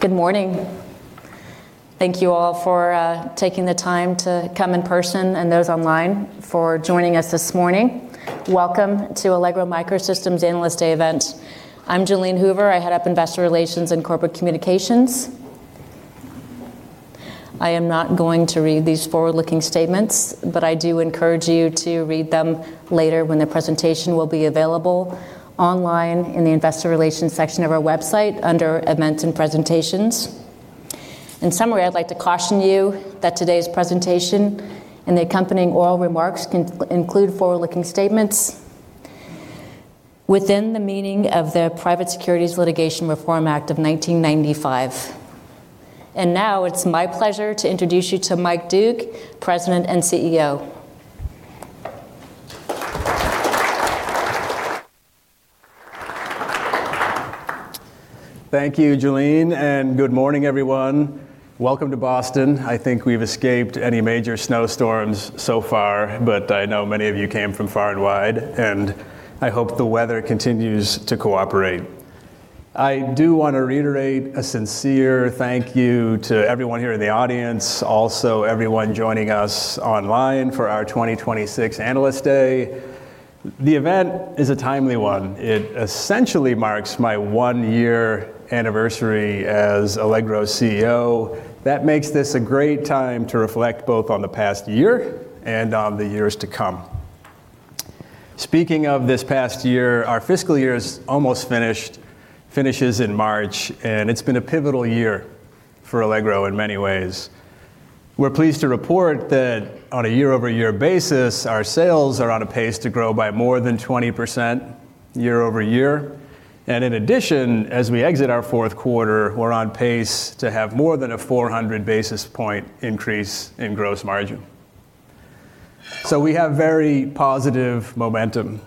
Good morning. Thank you all for taking the time to come in person, and those online, for joining us this morning. Welcome to Allegro MicroSystems Analyst Day event. I'm Jalene Hoover. I head up Investor Relations and Corporate Communications. I am not going to read these forward-looking statements, but I do encourage you to read them later when the presentation will be available online in the Investor Relations section of our website under Events and Presentations. In summary, I'd like to caution you that today's presentation and the accompanying oral remarks can include forward-looking statements within the meaning of the Private Securities Litigation Reform Act of 1995. Now it's my pleasure to introduce you to Mike Doogue, President and CEO. Thank you, Jalene, and good morning, everyone. Welcome to Boston. I think we've escaped any major snowstorms so far, but I know many of you came from far and wide, and I hope the weather continues to cooperate. I do want to reiterate a sincere thank you to everyone here in the audience, also everyone joining us online for our 2026 Analyst Day. The event is a timely one. It essentially marks my one-year anniversary as Allegro's CEO. That makes this a great time to reflect both on the past year and on the years to come. Speaking of this past year, our fiscal year is almost finished, finishes in March, and it's been a pivotal year for Allegro in many ways. We're pleased to report that on a year-over-year basis, our sales are on a pace to grow by more than 20% year-over-year. In addition, as we exit our fourth quarter, we're on pace to have more than a 400 basis point increase in gross margin. So we have very positive momentum.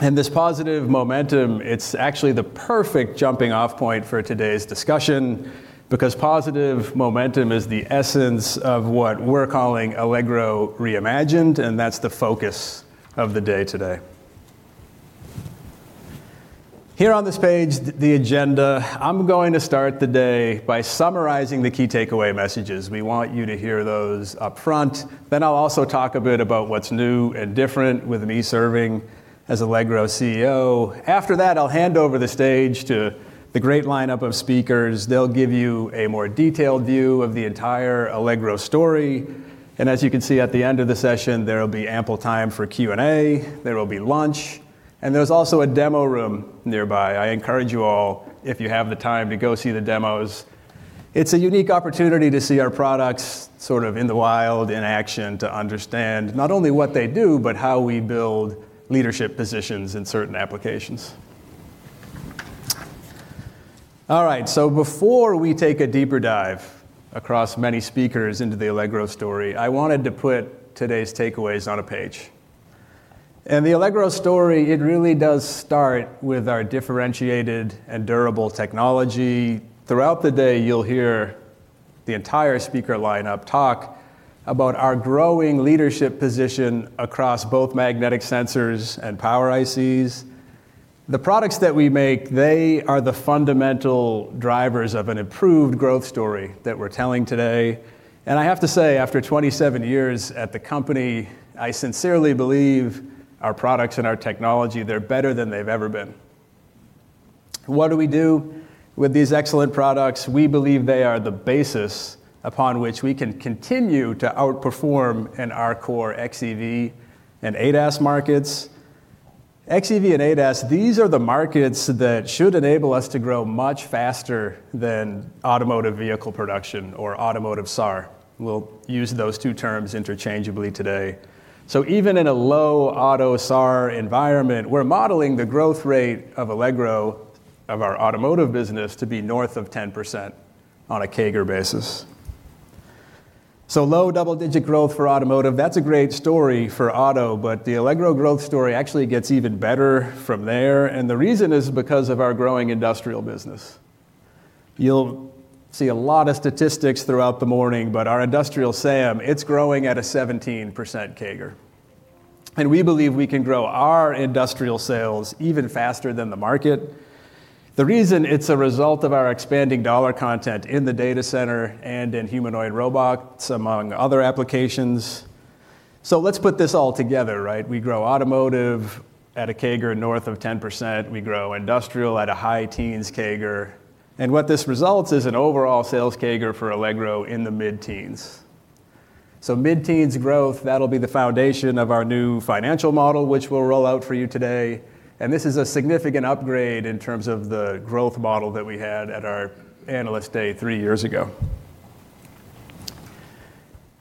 This positive momentum, it's actually the perfect jumping-off point for today's discussion, because positive momentum is the essence of what we're calling Allegro Reimagined, and that's the focus of the day today. Here on this page, the agenda, I'm going to start the day by summarizing the key takeaway messages. We want you to hear those up front. Then I'll also talk a bit about what's new and different with me serving as Allegro's CEO. After that, I'll hand over the stage to the great lineup of speakers. They'll give you a more detailed view of the entire Allegro story. As you can see at the end of the session, there will be ample time for Q&A. There will be lunch, and there's also a demo room nearby. I encourage you all, if you have the time, to go see the demos. It's a unique opportunity to see our products sort of in the wild, in action, to understand not only what they do, but how we build leadership positions in certain applications. All right, so before we take a deeper dive across many speakers into the Allegro story, I wanted to put today's takeaways on a page. And the Allegro story, it really does start with our differentiated and durable technology. Throughout the day, you'll hear the entire speaker lineup talk about our growing leadership position across both magnetic sensors and power ICs. The products that we make, they are the fundamental drivers of an improved growth story that we're telling today. And I have to say, after 27 years at the company, I sincerely believe our products and our technology, they're better than they've ever been. What do we do with these excellent products? We believe they are the basis upon which we can continue to outperform in our core xEV and ADAS markets. xEV and ADAS, these are the markets that should enable us to grow much faster than automotive vehicle production or automotive SAAR. We'll use those two terms interchangeably today. So even in a low auto SAAR environment, we're modeling the growth rate of Allegro, of our automotive business, to be north of 10% on a CAGR basis. So low double-digit growth for automotive, that's a great story for auto, but the Allegro growth story actually gets even better from there, and the reason is because of our growing industrial business. You'll see a lot of statistics throughout the morning, but our industrial SAM, it's growing at a 17% CAGR, and we believe we can grow our industrial sales even faster than the market. The reason, it's a result of our expanding dollar content in the data center and in humanoid robots, among other applications. So let's put this all together, right? We grow automotive at a CAGR north of 10%. We grow industrial at a high-teens CAGR. And what this results is an overall sales CAGR for Allegro in the mid-teens. So mid-teens growth, that'll be the foundation of our new financial model, which we'll roll out for you today. And this is a significant upgrade in terms of the growth model that we had at our Analyst Day three years ago.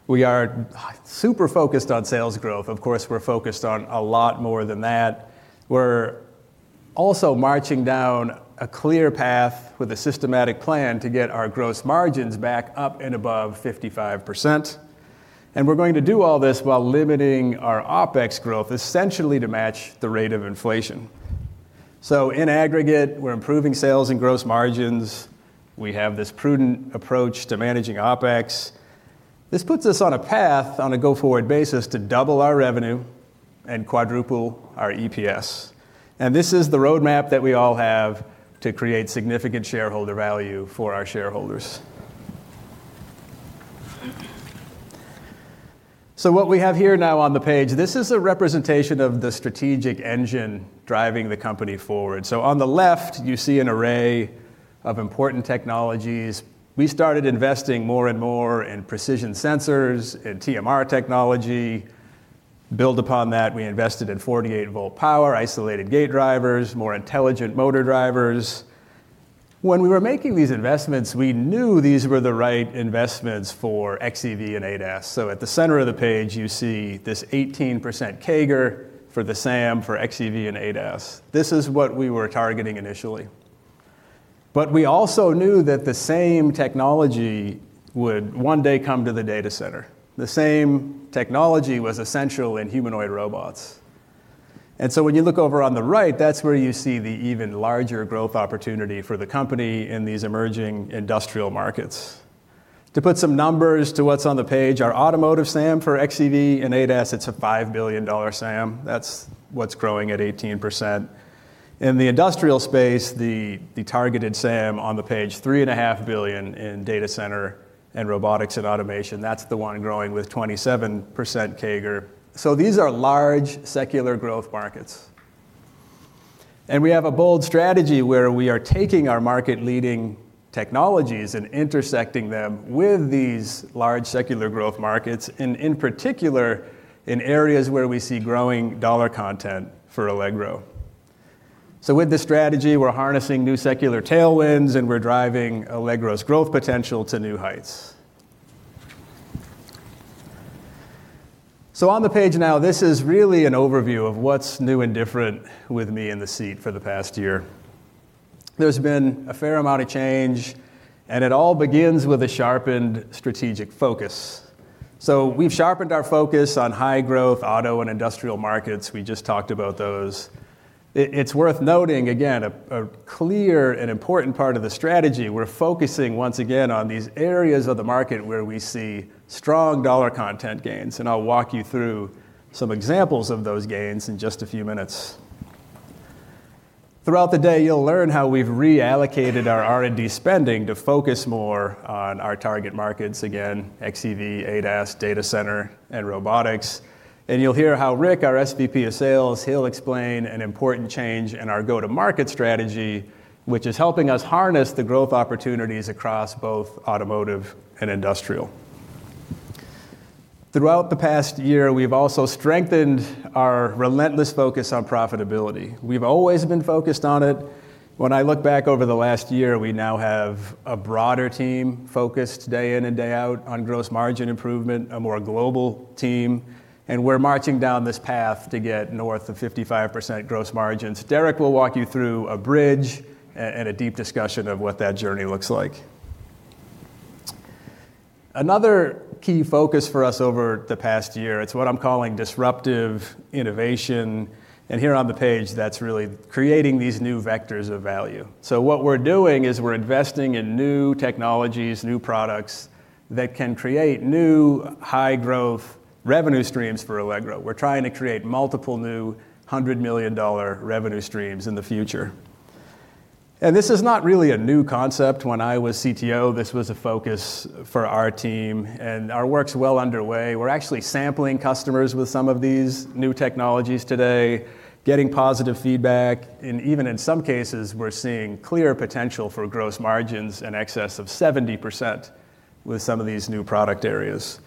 We are super focused on sales growth. Of course, we're focused on a lot more than that. We're also marching down a clear path with a systematic plan to get our gross margins back up and above 55%, and we're going to do all this while limiting our OpEx growth, essentially to match the rate of inflation. So in aggregate, we're improving sales and gross margins. We have this prudent approach to managing OpEx. This puts us on a path on a go-forward basis to double our revenue and quadruple our EPS. And this is the roadmap that we all have to create significant shareholder value for our shareholders. So what we have here now on the page, this is a representation of the strategic engine driving the company forward. So on the left, you see an array of important technologies. We started investing more and more in precision sensors, in TMR technology. Build upon that, we invested in 48-volt power, isolated gate drivers, more intelligent motor drivers. When we were making these investments, we knew these were the right investments for xEV and ADAS. So at the center of the page, you see this 18% CAGR for the SAM, for xEV and ADAS. This is what we were targeting initially. But we also knew that the same technology would one day come to the data center. The same technology was essential in humanoid robots. And so when you look over on the right, that's where you see the even larger growth opportunity for the company in these emerging industrial markets. To put some numbers to what's on the page, our automotive SAM for xEV and ADAS, it's a $5 billion SAM. That's what's growing at 18%. In the industrial space, the targeted SAM on the page, $3.5 billion in data center and robotics and automation, that's the one growing with 27% CAGR. So these are large, secular growth markets. And we have a bold strategy where we are taking our market-leading technologies and intersecting them with these large, secular growth markets, and in particular, in areas where we see growing dollar content for Allegro. So with this strategy, we're harnessing new secular tailwinds, and we're driving Allegro's growth potential to new heights. So on the page now, this is really an overview of what's new and different with me in the seat for the past year. There's been a fair amount of change, and it all begins with a sharpened strategic focus. So we've sharpened our focus on high-growth auto and industrial markets. We just talked about those. It's worth noting, again, a clear and important part of the strategy, we're focusing once again on these areas of the market where we see strong dollar content gains, and I'll walk you through some examples of those gains in just a few minutes. Throughout the day, you'll learn how we've reallocated our R&D spending to focus more on our target markets, again, xEV, ADAS, data center, and robotics. You'll hear how Rick, our SVP of sales, he'll explain an important change in our go-to-market strategy, which is helping us harness the growth opportunities across both automotive and industrial. Throughout the past year, we've also strengthened our relentless focus on profitability. We've always been focused on it. When I look back over the last year, we now have a broader team focused day in and day out on gross margin improvement, a more global team, and we're marching down this path to get north of 55% gross margins. Derek will walk you through a bridge and a deep discussion of what that journey looks like. Another key focus for us over the past year, it's what I'm calling disruptive innovation, and here on the page, that's really creating these new vectors of value. So what we're doing is we're investing in new technologies, new products, that can create new high-growth revenue streams for Allegro. We're trying to create multiple new $100 million revenue streams in the future. This is not really a new concept. When I was CTO, this was a focus for our team, and our work's well underway. We're actually sampling customers with some of these new technologies today, getting positive feedback, and even in some cases, we're seeing clear potential for gross margins in excess of 70% with some of these new product areas.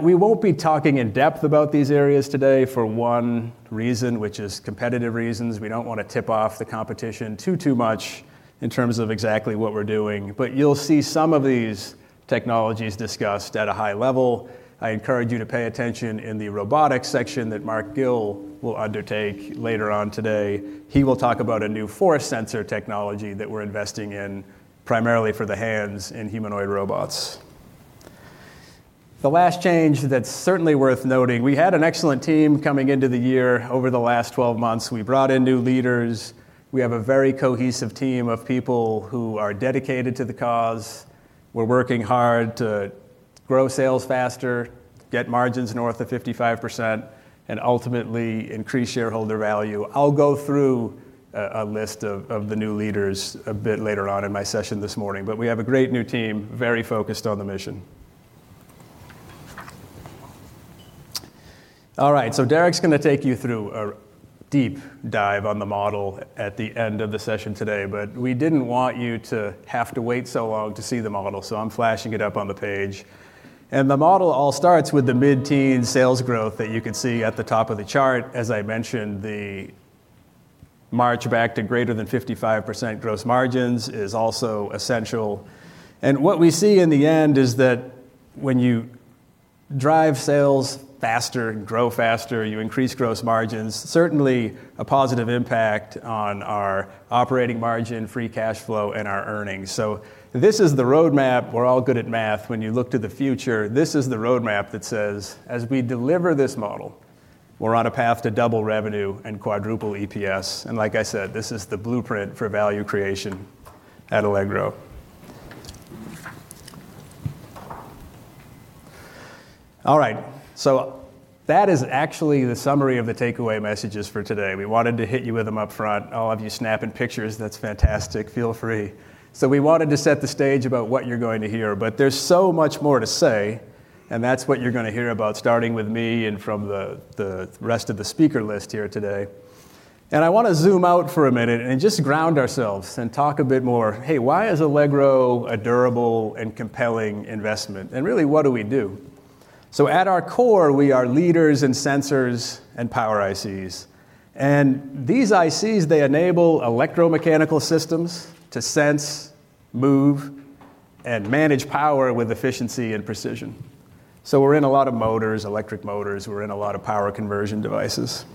We won't be talking in depth about these areas today, for one reason, which is competitive reasons. We don't want to tip off the competition too, too much in terms of exactly what we're doing, but you'll see some of these technologies discussed at a high level. I encourage you to pay attention in the robotics section that Mark Gill will undertake later on today. He will talk about a new force sensor technology that we're investing in, primarily for the hands in humanoid robots. The last change that's certainly worth noting, we had an excellent team coming into the year over the last 12 months. We brought in new leaders. We have a very cohesive team of people who are dedicated to the cause. We're working hard to grow sales faster, get margins north of 55%, and ultimately, increase shareholder value. I'll go through a list of the new leaders a bit later on in my session this morning, but we have a great new team, very focused on the mission. All right, so Derek's gonna take you through a deep dive on the model at the end of the session today, but we didn't want you to have to wait so long to see the model, so I'm flashing it up on the page. The model all starts with the mid-teen sales growth that you can see at the top of the chart. As I mentioned, the march back to greater than 55% gross margins is also essential. And what we see in the end is that when you drive sales faster and grow faster, you increase gross margins, certainly a positive impact on our operating margin, free cash flow, and our earnings. So this is the roadmap. We're all good at math. When you look to the future, this is the roadmap that says, as we deliver this model, we're on a path to double revenue and quadruple EPS. And like I said, this is the blueprint for value creation at Allegro.... All right, so that is actually the summary of the takeaway messages for today. We wanted to hit you with them up front. All of you snapping pictures, that's fantastic. Feel free. So we wanted to set the stage about what you're going to hear, but there's so much more to say, and that's what you're gonna hear about, starting with me and from the rest of the speaker list here today. I wanna zoom out for a minute and just ground ourselves and talk a bit more, hey, why is Allegro a durable and compelling investment? Really, what do we do? At our core, we are leaders in sensors and power ICs. These ICs, they enable electromechanical systems to sense, move, and manage power with efficiency and precision. We're in a lot of motors, electric motors. We're in a lot of power conversion devices.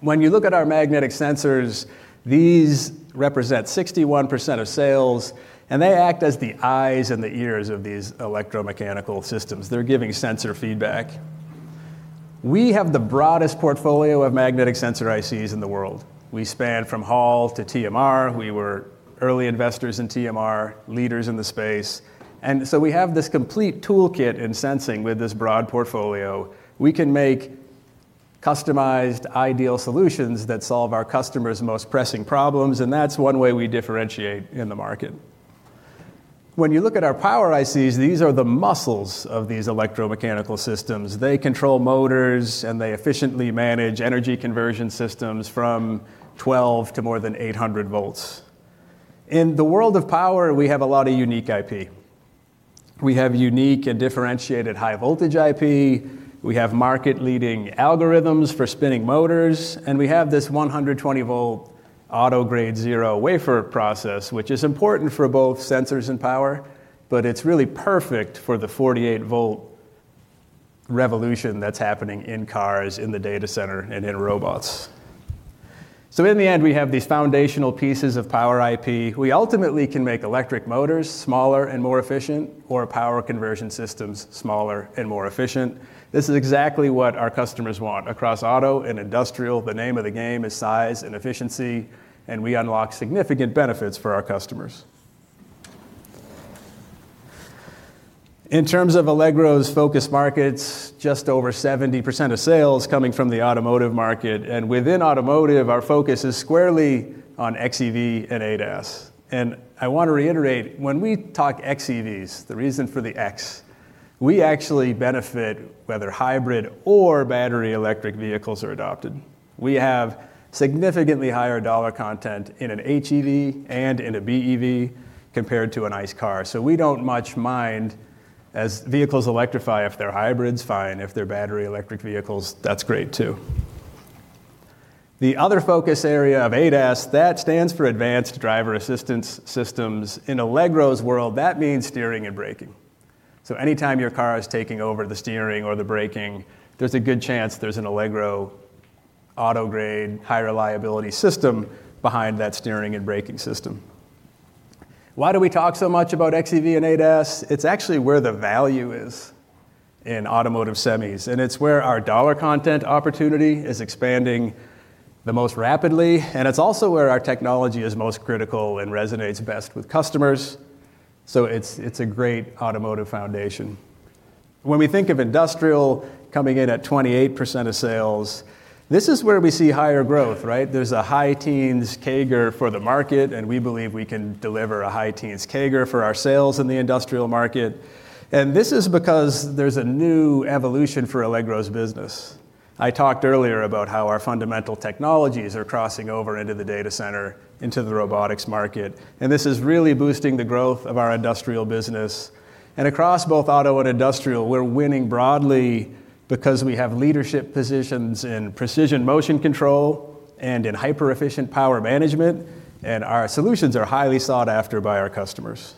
When you look at our magnetic sensors, these represent 61% of sales, and they act as the eyes and the ears of these electromechanical systems. They're giving sensor feedback. We have the broadest portfolio of magnetic sensor ICs in the world. We span from Hall to TMR. We were early investors in TMR, leaders in the space, and so we have this complete toolkit in sensing with this broad portfolio. We can make customized, ideal solutions that solve our customers' most pressing problems, and that's one way we differentiate in the market. When you look at our power ICs, these are the muscles of these electromechanical systems. They control motors, and they efficiently manage energy conversion systems from 12 to more than 800 volts. In the world of power, we have a lot of unique IP. We have unique and differentiated high-voltage IP, we have market-leading algorithms for spinning motors, and we have this 120-volt Auto-Grade 0 wafer process, which is important for both sensors and power, but it's really perfect for the 48-volt revolution that's happening in cars, in the data center, and in robots. So in the end, we have these foundational pieces of power IP. We ultimately can make electric motors smaller and more efficient or power conversion systems smaller and more efficient. This is exactly what our customers want. Across auto and industrial, the name of the game is size and efficiency, and we unlock significant benefits for our customers. In terms of Allegro's focus markets, just over 70% of sales coming from the automotive market, and within automotive, our focus is squarely on xEV and ADAS. I want to reiterate, when we talk xEVs, the reason for the X, we actually benefit whether hybrid or battery electric vehicles are adopted. We have significantly higher dollar content in an HEV and in a BEV compared to an ICE car. So we don't much mind as vehicles electrify. If they're hybrids, fine. If they're battery electric vehicles, that's great, too. The other focus area of ADAS, that stands for Advanced Driver Assistance Systems. In Allegro's world, that means steering and braking. So anytime your car is taking over the steering or the braking, there's a good chance there's an Allegro auto-grade, high-reliability system behind that steering and braking system. Why do we talk so much about xEV and ADAS? It's actually where the value is in automotive semis, and it's where our dollar content opportunity is expanding the most rapidly, and it's also where our technology is most critical and resonates best with customers. So it's, it's a great automotive foundation. When we think of industrial coming in at 28% of sales, this is where we see higher growth, right? There's a high teens CAGR for the market, and we believe we can deliver a high teens CAGR for our sales in the industrial market. And this is because there's a new evolution for Allegro's business. I talked earlier about how our fundamental technologies are crossing over into the data center, into the robotics market, and this is really boosting the growth of our industrial business. Across both auto and industrial, we're winning broadly because we have leadership positions in precision motion control and in hyper-efficient power management, and our solutions are highly sought after by our customers.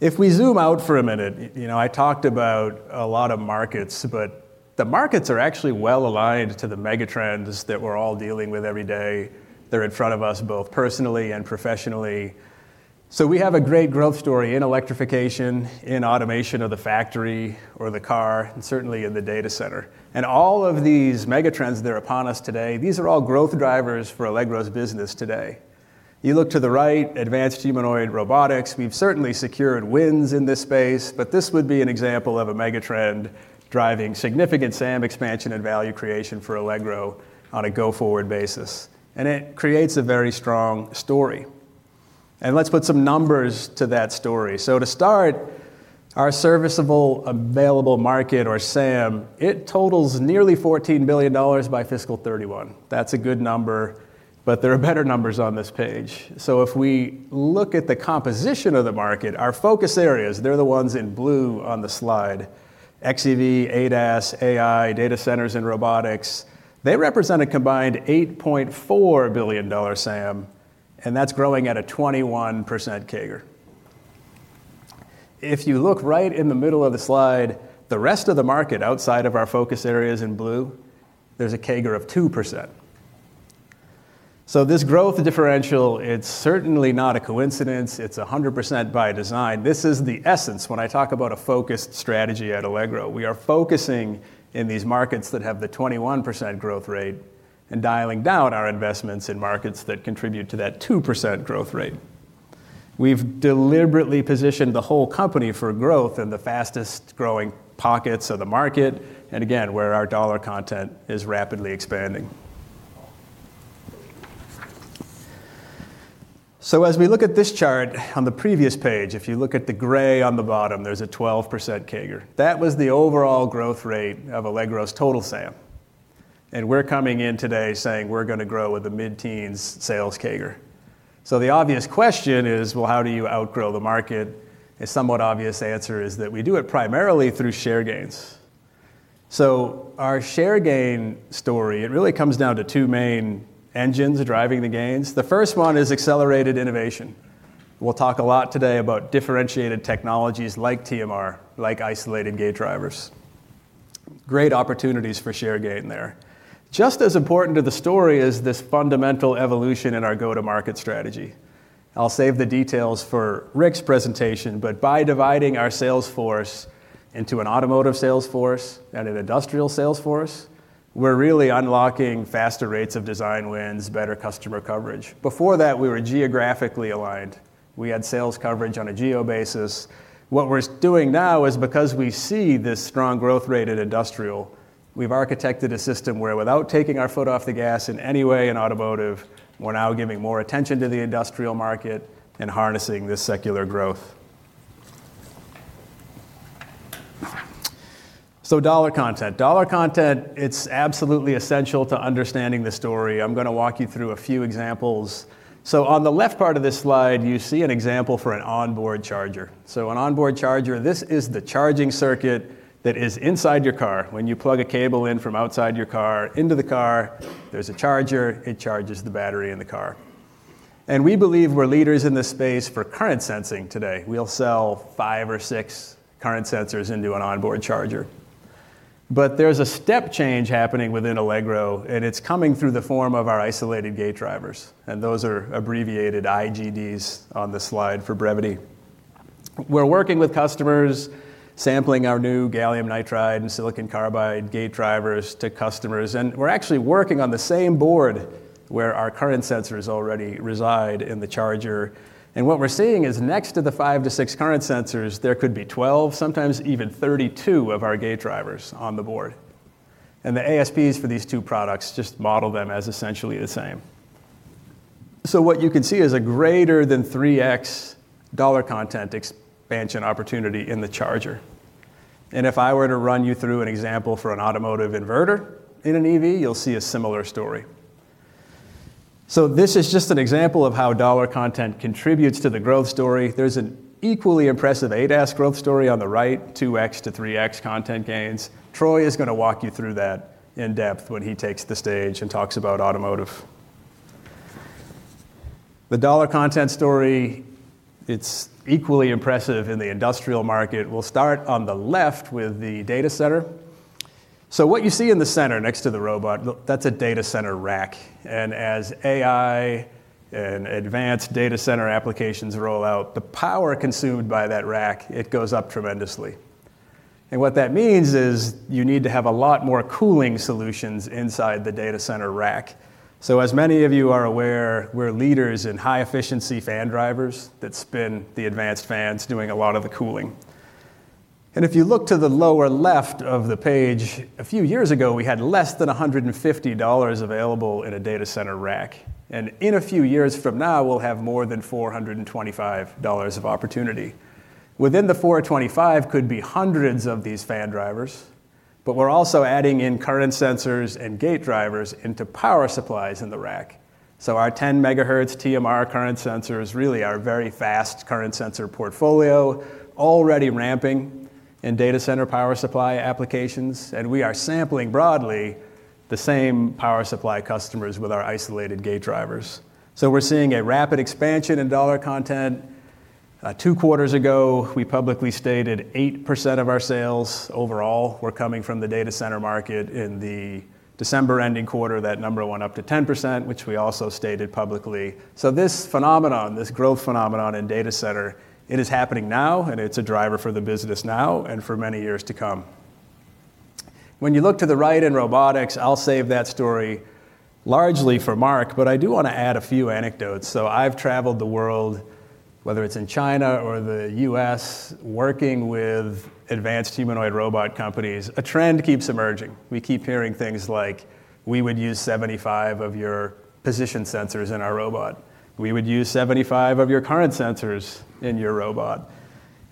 If we zoom out for a minute, you know, I talked about a lot of markets, but the markets are actually well-aligned to the megatrends that we're all dealing with every day. They're in front of us, both personally and professionally. So we have a great growth story in electrification, in automation of the factory or the car, and certainly in the data center. All of these megatrends that are upon us today, these are all growth drivers for Allegro's business today. You look to the right, advanced humanoid robotics. We've certainly secured wins in this space, but this would be an example of a megatrend driving significant SAM expansion and value creation for Allegro on a go-forward basis, and it creates a very strong story. Let's put some numbers to that story. To start, our serviceable available market, or SAM, it totals nearly $14 billion by fiscal 2031. That's a good number, but there are better numbers on this page. If we look at the composition of the market, our focus areas, they're the ones in blue on the slide, xEV, ADAS, AI, data centers, and robotics, they represent a combined $8.4 billion SAM, and that's growing at a 21% CAGR. If you look right in the middle of the slide, the rest of the market outside of our focus areas in blue, there's a CAGR of 2%. So this growth differential, it's certainly not a coincidence. It's 100% by design. This is the essence when I talk about a focused strategy at Allegro. We are focusing in these markets that have the 21% growth rate and dialing down our investments in markets that contribute to that 2% growth rate. We've deliberately positioned the whole company for growth in the fastest-growing pockets of the market, and again, where our dollar content is rapidly expanding. So as we look at this chart, on the previous page, if you look at the gray on the bottom, there's a 12% CAGR. That was the overall growth rate of Allegro's total SAM. And we're coming in today saying we're gonna grow with a mid-teens sales CAGR. So the obvious question is, well, how do you outgrow the market? A somewhat obvious answer is that we do it primarily through share gains. So our share gain story, it really comes down to two main engines driving the gains. The first one is accelerated innovation. We'll talk a lot today about differentiated technologies like TMR, like isolated gate drivers. Great opportunities for share gain there. Just as important to the story is this fundamental evolution in our go-to-market strategy. I'll save the details for Rick's presentation, but by dividing our sales force into an automotive sales force and an industrial sales force, we're really unlocking faster rates of design wins, better customer coverage. Before that, we were geographically aligned. We had sales coverage on a geo basis. What we're doing now is because we see this strong growth rate in industrial, we've architected a system where without taking our foot off the gas in any way in automotive, we're now giving more attention to the industrial market and harnessing this secular growth. So dollar content. Dollar content, it's absolutely essential to understanding the story. I'm gonna walk you through a few examples. So on the left part of this slide, you see an example for an onboard charger. So an onboard charger, this is the charging circuit that is inside your car. When you plug a cable in from outside your car into the car, there's a charger, it charges the battery in the car. And we believe we're leaders in this space for current sensing today. We'll sell five or six current sensors into an onboard charger. But there's a step change happening within Allegro, and it's coming through the form of our isolated gate drivers, and those are abbreviated IGDs on the slide for brevity. We're working with customers, sampling our new gallium nitride and silicon carbide gate drivers to customers, and we're actually working on the same board where our current sensors already reside in the charger. And what we're seeing is next to the five-six current sensors, there could be 12, sometimes even 32 of our gate drivers on the board. And the ASPs for these two products just model them as essentially the same. So what you can see is a greater than 3x dollar content expansion opportunity in the charger. And if I were to run you through an example for an automotive inverter in an EV, you'll see a similar story. So this is just an example of how dollar content contributes to the growth story. There's an equally impressive ADAS growth story on the right, 2x-3x content gains. Troy is gonna walk you through that in depth when he takes the stage and talks about automotive. The dollar content story, it's equally impressive in the industrial market. We'll start on the left with the data center. So what you see in the center next to the robot, that's a data center rack, and as AI and advanced data center applications roll out, the power consumed by that rack, it goes up tremendously. And what that means is you need to have a lot more cooling solutions inside the data center rack. So as many of you are aware, we're leaders in high-efficiency fan drivers that spin the advanced fans, doing a lot of the cooling. If you look to the lower left of the page, a few years ago, we had less than $150 available in a data center rack, and in a few years from now, we'll have more than $425 of opportunity. Within the $425 could be 100s of these fan drivers, but we're also adding in current sensors and gate drivers into power supplies in the rack. So our 10 MHz TMR current sensors really are a very fast current sensor portfolio, already ramping in data center power supply applications, and we are sampling broadly the same power supply customers with our isolated gate drivers. So we're seeing a rapid expansion in dollar content. Two quarters ago, we publicly stated 8% of our sales overall were coming from the data center market. In the December-ending quarter, that number went up to 10%, which we also stated publicly. So this phenomenon, this growth phenomenon in data center, it is happening now, and it's a driver for the business now and for many years to come. When you look to the right in robotics, I'll save that story largely for Mark, but I do wanna add a few anecdotes. So I've traveled the world, whether it's in China or the U.S., working with advanced humanoid robot companies. A trend keeps emerging. We keep hearing things like, "We would use 75 of your position sensors in our robot. We would use 75 of your current sensors in your robot."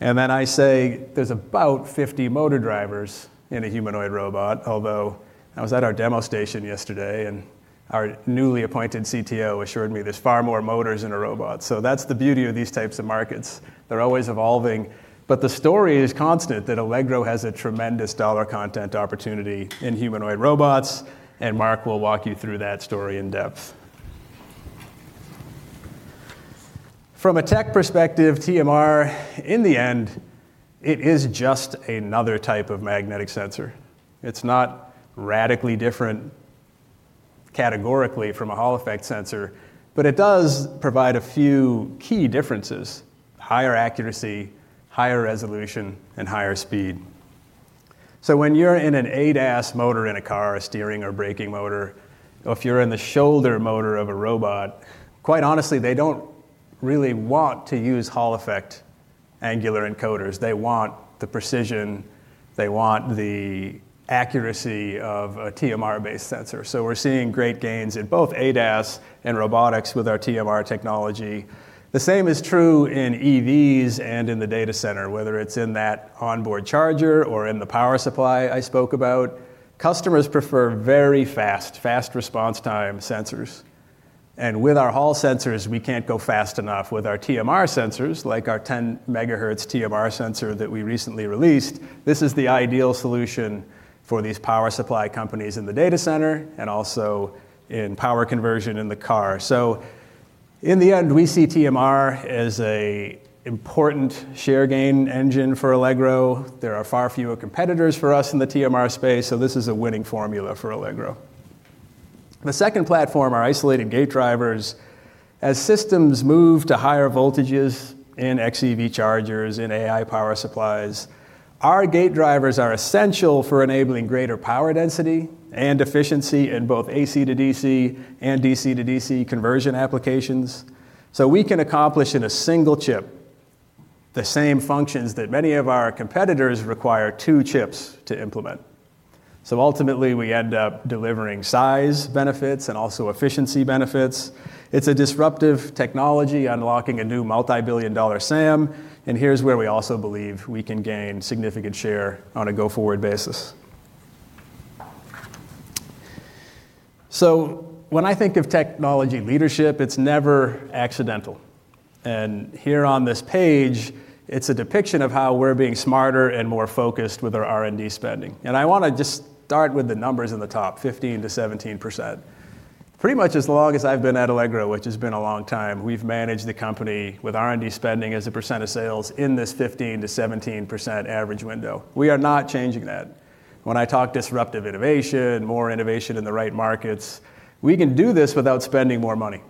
And then I say, "There's about 50 motor drivers in a humanoid robot," although I was at our demo station yesterday, and our newly appointed CTO assured me there's far more motors in a robot. So that's the beauty of these types of markets, they're always evolving. But the story is constant, that Allegro has a tremendous dollar content opportunity in humanoid robots, and Mark will walk you through that story in depth. From a tech perspective, TMR, in the end, it is just another type of magnetic sensor. It's not radically different categorically from a Hall effect Sensor, but it does provide a few key differences: higher accuracy, higher resolution, and higher speed. So when you're in an ADAS motor in a car, a steering or braking motor, or if you're in the shoulder motor of a robot, quite honestly, they don't really want to use Hall effect angular encoders. They want the precision, they want the accuracy of a TMR-based sensor. So we're seeing great gains in both ADAS and robotics with our TMR technology. The same is true in EVs and in the data center, whether it's in that onboard charger or in the power supply I spoke about. Customers prefer very fast, fast response time sensors. And with our Hall sensors, we can't go fast enough. With our TMR sensors, like our 10 MHz TMR sensor that we recently released, this is the ideal solution for these power supply companies in the data center and also in power conversion in the car. So in the end, we see TMR as an important share gain engine for Allegro. There are far fewer competitors for us in the TMR space, so this is a winning formula for Allegro. The second platform, our isolated gate drivers. As systems move to higher voltages in xEV chargers, in AI power supplies, our gate drivers are essential for enabling greater power density and efficiency in both AC to DC and DC to DC conversion applications. So we can accomplish in a single chip the same functions that many of our competitors require two chips to implement. So ultimately, we end up delivering size benefits and also efficiency benefits. It's a disruptive technology, unlocking a new multi-billion-dollar SAM, and here's where we also believe we can gain significant share on a go-forward basis. So when I think of technology leadership, it's never accidental. Here on this page, it's a depiction of how we're being smarter and more focused with our R&D spending. I wanna just start with the numbers in the top, 15%-17%. Pretty much as long as I've been at Allegro, which has been a long time, we've managed the company with R&D spending as a percent of sales in this 15%-17% average window. We are not changing that. When I talk disruptive innovation, more innovation in the right markets, we can do this without spending more money,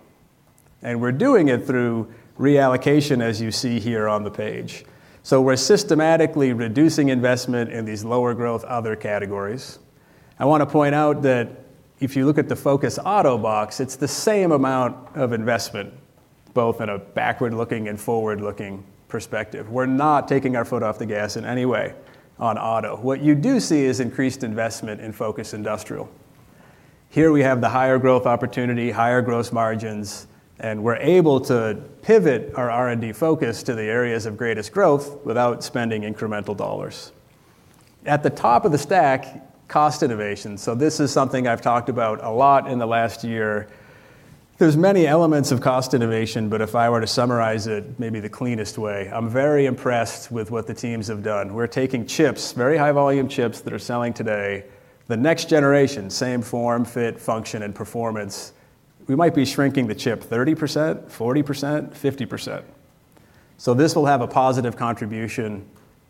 and we're doing it through reallocation, as you see here on the page. So we're systematically reducing investment in these lower growth other categories. I wanna point out that if you look at the Focus Auto box, it's the same amount of investment, both in a backward-looking and forward-looking perspective. We're not taking our foot off the gas in any way on auto. What you do see is increased investment in Focus Industrial. Here we have the higher growth opportunity, higher gross margins, and we're able to pivot our R&D focus to the areas of greatest growth without spending incremental dollars. At the top of the stack, cost innovation. So this is something I've talked about a lot in the last year. There's many elements of cost innovation, but if I were to summarize it, maybe the cleanest way, I'm very impressed with what the teams have done. We're taking chips, very high volume chips that are selling today, the next generation, same form, fit, function, and performance. We might be shrinking the chip 30%, 40%, 50%. So this will have a positive contribution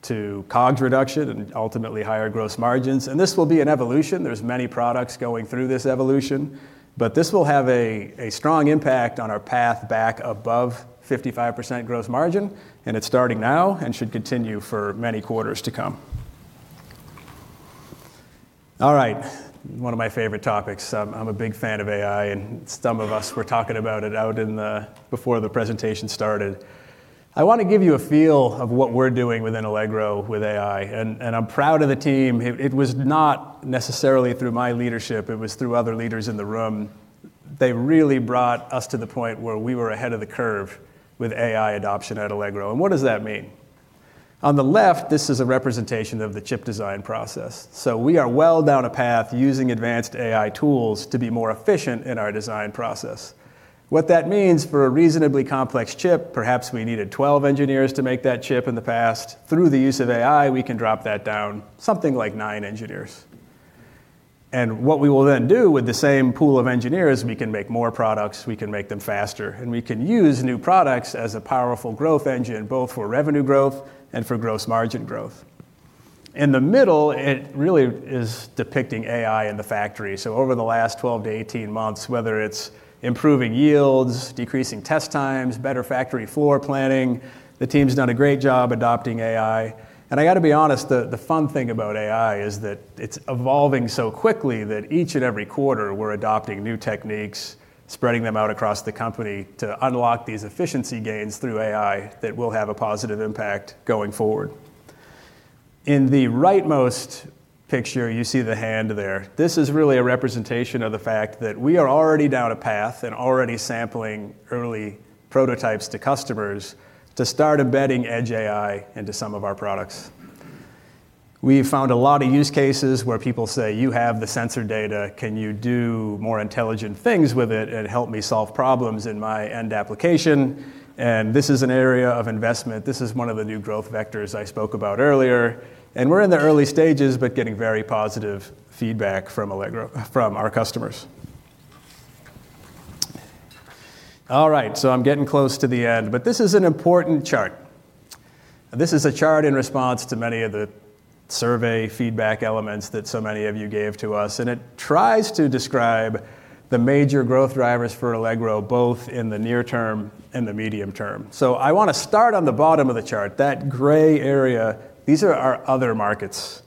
to COGS reduction and ultimately higher gross margins. And this will be an evolution. There's many products going through this evolution, but this will have a, a strong impact on our path back above 55% gross margin, and it's starting now and should continue for many quarters to come. All right, one of my favorite topics. I'm, I'm a big fan of AI, and some of us were talking about it out in the before the presentation started. I wanna give you a feel of what we're doing within Allegro with AI, and, and I'm proud of the team. It, it was not necessarily through my leadership, it was through other leaders in the room. They really brought us to the point where we were ahead of the curve with AI adoption at Allegro. What does that mean? On the left, this is a representation of the chip design process. We are well down a path using advanced AI tools to be more efficient in our design process. What that means for a reasonably complex chip, perhaps we needed 12 engineers to make that chip in the past. Through the use of AI, we can drop that down, something like 9 engineers. What we will then do with the same pool of engineers, we can make more products, we can make them faster, and we can use new products as a powerful growth engine, both for revenue growth and for gross margin growth. In the middle, it really is depicting AI in the factory. Over the last 12 months-18 months, whether it's improving yields, decreasing test times, better factory floor planning, the team's done a great job adopting AI. I got to be honest, the fun thing about AI is that it's evolving so quickly that each and every quarter, we're adopting new techniques, spreading them out across the company to unlock these efficiency gains through AI that will have a positive impact going forward. In the rightmost picture, you see the hand there. This is really a representation of the fact that we are already down a path and already sampling early prototypes to customers to start embedding edge AI into some of our products. We've found a lot of use cases where people say, "You have the sensor data, can you do more intelligent things with it and help me solve problems in my end application?" This is an area of investment. This is one of the new growth vectors I spoke about earlier, and we're in the early stages, but getting very positive feedback from our customers. All right, so I'm getting close to the end, but this is an important chart. This is a chart in response to many of the survey feedback elements that so many of you gave to us, and it tries to describe the major growth drivers for Allegro, both in the near term and the medium term. So I wanna start on the bottom of the chart, that gray area. These are our other markets….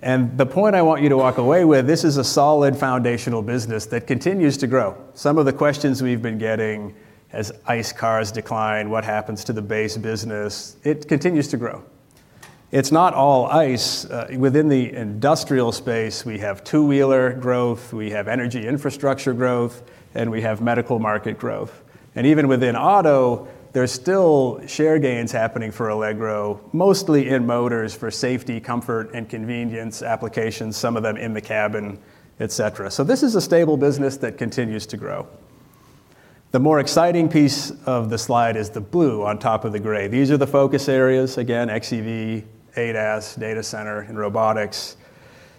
And the point I want you to walk away with, this is a solid foundational business that continues to grow. Some of the questions we've been getting, as ICE cars decline, what happens to the base business? It continues to grow. It's not all ICE. Within the industrial space, we have two-wheeler growth, we have energy infrastructure growth, and we have medical market growth. And even within auto, there's still share gains happening for Allegro, mostly in motors for safety, comfort, and convenience applications, some of them in the cabin, et cetera. So this is a stable business that continues to grow. The more exciting piece of the slide is the blue on top of the gray. These are the focus areas, again, xEV, ADAS, data center, and robotics.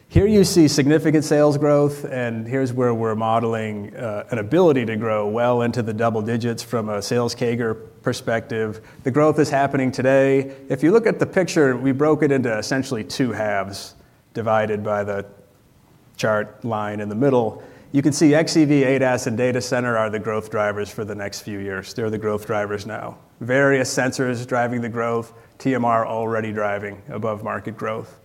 Here you see significant sales growth, and here's where we're modeling an ability to grow well into the double digits from a sales CAGR perspective. The growth is happening today. If you look at the picture, we broke it into essentially two halves, divided by the chart line in the middle. You can see xEV, ADAS, and data center are the growth drivers for the next few years. They're the growth drivers now. Various sensors driving the growth, TMR already driving above-market growth.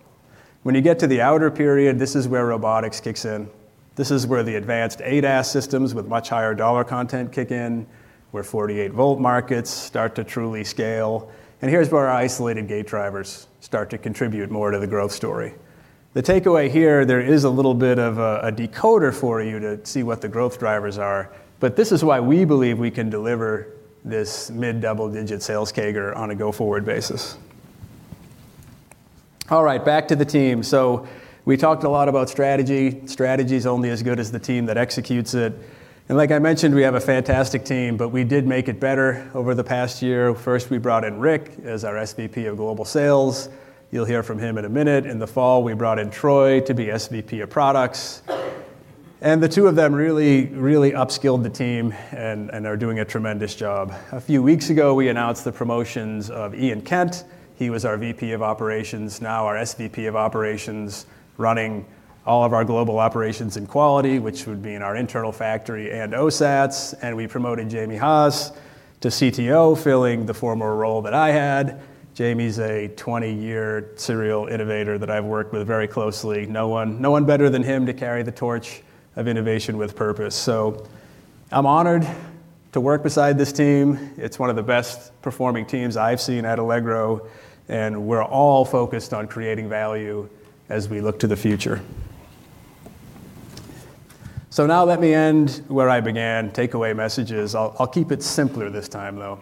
When you get to the outer period, this is where robotics kicks in. This is where the advanced ADAS systems with much higher dollar content kick in, where 48-volt markets start to truly scale, and here's where our isolated gate drivers start to contribute more to the growth story. The takeaway here, there is a little bit of a decoder for you to see what the growth drivers are, but this is why we believe we can deliver this mid-double-digit sales CAGR on a go-forward basis. All right, back to the team. So we talked a lot about strategy. Strategy is only as good as the team that executes it. And like I mentioned, we have a fantastic team, but we did make it better over the past year. First, we brought in Rick as our SVP of Global Sales. You'll hear from him in a minute. In the fall, we brought in Troy to be SVP of Products, and the two of them really, really upskilled the team and, and are doing a tremendous job. A few weeks ago, we announced the promotions of Ian Kent. He was our VP of Operations, now our SVP of Operations, running all of our global operations and quality, which would be in our internal factory and OSATs, and we promoted Jamie Haas to CTO, filling the former role that I had. Jamie's a 20-year serial innovator that I've worked with very closely. No one, no one better than him to carry the torch of innovation with purpose. So I'm honored to work beside this team. It's one of the best performing teams I've seen at Allegro, and we're all focused on creating value as we look to the future. So now let me end where I began, takeaway messages. I'll keep it simpler this time, though.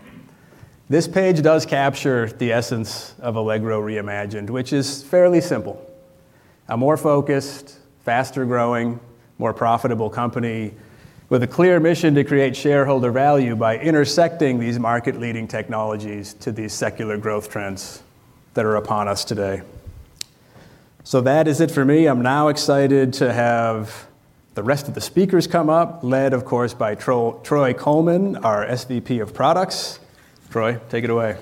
This page does capture the essence of Allegro Reimagined, which is fairly simple: a more focused, faster-growing, more profitable company with a clear mission to create shareholder value by intersecting these market-leading technologies to these secular growth trends that are upon us today. So that is it for me. I'm now excited to have the rest of the speakers come up, led, of course, by Troy Coleman, our SVP of Products. Troy, take it away.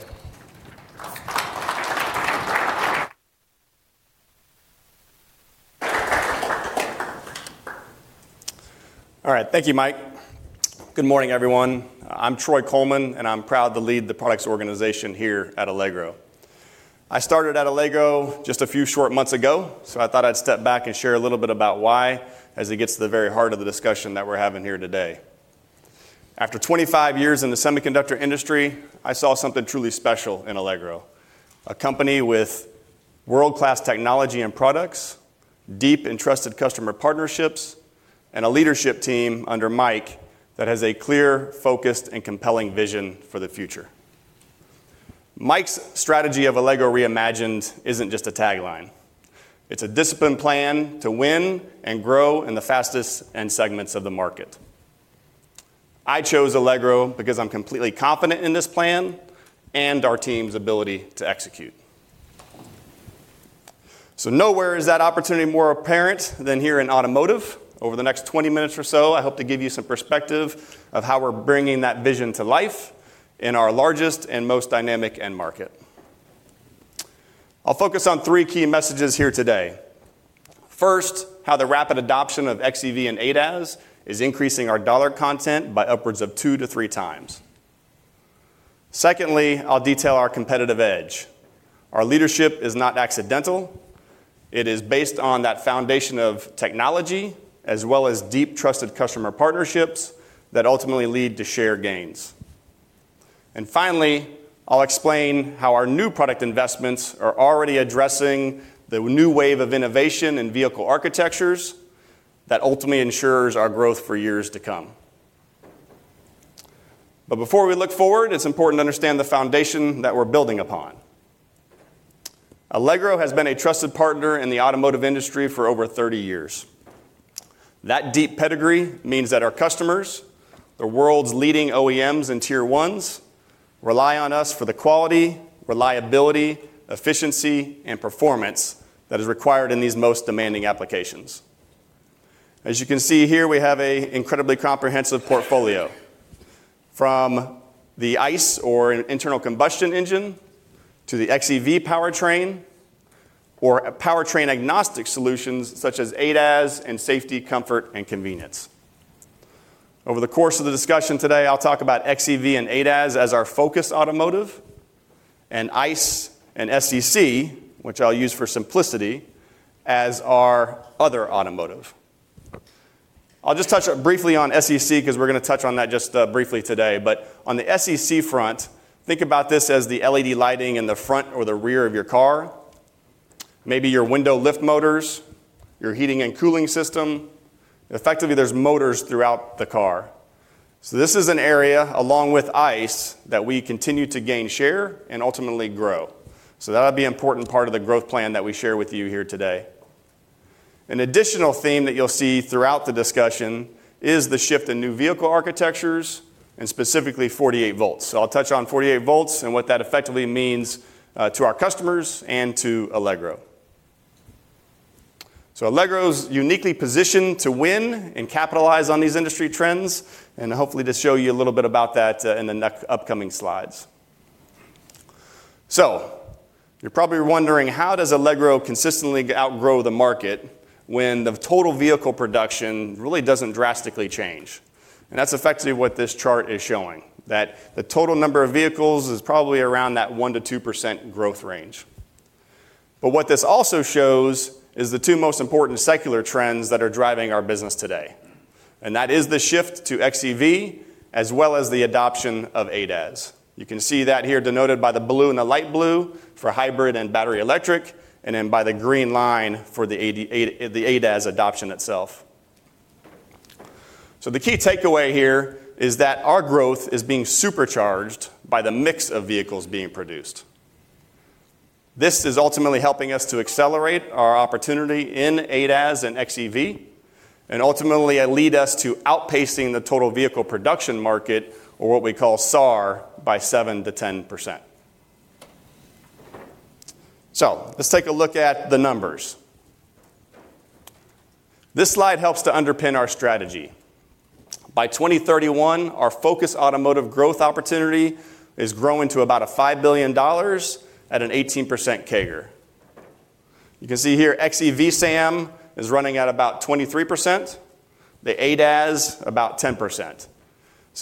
All right. Thank you, Mike. Good morning, everyone. I'm Troy Coleman, and I'm proud to lead the products organization here at Allegro. I started at Allegro just a few short months ago, so I thought I'd step back and share a little bit about why, as it gets to the very heart of the discussion that we're having here today. After 25 years in the semiconductor industry, I saw something truly special in Allegro, a company with world-class technology and products, deep and trusted customer partnerships, and a leadership team under Mike that has a clear, focused, and compelling vision for the future. Mike's strategy of Allegro Reimagined isn't just a tagline. It's a disciplined plan to win and grow in the fastest end segments of the market. I chose Allegro because I'm completely confident in this plan and our team's ability to execute. Nowhere is that opportunity more apparent than here in automotive. Over the next 20 minutes or so, I hope to give you some perspective of how we're bringing that vision to life in our largest and most dynamic end market. I'll focus on three key messages here today. First, how the rapid adoption of xEV and ADAS is increasing our dollar content by upwards of 2x-3x. Secondly, I'll detail our competitive edge. Our leadership is not accidental. It is based on that foundation of technology, as well as deep, trusted customer partnerships that ultimately lead to share gains. Finally, I'll explain how our new product investments are already addressing the new wave of innovation in vehicle architectures that ultimately ensures our growth for years to come. Before we look forward, it's important to understand the foundation that we're building upon. Allegro has been a trusted partner in the automotive industry for over 30 years. That deep pedigree means that our customers, the world's leading OEMs and Tier 1s, rely on us for the quality, reliability, efficiency, and performance that is required in these most demanding applications. As you can see here, we have an incredibly comprehensive portfolio, from the ICE or internal combustion engine to the xEV powertrain or a powertrain-agnostic solutions such as ADAS and safety, comfort, and convenience... Over the course of the discussion today, I'll talk about xEV and ADAS as our focus automotive, and ICE and SCC, which I'll use for simplicity, as our other automotive. I'll just touch briefly on SCC, 'cause we're gonna touch on that just, briefly today. On the SCC front, think about this as the LED lighting in the front or the rear of your car, maybe your window lift motors, your heating and cooling system. Effectively, there's motors throughout the car. So this is an area, along with ICE, that we continue to gain share and ultimately grow. So that'll be an important part of the growth plan that we share with you here today. An additional theme that you'll see throughout the discussion is the shift in new vehicle architectures, and specifically 48 volts. So I'll touch on 48 volts and what that effectively means to our customers and to Allegro. So Allegro is uniquely positioned to win and capitalize on these industry trends, and hopefully to show you a little bit about that in the next upcoming slides. So you're probably wondering, how does Allegro consistently outgrow the market when the total vehicle production really doesn't drastically change? That's effectively what this chart is showing, that the total number of vehicles is probably around that 1%-2% growth range. What this also shows is the two most important secular trends that are driving our business today, and that is the shift to xEV, as well as the adoption of ADAS. You can see that here, denoted by the blue and the light blue for hybrid and battery electric, and then by the green line for the ADAS adoption itself. The key takeaway here is that our growth is being supercharged by the mix of vehicles being produced. This is ultimately helping us to accelerate our opportunity in ADAS and xEV, and ultimately, lead us to outpacing the total vehicle production market, or what we call SAAR, by 7%-10%. Let's take a look at the numbers. This slide helps to underpin our strategy. By 2031, our focus automotive growth opportunity is growing to about $5 billion at an 18% CAGR. You can see here, xEV SAM is running at about 23%, the ADAS about 10%.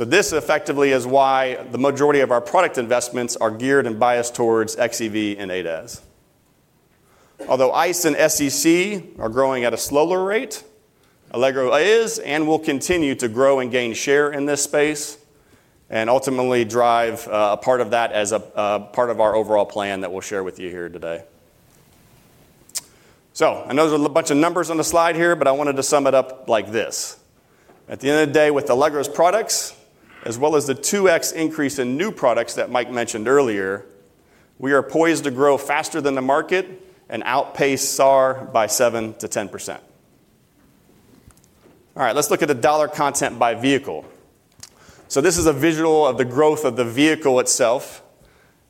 This effectively is why the majority of our product investments are geared and biased towards xEV and ADAS.CAlthough ICE and SCC are growing at a slower rate, Allegro is and will continue to grow and gain share in this space and ultimately drive a part of that as a part of our overall plan that we'll share with you here today. So I know there's a bunch of numbers on the slide here, but I wanted to sum it up like this: at the end of the day, with Allegro's products, as well as the 2x increase in new products that Mike mentioned earlier, we are poised to grow faster than the market and outpace SAAR by 7%-10%. All right, let's look at the dollar content by vehicle. So this is a visual of the growth of the vehicle itself,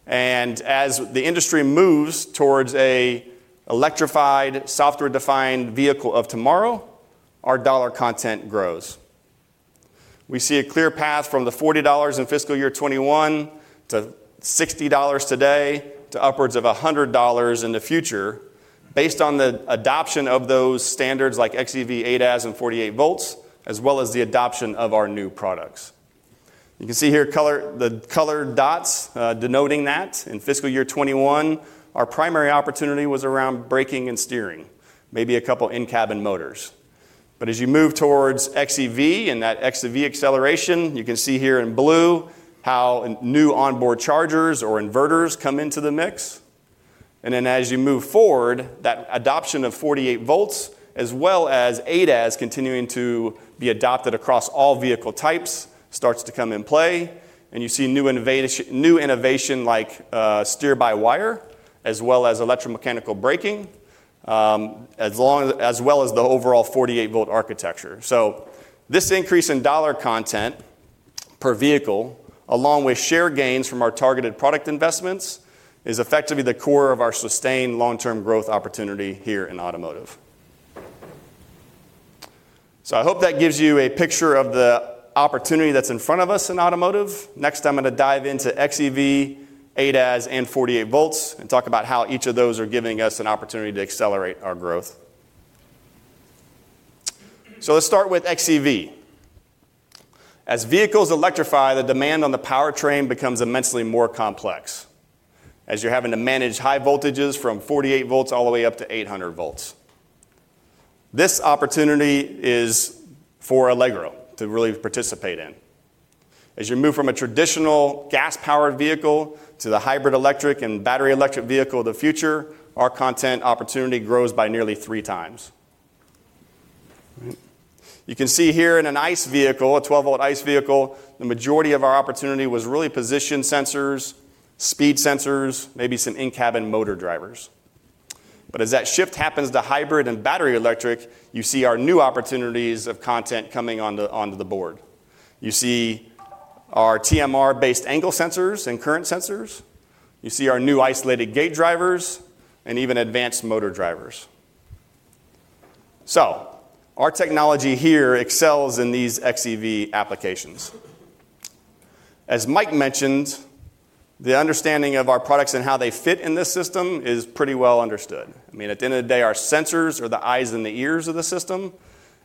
and as the industry moves towards a electrified, software-defined vehicle of tomorrow, our dollar content grows. We see a clear path from the $40 in fiscal year 2021, to $60 today, to upwards of $100 in the future, based on the adoption of those standards like xEV, ADAS, and 48 volts, as well as the adoption of our new products. You can see here, color, the colored dots denoting that in fiscal year 2021, our primary opportunity was around braking and steering, maybe a couple in-cabin motors. But as you move towards xEV and that xEV acceleration, you can see here in blue how new onboard chargers or inverters come into the mix. Then as you move forward, that adoption of 48 volts, as well as ADAS continuing to be adopted across all vehicle types, starts to come in play, and you see new innovation like, steer-by-wire, as well as electromechanical braking, as well as the overall 48-volt architecture. This increase in dollar content per vehicle, along with share gains from our targeted product investments, is effectively the core of our sustained long-term growth opportunity here in automotive. I hope that gives you a picture of the opportunity that's in front of us in automotive. Next, I'm gonna dive into xEV, ADAS, and 48 volts and talk about how each of those are giving us an opportunity to accelerate our growth. Let's start with xEV. As vehicles electrify, the demand on the powertrain becomes immensely more complex, as you're having to manage high voltages from 48 volts all the way up to 800 volts. This opportunity is for Allegro to really participate in. As you move from a traditional gas-powered vehicle to the hybrid electric and battery electric vehicle of the future, our content opportunity grows by nearly 3x. You can see here in an ICE vehicle, a 12-volt ICE vehicle, the majority of our opportunity was really position sensors, speed sensors, maybe some in-cabin motor drivers. But as that shift happens to hybrid and battery electric, you see our new opportunities of content coming onto the board. You see our TMR-based angle sensors and current sensors, you see our new isolated gate drivers and even advanced motor drivers. So our technology here excels in these xEV applications.... As Mike mentioned, the understanding of our products and how they fit in this system is pretty well understood. I mean, at the end of the day, our sensors are the eyes and the ears of the system,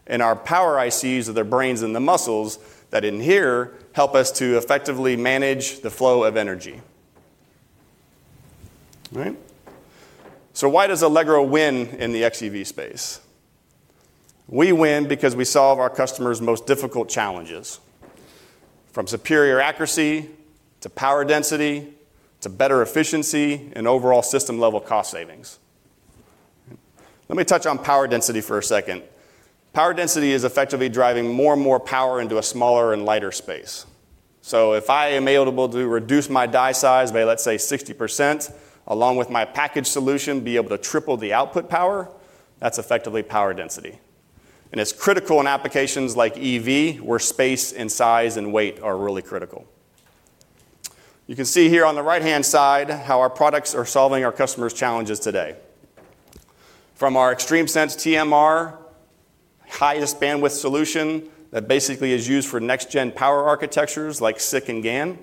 and our power ICs are their brains and the muscles that in here help us to effectively manage the flow of energy. All right? So why does Allegro win in the xEV space? We win because we solve our customers' most difficult challenges, from superior accuracy, to power density, to better efficiency, and overall system-level cost savings. Let me touch on power density for a second. Power density is effectively driving more and more power into a smaller and lighter space. So if I am able to reduce my die size by, let's say, 60%, along with my package solution, be able to triple the output power, that's effectively power density. It's critical in applications like EV, where space and size and weight are really critical. You can see here on the right-hand side how our products are solving our customers' challenges today. From our XtremeSense TMR, highest bandwidth solution that basically is used for next-gen power architectures like SiC and GaN.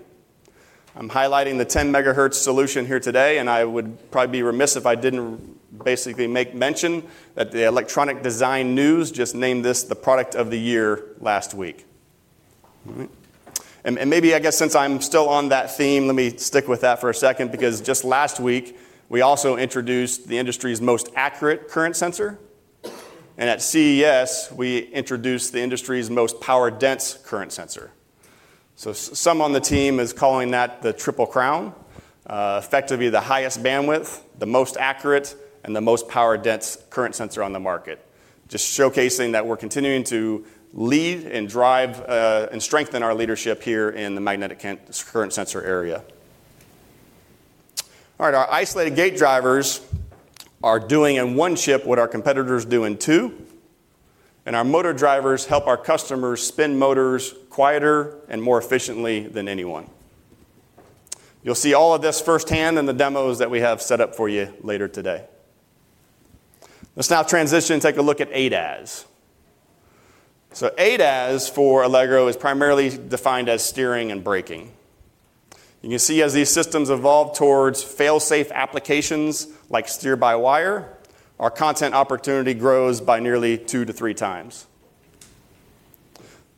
I'm highlighting the 10 MHz solution here today, and I would probably be remiss if I didn't basically make mention that the Electronic Design News just named this the Product of the Year last week. All right? And maybe, I guess, since I'm still on that theme, let me stick with that for a second, because just last week, we also introduced the industry's most accurate current sensor, and at CES, we introduced the industry's most power-dense current sensor. So some on the team is calling that the Triple Crown, effectively the highest bandwidth, the most accurate, and the most power-dense current sensor on the market. Just showcasing that we're continuing to lead and drive, and strengthen our leadership here in the magnetic current sensor area. All right, our isolated gate drivers are doing in one chip what our competitors do in two, and our motor drivers help our customers spin motors quieter and more efficiently than anyone. You'll see all of this firsthand in the demos that we have set up for you later today. Let's now transition and take a look at ADAS. So ADAS, for Allegro, is primarily defined as steering and braking. You can see as these systems evolve towards fail-safe applications, like steer-by-wire, our content opportunity grows by nearly 2x - 3x.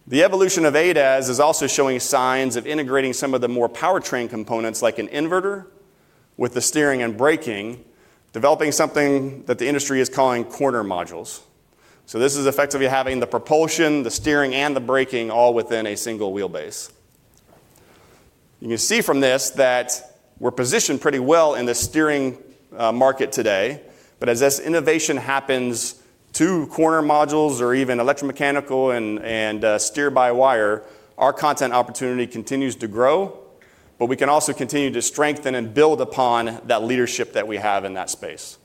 The evolution of ADAS is also showing signs of integrating some of the more powertrain components, like an inverter, with the steering and braking, developing something that the industry is calling corner modules. So this is effectively having the propulsion, the steering, and the braking all within a single wheelbase. You can see from this that we're positioned pretty well in the steering market today, but as this innovation happens to corner modules or even electromechanical and steer-by-wire, our content opportunity continues to grow, but we can also continue to strengthen and build upon that leadership that we have in that space.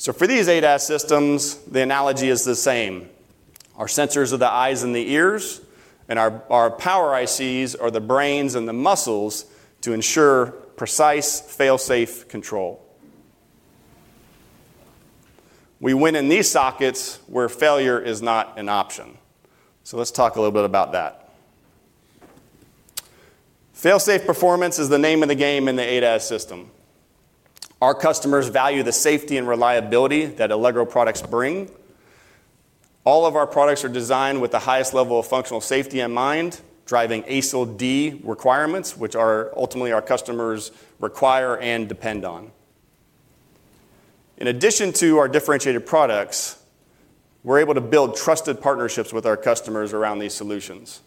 So for these ADAS systems, the analogy is the same. Our sensors are the eyes and the ears, and our power ICs are the brains and the muscles to ensure precise, fail-safe control. We win in these sockets where failure is not an option. So let's talk a little bit about that. Fail-safe performance is the name of the game in the ADAS system. Our customers value the safety and reliability that Allegro products bring. All of our products are designed with the highest level of functional safety in mind, driving ASIL D requirements, which are ultimately our customers require and depend on. In addition to our differentiated products, we're able to build trusted partnerships with our customers around these solutions.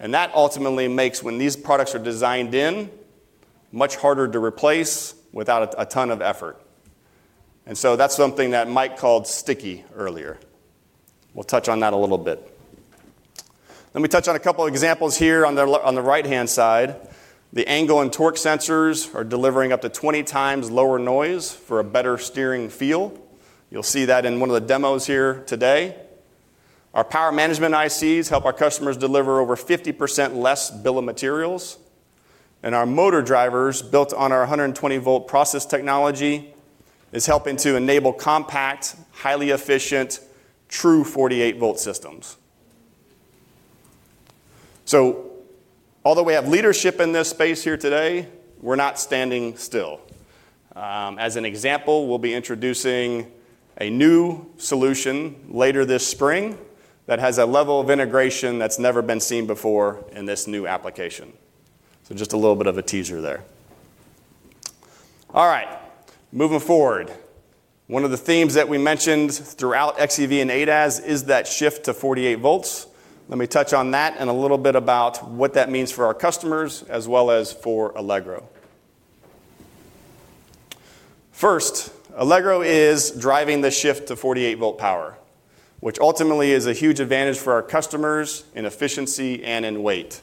And that ultimately makes, when these products are designed in, much harder to replace without a, a ton of effort. And so that's something that Mike called sticky earlier. We'll touch on that a little bit. Let me touch on a couple examples here on the right-hand side. The angle and torque sensors are delivering up to 20x lower noise for a better steering feel. You'll see that in one of the demos here today. Our power management ICs help our customers deliver over 50% less bill of materials, and our motor drivers, built on our 120-volt process technology, is helping to enable compact, highly efficient, true 48-volt systems. So although we have leadership in this space here today, we're not standing still. As an example, we'll be introducing a new solution later this spring that has a level of integration that's never been seen before in this new application. So just a little bit of a teaser there. All right, moving forward. One of the themes that we mentioned throughout xEV and ADAS is that shift to 48 volts. Let me touch on that and a little bit about what that means for our customers, as well as for Allegro. First, Allegro is driving the shift to 48-volt power, which ultimately is a huge advantage for our customers in efficiency and in weight.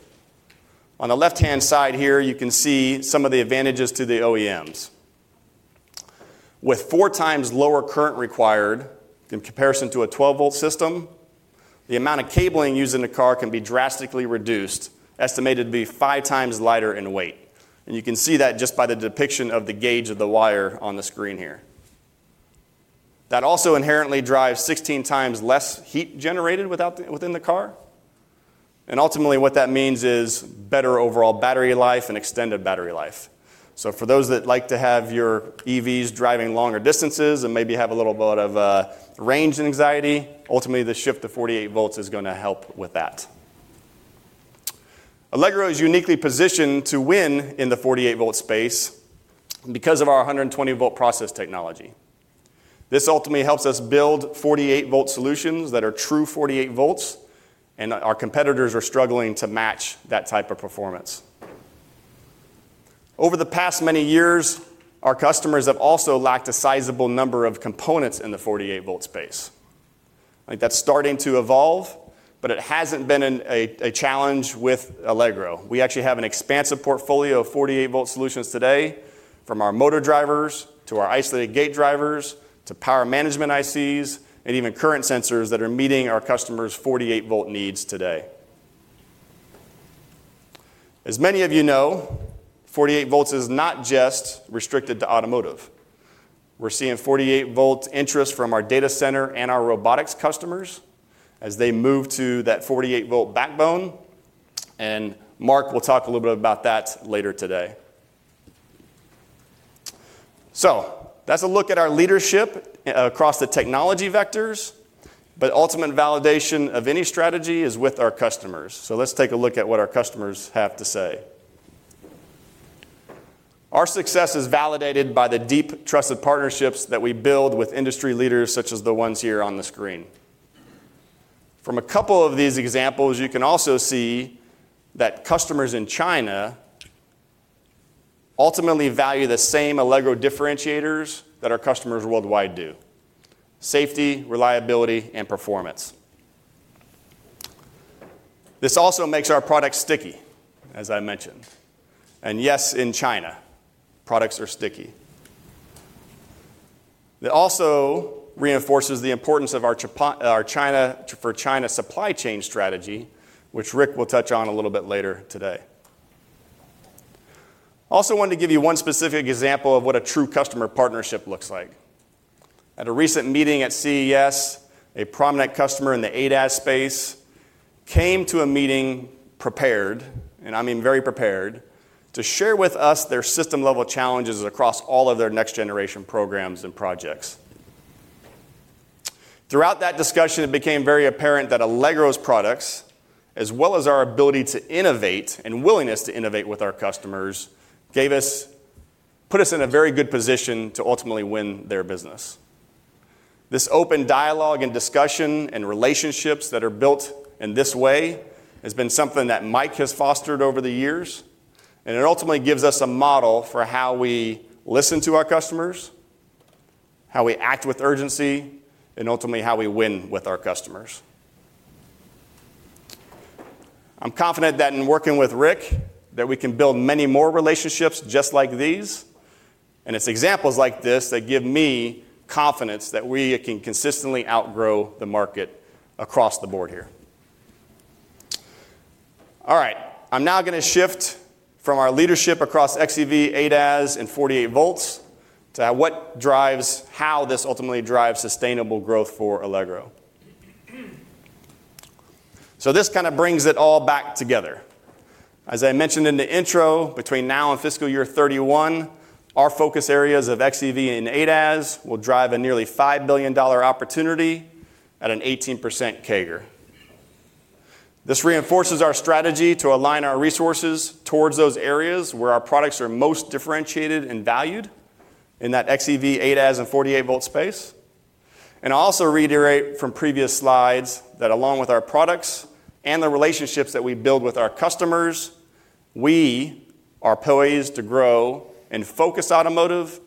On the left-hand side here, you can see some of the advantages to the OEMs. With 4x lower current required in comparison to a 12-volt system, the amount of cabling used in the car can be drastically reduced, estimated to be 5x lighter in weight. And you can see that just by the depiction of the gauge of the wire on the screen here... That also inherently drives 16x less heat generated without the, within the car. And ultimately, what that means is better overall battery life and extended battery life. So for those that like to have your EVs driving longer distances and maybe have a little bit of range anxiety, ultimately, the shift to 48 volts is gonna help with that. Allegro is uniquely positioned to win in the 48-volt space because of our 120-volt process technology. This ultimately helps us build 48-volt solutions that are true 48 volts, and our competitors are struggling to match that type of performance. Over the past many years, our customers have also lacked a sizable number of components in the 48-volt space. I think that's starting to evolve, but it hasn't been a challenge with Allegro. We actually have an expansive portfolio of 48-volt solutions today, from our motor drivers to our isolated gate drivers, to power management ICs, and even current sensors that are meeting our customers' 48-volt needs today. As many of you know, 48 volts is not just restricted to automotive. We're seeing 48-volt interest from our data center and our robotics customers as they move to that 48-volt backbone, and Mark will talk a little bit about that later today. So that's a look at our leadership across the technology vectors, but ultimate validation of any strategy is with our customers. So let's take a look at what our customers have to say. Our success is validated by the deep, trusted partnerships that we build with industry leaders, such as the ones here on the screen. From a couple of these examples, you can also see that customers in China ultimately value the same Allegro differentiators that our customers worldwide do: safety, reliability, and performance. This also makes our product sticky, as I mentioned, and yes, in China, products are sticky. It also reinforces the importance of our China-for-China supply chain strategy, which Rick will touch on a little bit later today. I also wanted to give you one specific example of what a true customer partnership looks like. At a recent meeting at CES, a prominent customer in the ADAS space came to a meeting prepared, and I mean very prepared, to share with us their system-level challenges across all of their next-generation programs and projects. Throughout that discussion, it became very apparent that Allegro's products, as well as our ability to innovate and willingness to innovate with our customers, put us in a very good position to ultimately win their business. This open dialogue and discussion and relationships that are built in this way has been something that Mike has fostered over the years, and it ultimately gives us a model for how we listen to our customers, how we act with urgency, and ultimately, how we win with our customers. I'm confident that in working with Rick, that we can build many more relationships just like these, and it's examples like this that give me confidence that we can consistently outgrow the market across the board here. All right, I'm now gonna shift from our leadership across xEV, ADAS, and 48 volts to what drives, how this ultimately drives sustainable growth for Allegro. So this kind of brings it all back together. As I mentioned in the intro, between now and fiscal year 2031, our focus areas of xEV and ADAS will drive a nearly $5 billion opportunity at an 18% CAGR. This reinforces our strategy to align our resources towards those areas where our products are most differentiated and valued in that xEV, ADAS, and 48-volt space. And I also reiterate from previous slides that along with our products and the relationships that we build with our customers, we are poised to grow and focus automotive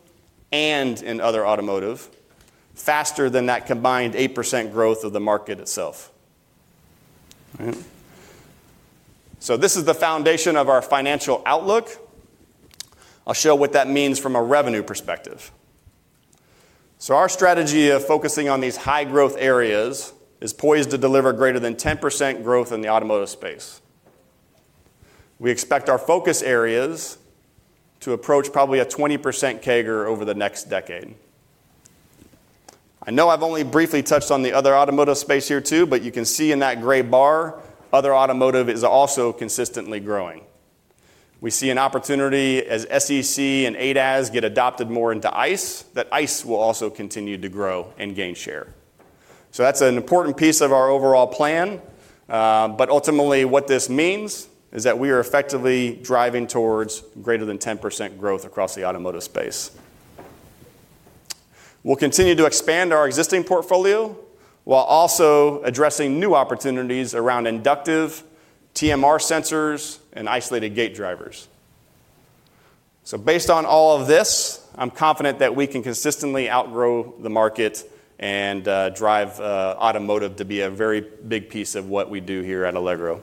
and in other automotive faster than that combined 8% growth of the market itself. All right? So this is the foundation of our financial outlook. I'll show what that means from a revenue perspective. So our strategy of focusing on these high-growth areas is poised to deliver greater than 10% growth in the automotive space. We expect our focus areas to approach probably a 20% CAGR over the next decade. I know I've only briefly touched on the other automotive space here, too, but you can see in that gray bar, other automotive is also consistently growing. We see an opportunity as SCC and ADAS get adopted more into ICE, that ICE will also continue to grow and gain share. So that's an important piece of our overall plan, but ultimately, what this means is that we are effectively driving towards greater than 10% growth across the automotive space. We'll continue to expand our existing portfolio while also addressing new opportunities around inductive TMR sensors and isolated gate drivers. So based on all of this, I'm confident that we can consistently outgrow the market and drive automotive to be a very big piece of what we do here at Allegro.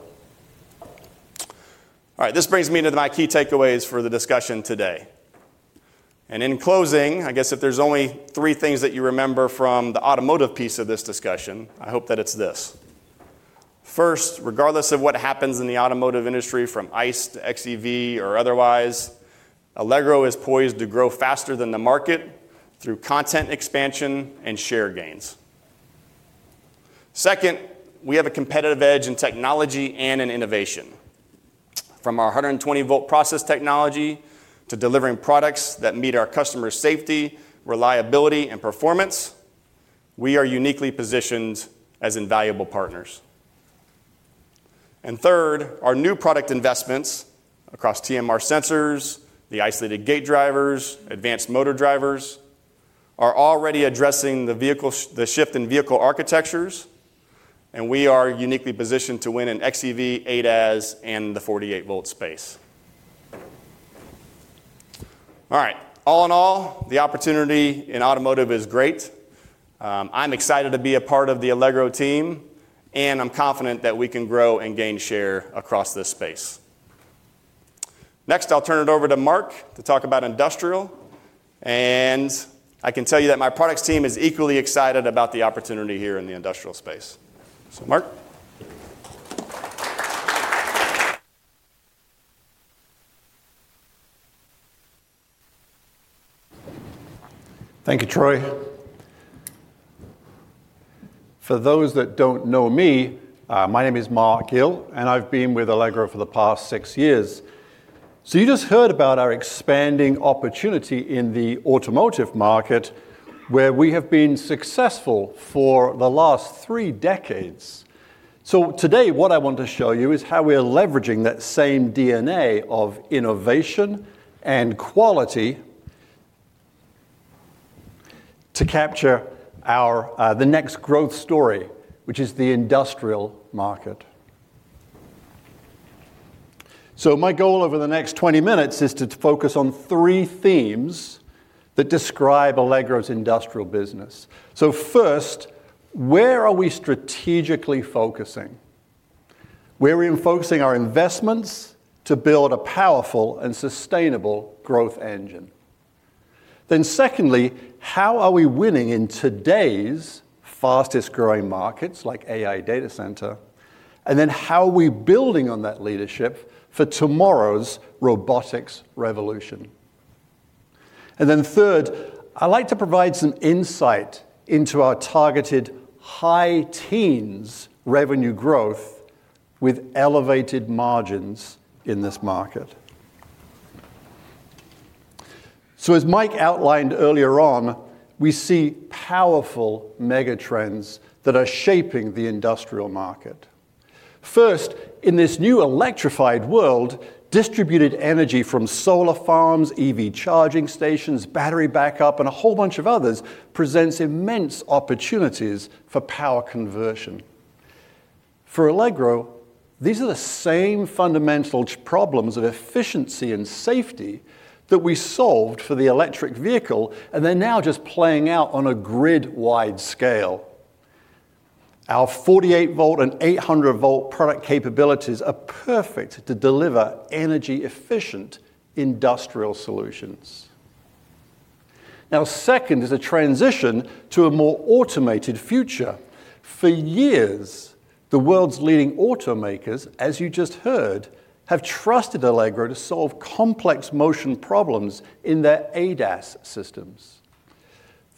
All right, this brings me to my key takeaways for the discussion today. In closing, I guess if there's only three things that you remember from the automotive piece of this discussion, I hope that it's this: First, regardless of what happens in the automotive industry, from ICE to xEV or otherwise, Allegro is poised to grow faster than the market through content expansion and share gains. Second, we have a competitive edge in technology and in innovation. From our 120-volt process technology, to delivering products that meet our customers' safety, reliability, and performance, we are uniquely positioned as invaluable partners. And third, our new product investments across TMR sensors, the isolated gate drivers, advanced motor drivers, are already addressing the shift in vehicle architectures, and we are uniquely positioned to win in xEV, ADAS, and the 48-volt space. All right. All in all, the opportunity in automotive is great. I'm excited to be a part of the Allegro team, and I'm confident that we can grow and gain share across this space. Next, I'll turn it over to Mark to talk about industrial, and I can tell you that my products team is equally excited about the opportunity here in the industrial space. So, Mark. Thank you, Troy. For those that don't know me, my name is Mark Gill, and I've been with Allegro for the past six years. You just heard about our expanding opportunity in the automotive market, where we have been successful for the last three decades. Today, what I want to show you is how we are leveraging that same DNA of innovation and quality to capture our, the next growth story, which is the industrial market. My goal over the next 20 minutes is to focus on three themes that describe Allegro's industrial business. First, where are we strategically focusing? Where are we focusing our investments to build a powerful and sustainable growth engine? Secondly, how are we winning in today's fastest-growing markets, like AI data center, and how are we building on that leadership for tomorrow's robotics revolution? And then third, I'd like to provide some insight into our targeted high teens revenue growth with elevated margins in this market. So as Mike outlined earlier on, we see powerful megatrends that are shaping the industrial market. First, in this new electrified world, distributed energy from solar farms, EV charging stations, battery backup, and a whole bunch of others, presents immense opportunities for power conversion. For Allegro, these are the same fundamental problems of efficiency and safety that we solved for the electric vehicle, and they're now just playing out on a grid-wide scale. Our 48-volt and 800-volt product capabilities are perfect to deliver energy-efficient industrial solutions. Now, second is a transition to a more automated future. For years, the world's leading automakers, as you just heard, have trusted Allegro to solve complex motion problems in their ADAS systems.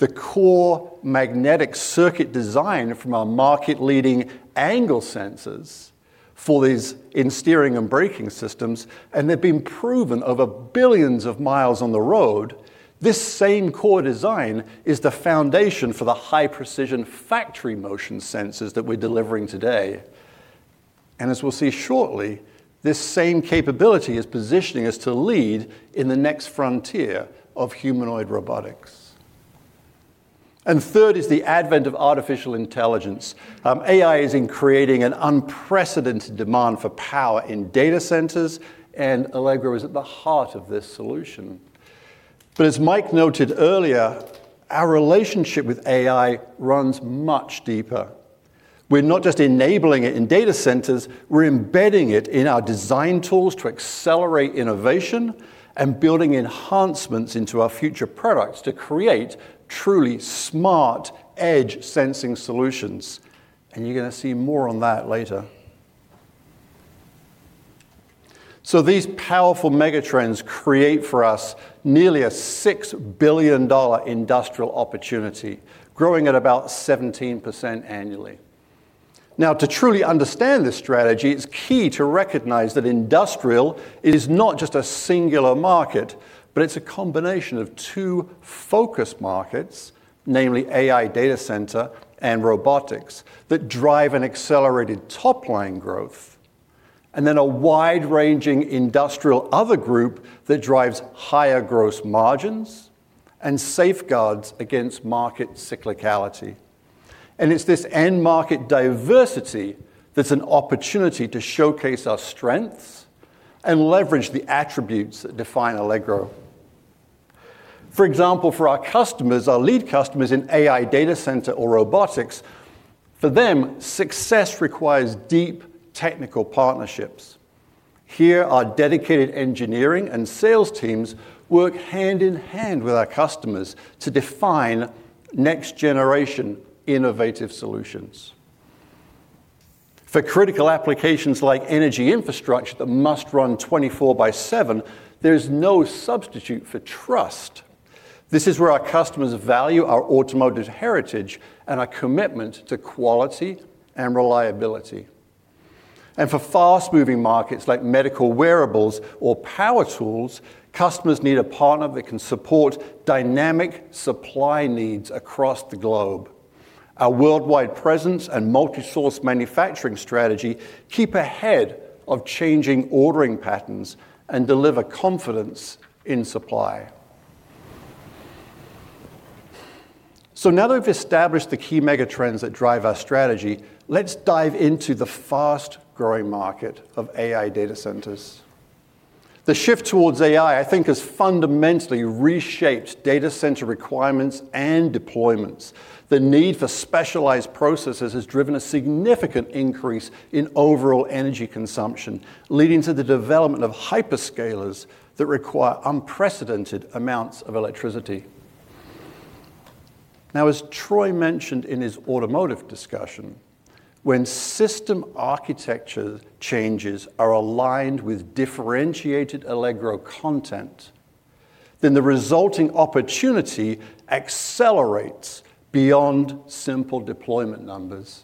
The core magnetic circuit design from our market-leading angle sensors for these in steering and braking systems, and they've been proven over billions of miles on the road. This same core design is the foundation for the high-precision factory motion sensors that we're delivering today. And as we'll see shortly, this same capability is positioning us to lead in the next frontier of humanoid robotics. And third is the advent of artificial intelligence. AI is in creating an unprecedented demand for power in data centers, and Allegro is at the heart of this solution. But as Mike noted earlier, our relationship with AI runs much deeper. We're not just enabling it in data centers, we're embedding it in our design tools to accelerate innovation and building enhancements into our future products to create truly smart edge sensing solutions. And you're gonna see more on that later. These powerful megatrends create for us nearly a $6 billion industrial opportunity, growing at about 17% annually. To truly understand this strategy, it's key to recognize that industrial is not just a singular market, but it's a combination of two focus markets, namely AI data center and robotics, that drive an accelerated top-line growth, and then a wide-ranging industrial other group that drives higher gross margins and safeguards against market cyclicality. It's this end market diversity that's an opportunity to showcase our strengths and leverage the attributes that define Allegro. For example, for our customers, our lead customers in AI data center or robotics, for them, success requires deep technical partnerships. Here, our dedicated engineering and sales teams work hand in hand with our customers to define next-generation innovative solutions. For critical applications like energy infrastructure that must run 24/7, there's no substitute for trust. This is where our customers value our automotive heritage and our commitment to quality and reliability. And for fast-moving markets like medical wearables or power tools, customers need a partner that can support dynamic supply needs across the globe. Our worldwide presence and multi-source manufacturing strategy keep ahead of changing ordering patterns and deliver confidence in supply. So now that we've established the key mega trends that drive our strategy, let's dive into the fast-growing market of AI data centers. The shift towards AI, I think, has fundamentally reshaped data center requirements and deployments. The need for specialized processors has driven a significant increase in overall energy consumption, leading to the development of hyperscalers that require unprecedented amounts of electricity. Now, as Troy mentioned in his automotive discussion, when system architecture changes are aligned with differentiated Allegro content, then the resulting opportunity accelerates beyond simple deployment numbers.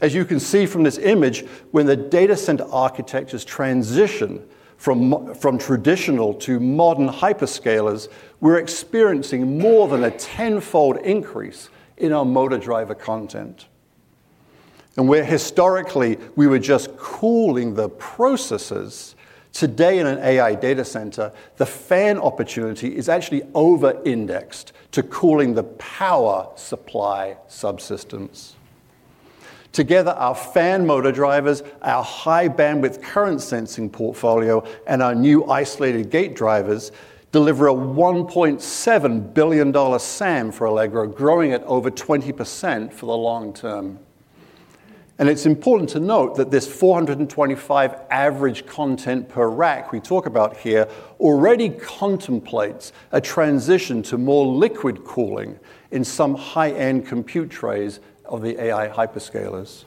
As you can see from this image, when the data center architectures transition from from traditional to modern hyperscalers, we're experiencing more than a tenfold increase in our motor driver content. And where historically, we were just cooling the processes, today, in an AI data center, the fan opportunity is actually over-indexed to cooling the power supply subsystems. Together, our fan motor drivers, our high-bandwidth current sensing portfolio, and our new isolated gate drivers deliver a $1.7 billion SAM for Allegro, growing at over 20% for the long term. It's important to note that this $425 average content per rack we talk about here already contemplates a transition to more liquid cooling in some high-end compute trays of the AI hyperscalers.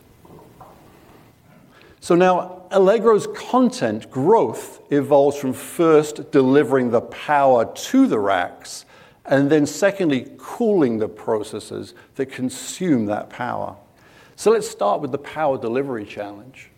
So now, Allegro's content growth evolves from first delivering the power to the racks, and then secondly, cooling the processes that consume that power. Let's start with the power delivery challenge.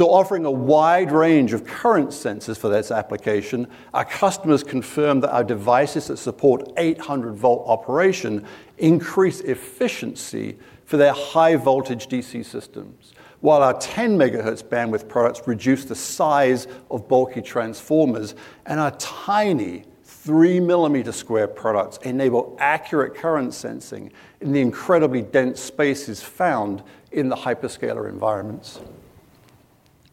Offering a wide range of current sensors for this application, our customers confirm that our devices that support 800-volt operation increase efficiency for their high-voltage DC systems, while our 10 MHz bandwidth products reduce the size of bulky transformers, and our tiny 3-mm square products enable accurate current sensing in the incredibly dense spaces found in the hyperscaler environments.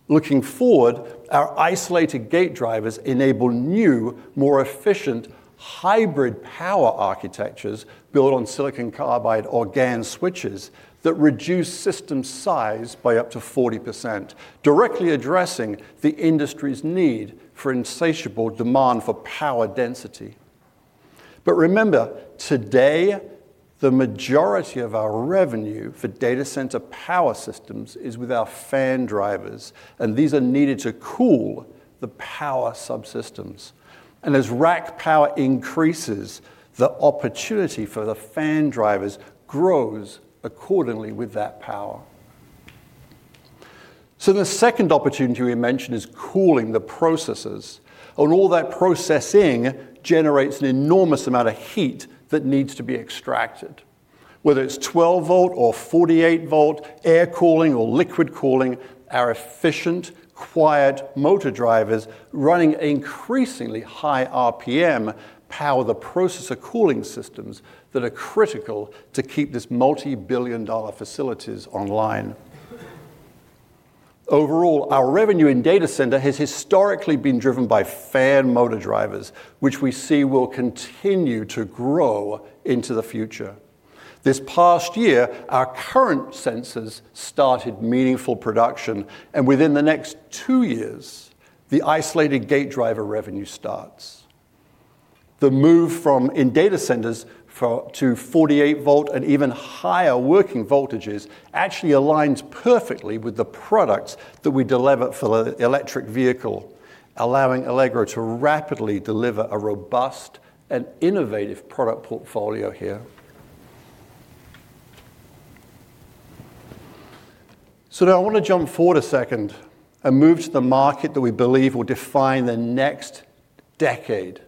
Looking forward, our isolated gate drivers enable new, more efficient hybrid power architectures built on silicon carbide or GaN switches that reduce system size by up to 40%, directly addressing the industry's need for insatiable demand for power density. But remember, today, the majority of our revenue for data center power systems is with our fan drivers, and these are needed to cool the power subsystems. As rack power increases, the opportunity for the fan drivers grows accordingly with that power. The second opportunity we mentioned is cooling the processes, and all that processing generates an enormous amount of heat that needs to be extracted. Whether it's 12-volt or 48-volt, air cooling or liquid cooling, our efficient, quiet motor drivers, running at increasingly high RPM, power the processor cooling systems that are critical to keep this multi-billion-dollar facilities online. Overall, our revenue in data center has historically been driven by fan motor drivers, which we see will continue to grow into the future. This past year, our current sensors started meaningful production, and within the next two years, the isolated gate driver revenue starts. The move from, in data centers for, to 48-volt and even higher working voltages actually aligns perfectly with the products that we deliver for the electric vehicle, allowing Allegro to rapidly deliver a robust and innovative product portfolio here. Now I want to jump forward a second and move to the market that we believe will define the next decade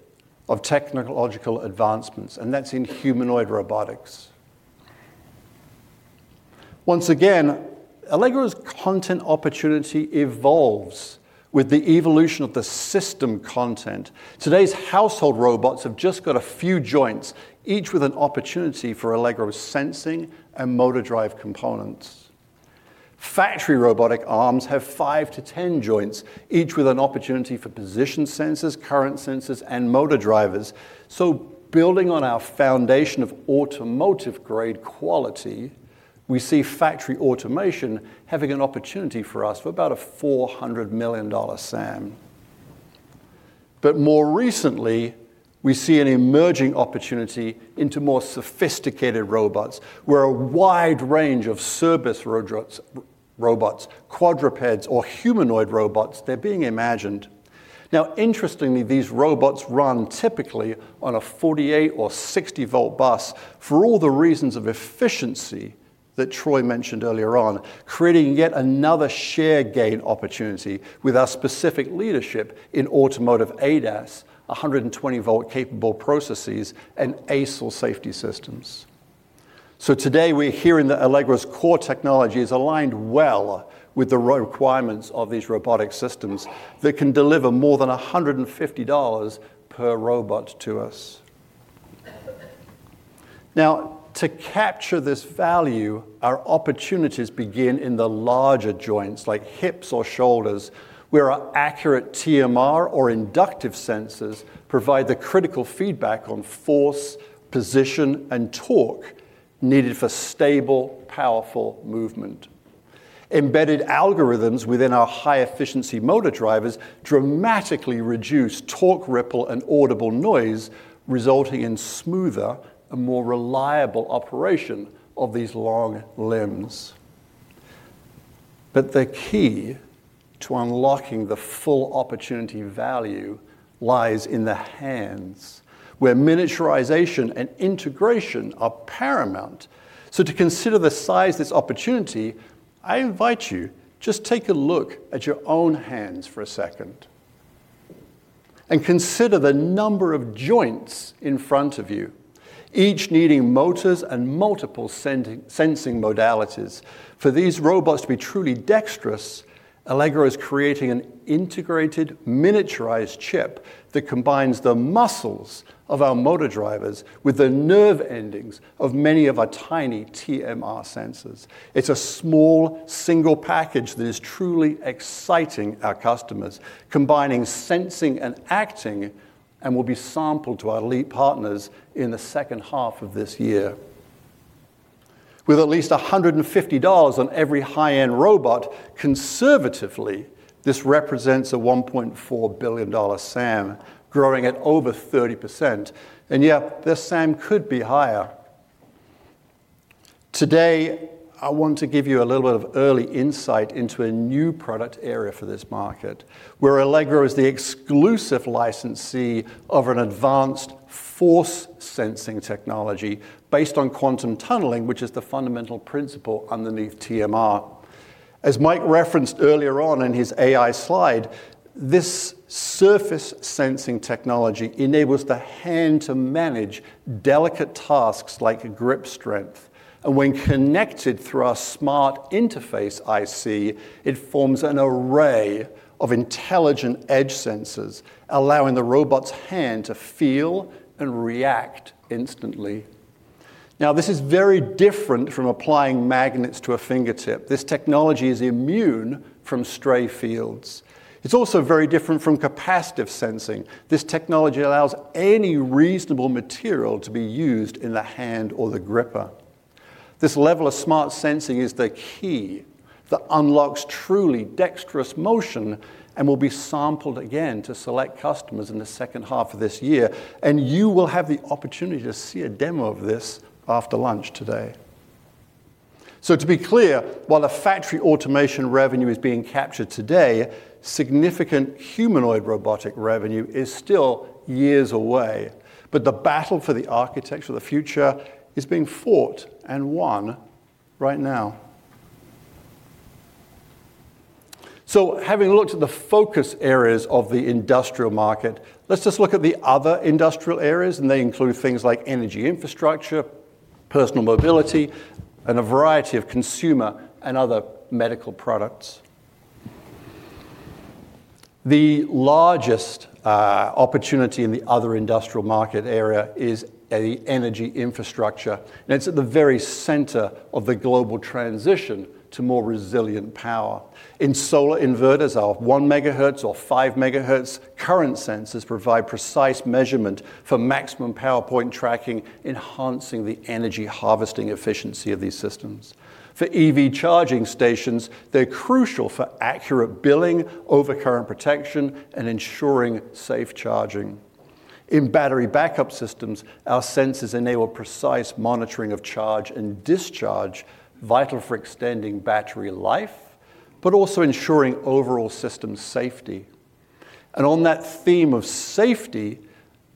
of technological advancements, and that's in humanoid robotics. Once again, Allegro's content opportunity evolves with the evolution of the system content. Today's household robots have just got a few joints, each with an opportunity for Allegro sensing and motor drive components. Factory robotic arms have 5 joints-10 joints, each with an opportunity for position sensors, current sensors, and motor drivers. So building on our foundation of automotive-grade quality... we see factory automation having an opportunity for us for about a $400 million SAM. But more recently, we see an emerging opportunity into more sophisticated robots, where a wide range of service robots, quadrupeds, or humanoid robots, they're being imagined. Now, interestingly, these robots run typically on a 48-volt or 60-volt bus for all the reasons of efficiency that Troy mentioned earlier on, creating yet another share gain opportunity with our specific leadership in automotive ADAS, 120-volt capable processes, and ASIL safety systems. So today, we're hearing that Allegro's core technology is aligned well with the requirements of these robotic systems that can deliver more than $150 per robot to us. Now, to capture this value, our opportunities begin in the larger joints, like hips or shoulders, where our accurate TMR or inductive sensors provide the critical feedback on force, position, and torque needed for stable, powerful movement. Embedded algorithms within our high-efficiency motor drivers dramatically reduce torque ripple and audible noise, resulting in smoother and more reliable operation of these long limbs. But the key to unlocking the full opportunity value lies in the hands, where miniaturization and integration are paramount. So to consider the size of this opportunity, I invite you, just take a look at your own hands for a second and consider the number of joints in front of you, each needing motors and multiple sensing modalities. For these robots to be truly dexterous, Allegro is creating an integrated, miniaturized chip that combines the muscles of our motor drivers with the nerve endings of many of our tiny TMR sensors. It's a small, single package that is truly exciting our customers, combining sensing and acting, and will be sampled to our lead partners in the second half of this year. With at least $150 on every high-end robot, conservatively, this represents a $1.4 billion SAM, growing at over 30%, and yet this SAM could be higher. Today, I want to give you a little bit of early insight into a new product area for this market, where Allegro is the exclusive licensee of an advanced force-sensing technology based on quantum tunneling, which is the fundamental principle underneath TMR. As Mike referenced earlier on in his AI slide, this surface-sensing technology enables the hand to manage delicate tasks like grip strength, and when connected through our smart interface IC, it forms an array of intelligent edge sensors, allowing the robot's hand to feel and react instantly. Now, this is very different from applying magnets to a fingertip. This technology is immune from stray fields. It's also very different from capacitive sensing. This technology allows any reasonable material to be used in the hand or the gripper. This level of smart sensing is the key that unlocks truly dexterous motion and will be sampled again to select customers in the second half of this year, and you will have the opportunity to see a demo of this after lunch today. So to be clear, while the factory automation revenue is being captured today, significant humanoid robotic revenue is still years away, but the battle for the architecture of the future is being fought and won right now. So having looked at the focus areas of the industrial market, let's just look at the other industrial areas, and they include things like energy infrastructure, personal mobility, and a variety of consumer and other medical products. The largest opportunity in the other industrial market area is the energy infrastructure, and it's at the very center of the global transition to more resilient power. In solar inverters, our 1 MHz or 5 MHz current sensors provide precise measurement for maximum power point tracking, enhancing the energy harvesting efficiency of these systems. For EV charging stations, they're crucial for accurate billing, overcurrent protection, and ensuring safe charging. In battery backup systems, our sensors enable precise monitoring of charge and discharge, vital for extending battery life, but also ensuring overall system safety. And on that theme of safety,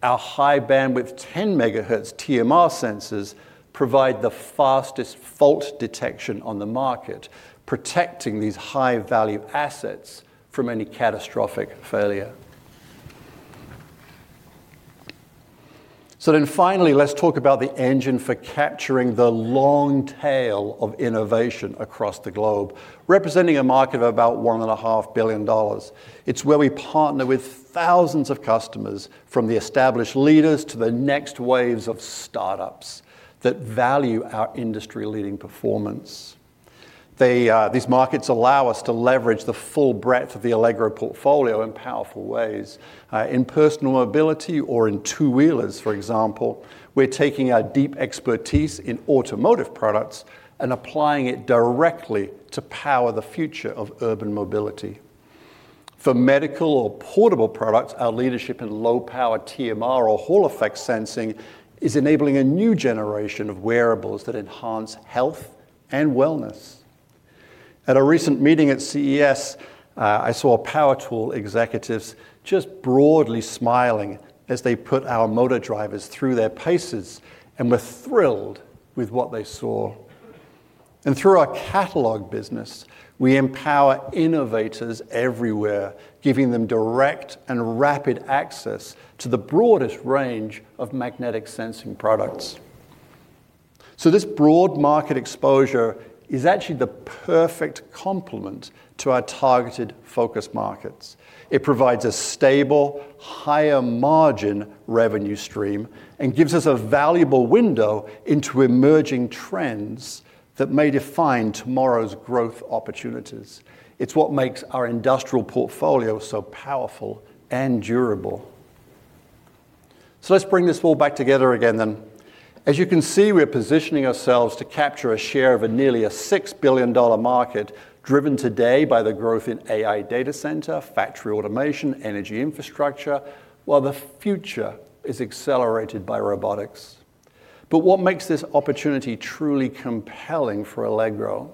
our high bandwidth 10 MHz TMR sensors provide the fastest fault detection on the market, protecting these high-value assets from any catastrophic failure. So then finally, let's talk about the engine for capturing the long tail of innovation across the globe, representing a market of about $1.5 billion. It's where we partner with thousands of customers, from the established leaders to the next waves of startups, that value our industry-leading performance.... They, these markets allow us to leverage the full breadth of the Allegro portfolio in powerful ways. In personal mobility or in two-wheelers, for example, we're taking our deep expertise in automotive products and applying it directly to power the future of urban mobility. For medical or portable products, our leadership in low-power TMR or Hall effect sensing is enabling a new generation of wearables that enhance health and wellness. At a recent meeting at CES, I saw power tool executives just broadly smiling as they put our motor drivers through their paces and were thrilled with what they saw. And through our catalog business, we empower innovators everywhere, giving them direct and rapid access to the broadest range of magnetic sensing products. So this broad market exposure is actually the perfect complement to our targeted focus markets. It provides a stable, higher margin revenue stream and gives us a valuable window into emerging trends that may define tomorrow's growth opportunities. It's what makes our industrial portfolio so powerful and durable. So let's bring this all back together again then. As you can see, we're positioning ourselves to capture a share of nearly $6 billion market, driven today by the growth in AI data center, factory automation, energy infrastructure, while the future is accelerated by robotics. But what makes this opportunity truly compelling for Allegro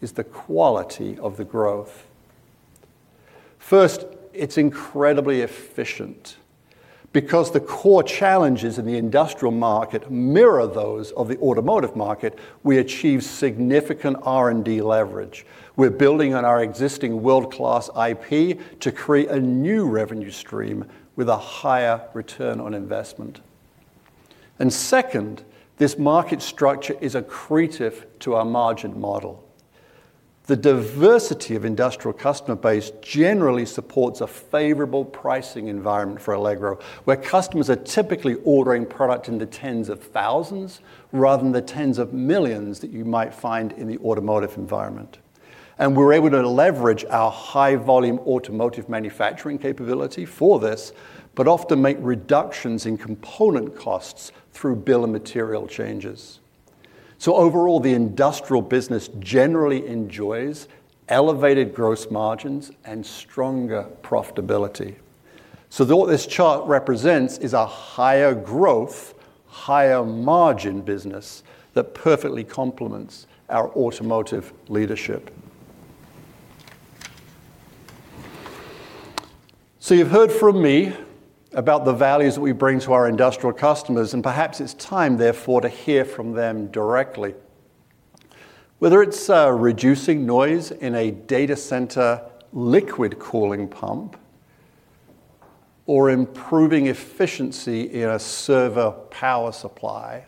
is the quality of the growth. First, it's incredibly efficient. Because the core challenges in the industrial market mirror those of the automotive market, we achieve significant R&D leverage. We're building on our existing world-class IP to create a new revenue stream with a higher return on investment. And second, this market structure is accretive to our margin model. The diversity of industrial customer base generally supports a favorable pricing environment for Allegro, where customers are typically ordering product in the tens of thousands rather than the tens of millions that you might find in the automotive environment. We're able to leverage our high-volume automotive manufacturing capability for this, but often make reductions in component costs through bill of material changes. Overall, the industrial business generally enjoys elevated gross margins and stronger profitability. What this chart represents is a higher growth, higher margin business that perfectly complements our automotive leadership. You've heard from me about the values that we bring to our industrial customers, and perhaps it's time, therefore, to hear from them directly. Whether it's reducing noise in a data center liquid cooling pump, or improving efficiency in a server power supply,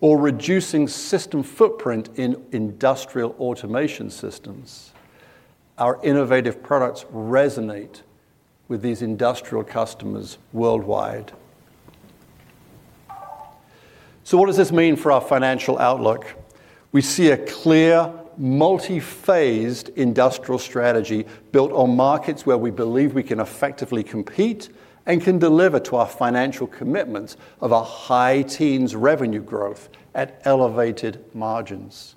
or reducing system footprint in industrial automation systems, our innovative products resonate with these industrial customers worldwide. So what does this mean for our financial outlook? We see a clear, multi-phased industrial strategy built on markets where we believe we can effectively compete and can deliver to our financial commitments of a high teens revenue growth at elevated margins.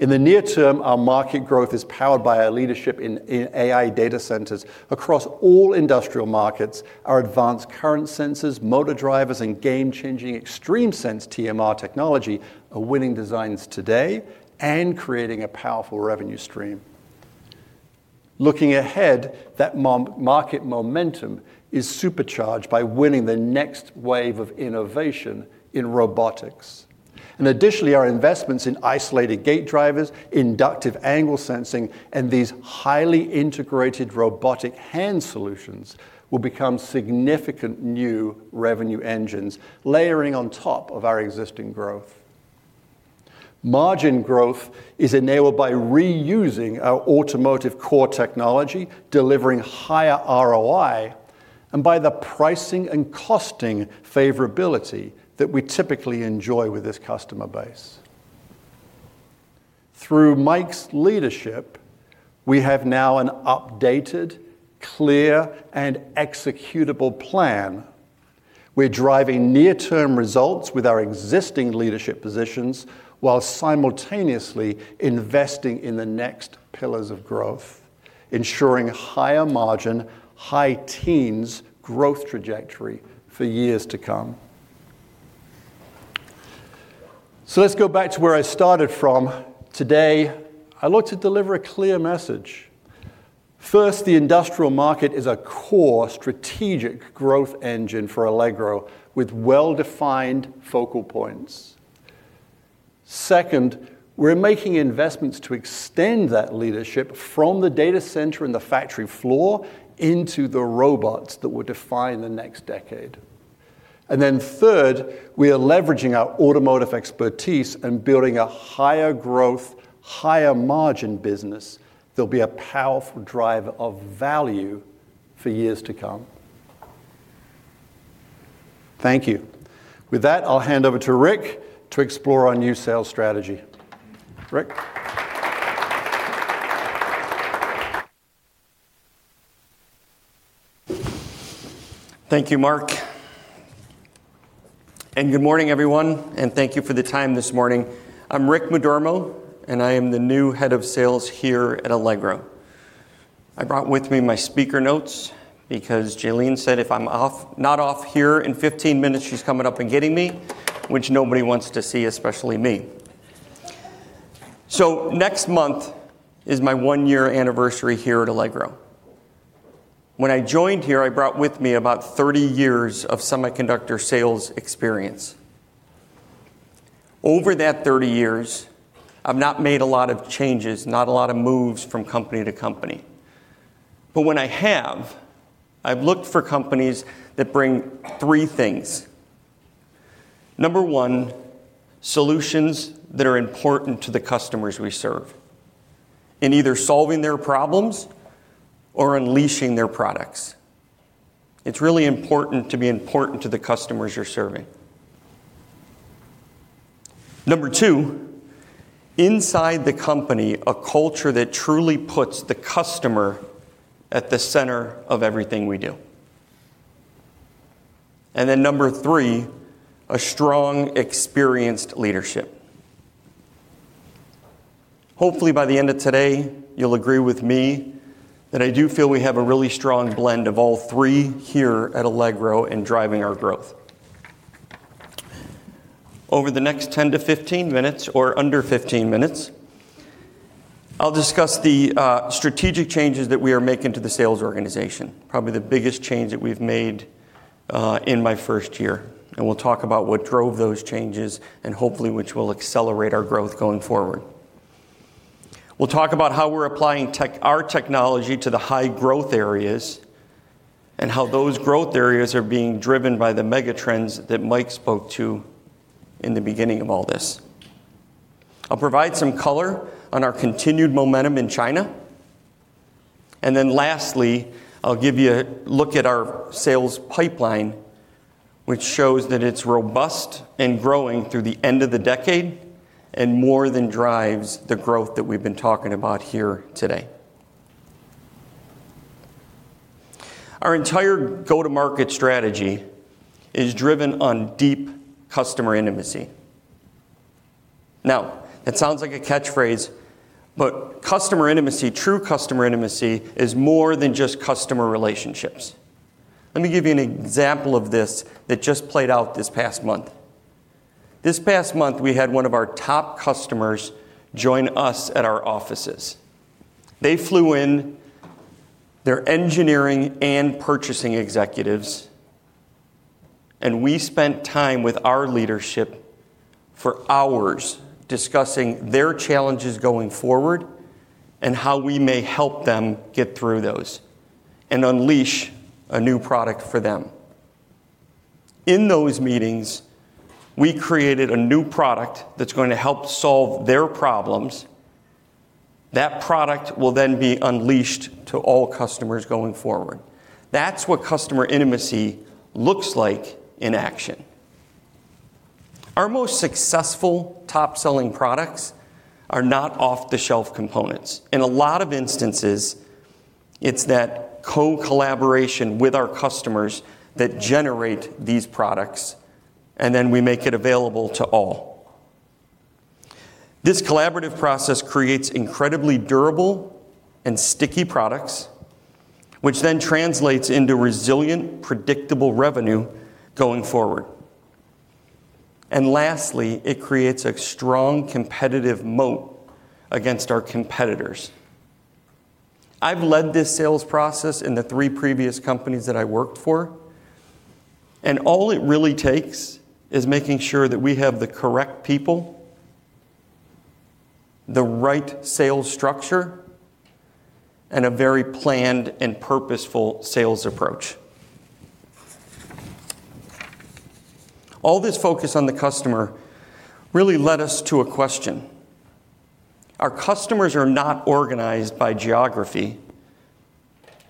In the near term, our market growth is powered by our leadership in AI data centers. Across all industrial markets, our advanced current sensors, motor drivers, and game-changing XtremeSense TMR technology are winning designs today and creating a powerful revenue stream. Looking ahead, that market momentum is supercharged by winning the next wave of innovation in robotics. Additionally, our investments in isolated gate drivers, inductive angle sensing, and these highly integrated robotic hand solutions will become significant new revenue engines, layering on top of our existing growth. Margin growth is enabled by reusing our automotive core technology, delivering higher ROI, and by the pricing and costing favorability that we typically enjoy with this customer base. Through Mike's leadership, we have now an updated, clear, and executable plan. We're driving near-term results with our existing leadership positions, while simultaneously investing in the next pillars of growth, ensuring a higher margin, high teens growth trajectory for years to come. So let's go back to where I started from. Today, I look to deliver a clear message. First, the industrial market is a core strategic growth engine for Allegro, with well-defined focal points. Second, we're making investments to extend that leadership from the data center and the factory floor into the robots that will define the next decade. And then third, we are leveraging our automotive expertise and building a higher growth, higher margin business that'll be a powerful driver of value for years to come... Thank you. With that, I'll hand over to Rick to explore our new sales strategy. Rick? Thank you, Mark, and good morning, everyone, and thank you for the time this morning. I'm Rick Madormo, and I am the new head of sales here at Allegro. I brought with me my speaker notes because Jalene said if I'm off, not off here in 15 minutes, she's coming up and getting me, which nobody wants to see, especially me. So next month is my one-year anniversary here at Allegro. When I joined here, I brought with me about 30 years of semiconductor sales experience. Over that 30 years, I've not made a lot of changes, not a lot of moves from company to company. But when I have, I've looked for companies that bring three things. Number 1, solutions that are important to the customers we serve in either solving their problems or unleashing their products. It's really important to be important to the customers you're serving. Number 2, inside the company, a culture that truly puts the customer at the center of everything we do. And then Number 3, a strong, experienced leadership. Hopefully, by the end of today, you'll agree with me that I do feel we have a really strong blend of all three here at Allegro in driving our growth. Over the next 10 minutes- to 15 minutes or under 15 minutes, I'll discuss the strategic changes that we are making to the sales organization, probably the biggest change that we've made in my first year, and we'll talk about what drove those changes and hopefully which will accelerate our growth going forward. We'll talk about how we're applying our technology to the high-growth areas and how those growth areas are being driven by the mega trends that Mike spoke to in the beginning of all this. I'll provide some color on our continued momentum in China, and then lastly, I'll give you a look at our sales pipeline, which shows that it's robust and growing through the end of the decade and more than drives the growth that we've been talking about here today. Our entire go-to-market strategy is driven on deep customer intimacy. Now, that sounds like a catchphrase, but customer intimacy, true customer intimacy, is more than just customer relationships. Let me give you an example of this that just played out this past month. This past month, we had one of our top customers join us at our offices. They flew in their engineering and purchasing executives, and we spent time with our leadership for hours discussing their challenges going forward and how we may help them get through those and unleash a new product for them. In those meetings, we created a new product that's going to help solve their problems. That product will then be unleashed to all customers going forward. That's what customer intimacy looks like in action. Our most successful top-selling products are not off-the-shelf components. In a lot of instances, it's that co-collaboration with our customers that generate these products, and then we make it available to all. This collaborative process creates incredibly durable and sticky products, which then translates into resilient, predictable revenue going forward. And lastly, it creates a strong competitive moat against our competitors. I've led this sales process in the three previous companies that I worked for, and all it really takes is making sure that we have the correct people, the right sales structure, and a very planned and purposeful sales approach. All this focus on the customer really led us to a question. Our customers are not organized by geography,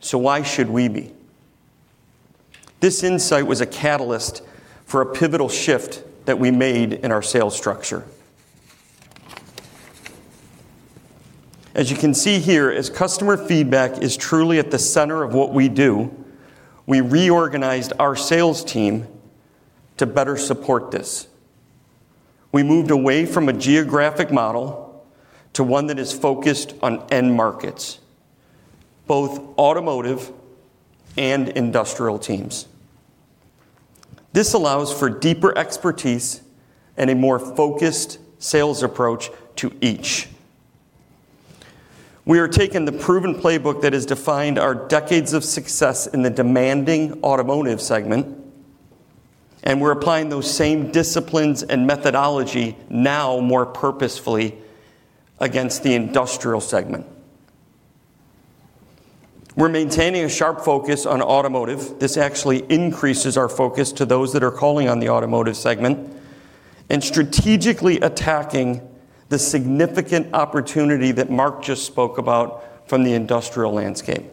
so why should we be? This insight was a catalyst for a pivotal shift that we made in our sales structure. As you can see here, as customer feedback is truly at the center of what we do, we reorganized our sales team to better support this. We moved away from a geographic model to one that is focused on end markets, both automotive and industrial teams. This allows for deeper expertise and a more focused sales approach to each. We are taking the proven playbook that has defined our decades of success in the demanding automotive segment, and we're applying those same disciplines and methodology now more purposefully against the industrial segment. We're maintaining a sharp focus on automotive. This actually increases our focus to those that are calling on the automotive segment... Strategically attacking the significant opportunity that Mark just spoke about from the industrial landscape.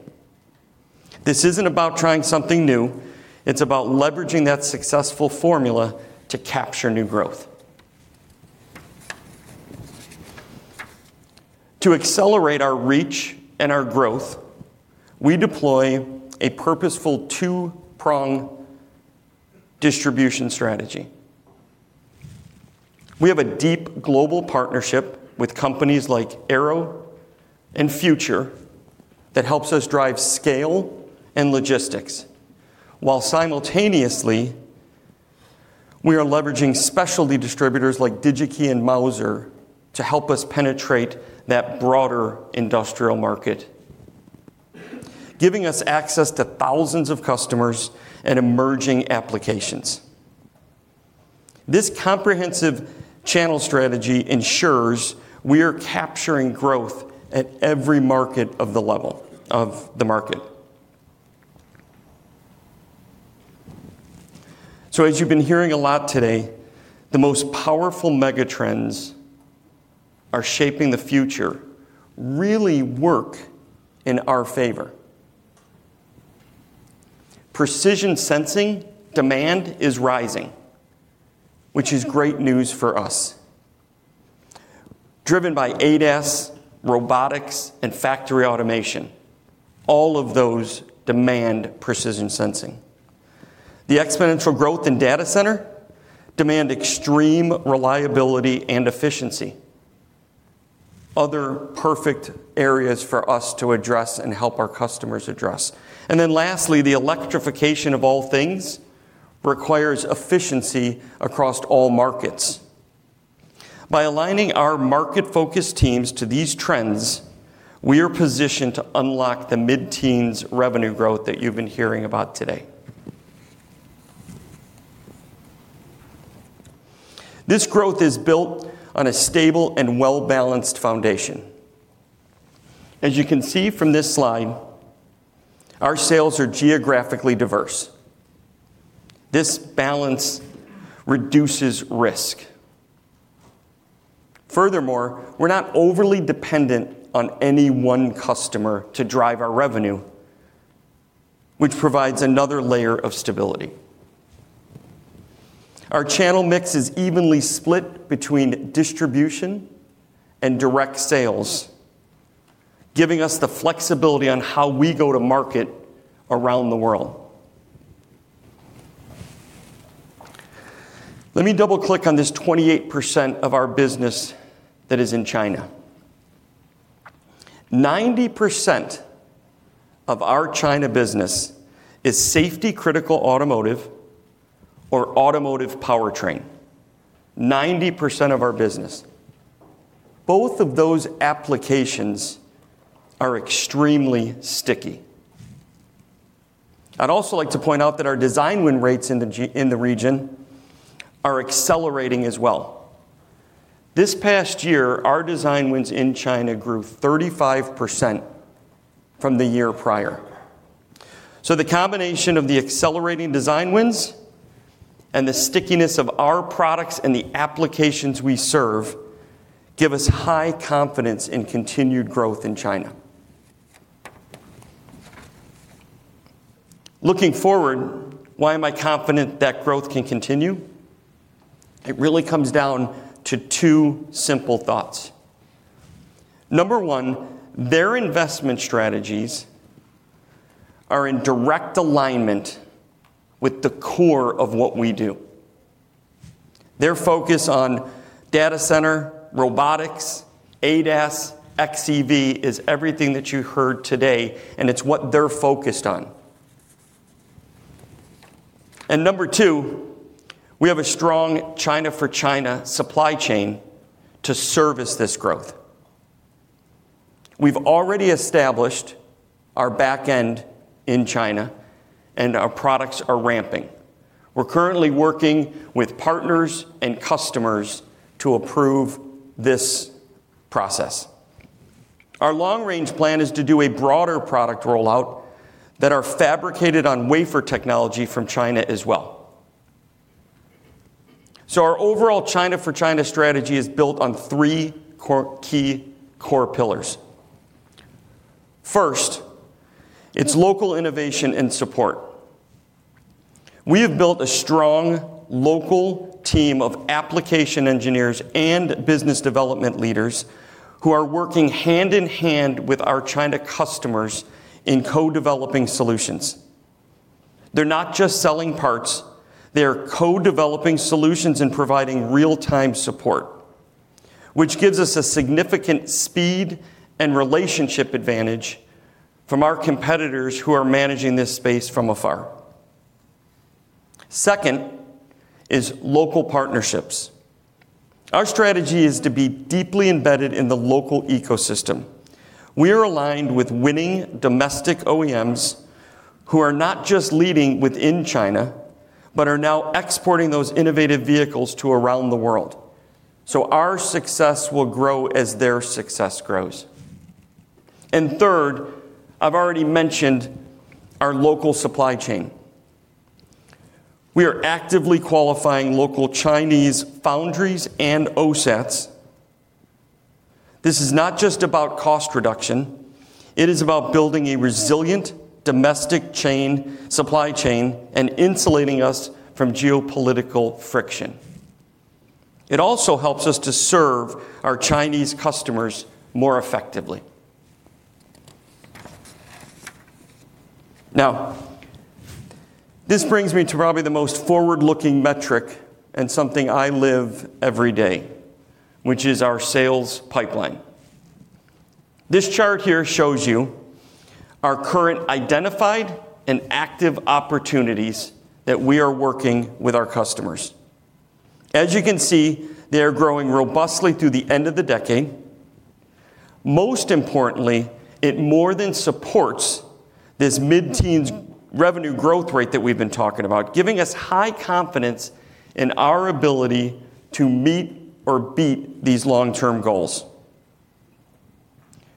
This isn't about trying something new, it's about leveraging that successful formula to capture new growth. To accelerate our reach and our growth, we deploy a purposeful two-prong distribution strategy. We have a deep global partnership with companies like Arrow and Future that helps us drive scale and logistics, while simultaneously, we are leveraging specialty distributors like Digi-Key and Mouser to help us penetrate that broader industrial market, giving us access to thousands of customers and emerging applications. This comprehensive channel strategy ensures we are capturing growth at every market of the level, of the market. So as you've been hearing a lot today, the most powerful megatrends are shaping the future, really work in our favor. Precision sensing demand is rising, which is great news for us. Driven by ADAS, robotics, and factory automation, all of those demand precision sensing. The exponential growth in data center demand extreme reliability and efficiency. Other perfect areas for us to address and help our customers address. Then lastly, the electrification of all things requires efficiency across all markets. By aligning our market-focused teams to these trends, we are positioned to unlock the mid-teens revenue growth that you've been hearing about today. This growth is built on a stable and well-balanced foundation. As you can see from this slide, our sales are geographically diverse. This balance reduces risk. Furthermore, we're not overly dependent on any one customer to drive our revenue, which provides another layer of stability. Our channel mix is evenly split between distribution and direct sales, giving us the flexibility on how we go to market around the world. Let me double-click on this 28% of our business that is in China. Ninety percent of our China business is safety-critical automotive or automotive powertrain. Ninety percent of our business. Both of those applications are extremely sticky. I'd also like to point out that our design win rates in the region are accelerating as well. This past year, our design wins in China grew 35% from the year prior. So the combination of the accelerating design wins and the stickiness of our products and the applications we serve, give us high confidence in continued growth in China. Looking forward, why am I confident that growth can continue? It really comes down to two simple thoughts. Number 1, their investment strategies are in direct alignment with the core of what we do. Their focus on data center, robotics, ADAS, xEV is everything that you heard today, and it's what they're focused on. And number two, we have a strong China-for-China supply chain to service this growth. We've already established our back end in China, and our products are ramping. We're currently working with partners and customers to approve this process. Our long-range plan is to do a broader product rollout that are fabricated on wafer technology from China as well. So our overall China-for-China strategy is built on three core, key core pillars. First, it's local innovation and support. We have built a strong local team of application engineers and business development leaders who are working hand-in-hand with our China customers in co-developing solutions. They're not just selling parts, they are co-developing solutions and providing real-time support, which gives us a significant speed and relationship advantage from our competitors who are managing this space from afar. Second is local partnerships. Our strategy is to be deeply embedded in the local ecosystem. We are aligned with winning domestic OEMs who are not just leading within China, but are now exporting those innovative vehicles to around the world. So our success will grow as their success grows.... And third, I've already mentioned our local supply chain. We are actively qualifying local Chinese foundries and OSATs. This is not just about cost reduction, it is about building a resilient domestic chain, supply chain, and insulating us from geopolitical friction. It also helps us to serve our Chinese customers more effectively. Now, this brings me to probably the most forward-looking metric and something I live every day, which is our sales pipeline. This chart here shows you our current identified and active opportunities that we are working with our customers. As you can see, they are growing robustly through the end of the decade. Most importantly, it more than supports this mid-teens revenue growth rate that we've been talking about, giving us high confidence in our ability to meet or beat these long-term goals.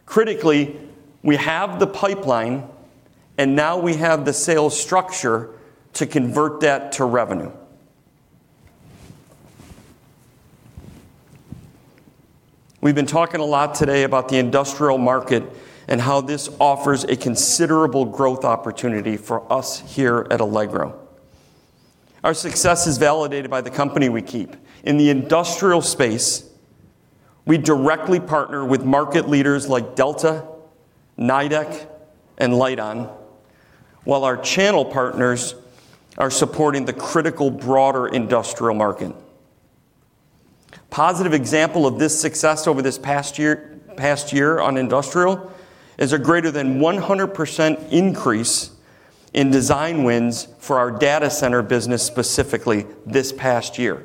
Critically, we have the pipeline, and now we have the sales structure to convert that to revenue. We've been talking a lot today about the industrial market and how this offers a considerable growth opportunity for us here at Allegro. Our success is validated by the company we keep. In the industrial space, we directly partner with market leaders like Delta, Nidec, and Lite-On, while our channel partners are supporting the critical, broader industrial market. Positive example of this success over this past year, past year on industrial is a greater than 100% increase in design wins for our data center business, specifically this past year.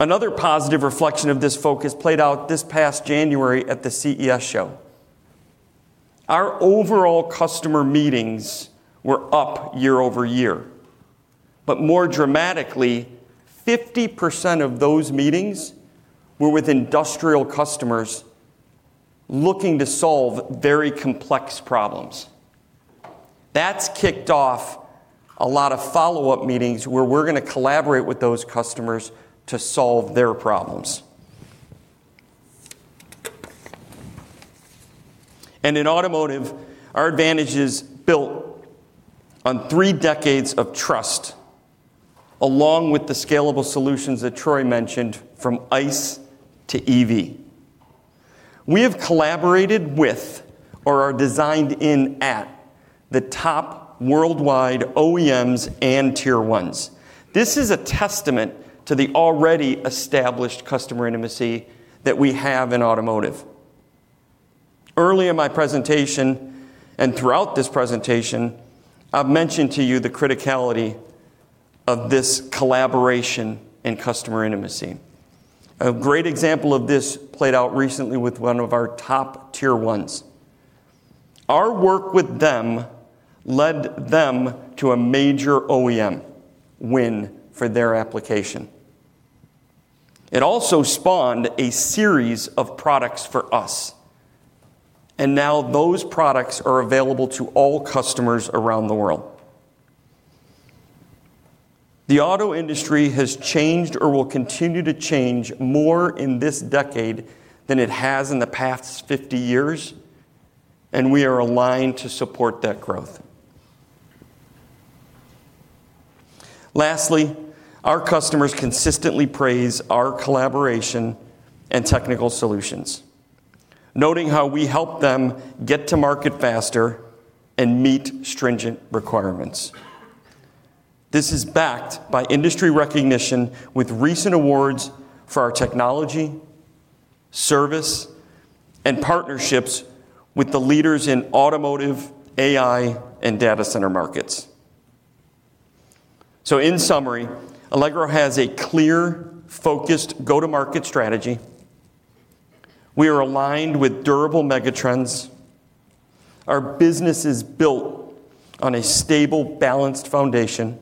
Another positive reflection of this focus played out this past January at the CES show. Our overall customer meetings were up year-over-year, but more dramatically, 50% of those meetings were with industrial customers looking to solve very complex problems. That's kicked off a lot of follow-up meetings where we're gonna collaborate with those customers to solve their problems. And in automotive, our advantage is built on three decades of trust, along with the scalable solutions that Troy mentioned from ICE to EV. We have collaborated with or are designed in at the top worldwide OEMs and Tier 1s. This is a testament to the already established customer intimacy that we have in automotive. Early in my presentation and throughout this presentation, I've mentioned to you the criticality of this collaboration and customer intimacy. A great example of this played out recently with one of our top Tier 1s. Our work with them led them to a major OEM win for their application. It also spawned a series of products for us, and now those products are available to all customers around the world. The auto industry has changed or will continue to change more in this decade than it has in the past 50 years, and we are aligned to support that growth. Lastly, our customers consistently praise our collaboration and technical solutions, noting how we help them get to market faster and meet stringent requirements. This is backed by industry recognition with recent awards for our technology, service, and partnerships with the leaders in automotive, AI, and data center markets. So in summary, Allegro has a clear, focused go-to-market strategy. We are aligned with durable megatrends. Our business is built on a stable, balanced foundation,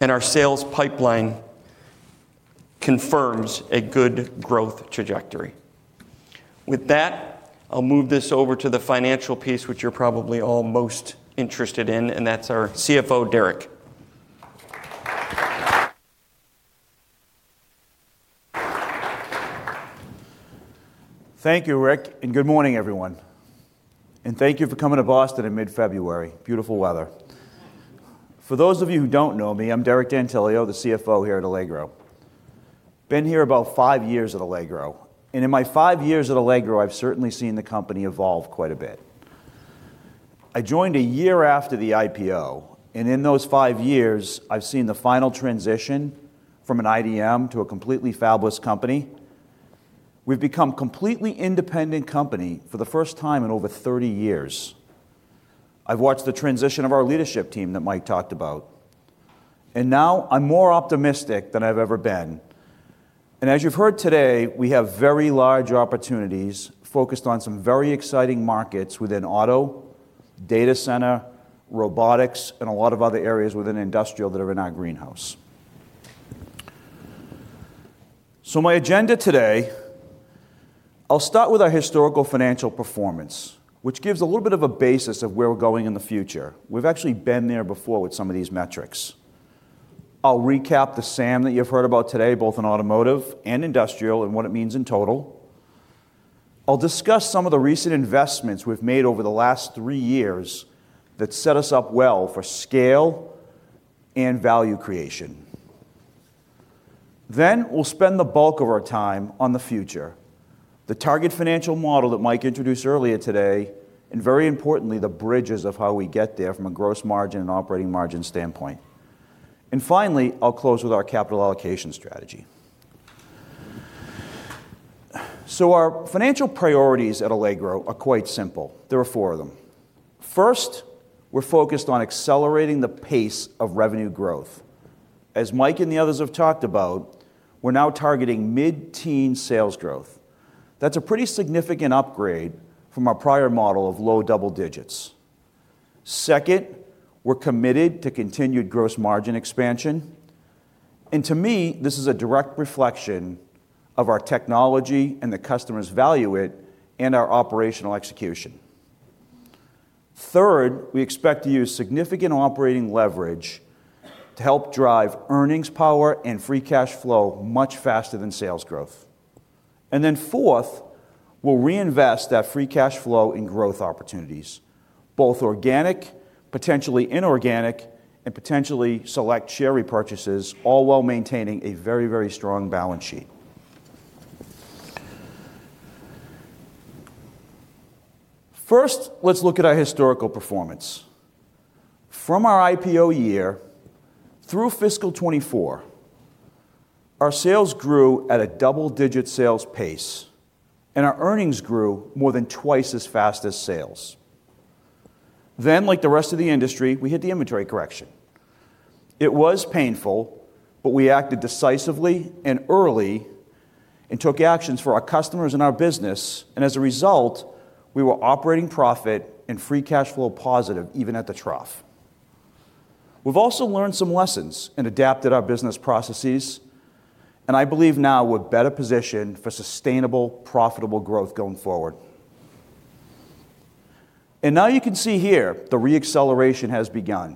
and our sales pipeline confirms a good growth trajectory. With that, I'll move this over to the financial piece, which you're probably all most interested in, and that's our CFO, Derek. Thank you, Rick, and good morning, everyone, and thank you for coming to Boston in mid-February. Beautiful weather. For those of you who don't know me, I'm Derek D'Antilio, the CFO here at Allegro. Been here about five years at Allegro, and in my five years at Allegro, I've certainly seen the company evolve quite a bit. I joined a year after the IPO, and in those five years, I've seen the final transition from an IDM to a completely fabless company. We've become completely independent company for the first time in over 30 years. I've watched the transition of our leadership team that Mike talked about, and now I'm more optimistic than I've ever been. As you've heard today, we have very large opportunities focused on some very exciting markets within auto, data center, robotics, and a lot of other areas within industrial that are in our greenhouse. So my agenda today, I'll start with our historical financial performance, which gives a little bit of a basis of where we're going in the future. We've actually been there before with some of these metrics. I'll recap the SAM that you've heard about today, both in automotive and industrial, and what it means in total. I'll discuss some of the recent investments we've made over the last three years that set us up well for scale and value creation. Then, we'll spend the bulk of our time on the future, the target financial model that Mike introduced earlier today, and very importantly, the bridges of how we get there from a gross margin and operating margin standpoint. And finally, I'll close with our capital allocation strategy. So our financial priorities at Allegro are quite simple. There are four of them. First, we're focused on accelerating the pace of revenue growth. As Mike and the others have talked about, we're now targeting mid-teen sales growth. That's a pretty significant upgrade from our prior model of low double digits. Second, we're committed to continued gross margin expansion, and to me, this is a direct reflection of our technology, and the customers value it, and our operational execution. Third, we expect to use significant operating leverage to help drive earnings power and free cash flow much faster than sales growth. And then fourth, we'll reinvest that free cash flow in growth opportunities, both organic, potentially inorganic, and potentially select share repurchases, all while maintaining a very, very strong balance sheet. First, let's look at our historical performance. From our IPO year through fiscal 2024, our sales grew at a double-digit sales pace, and our earnings grew more than twice as fast as sales. Then, like the rest of the industry, we hit the inventory correction. It was painful, but we acted decisively and early and took actions for our customers and our business, and as a result, we were operating profit and free cash flow positive even at the trough. We've also learned some lessons and adapted our business processes, and I believe now we're better positioned for sustainable, profitable growth going forward. And now you can see here the re-acceleration has begun.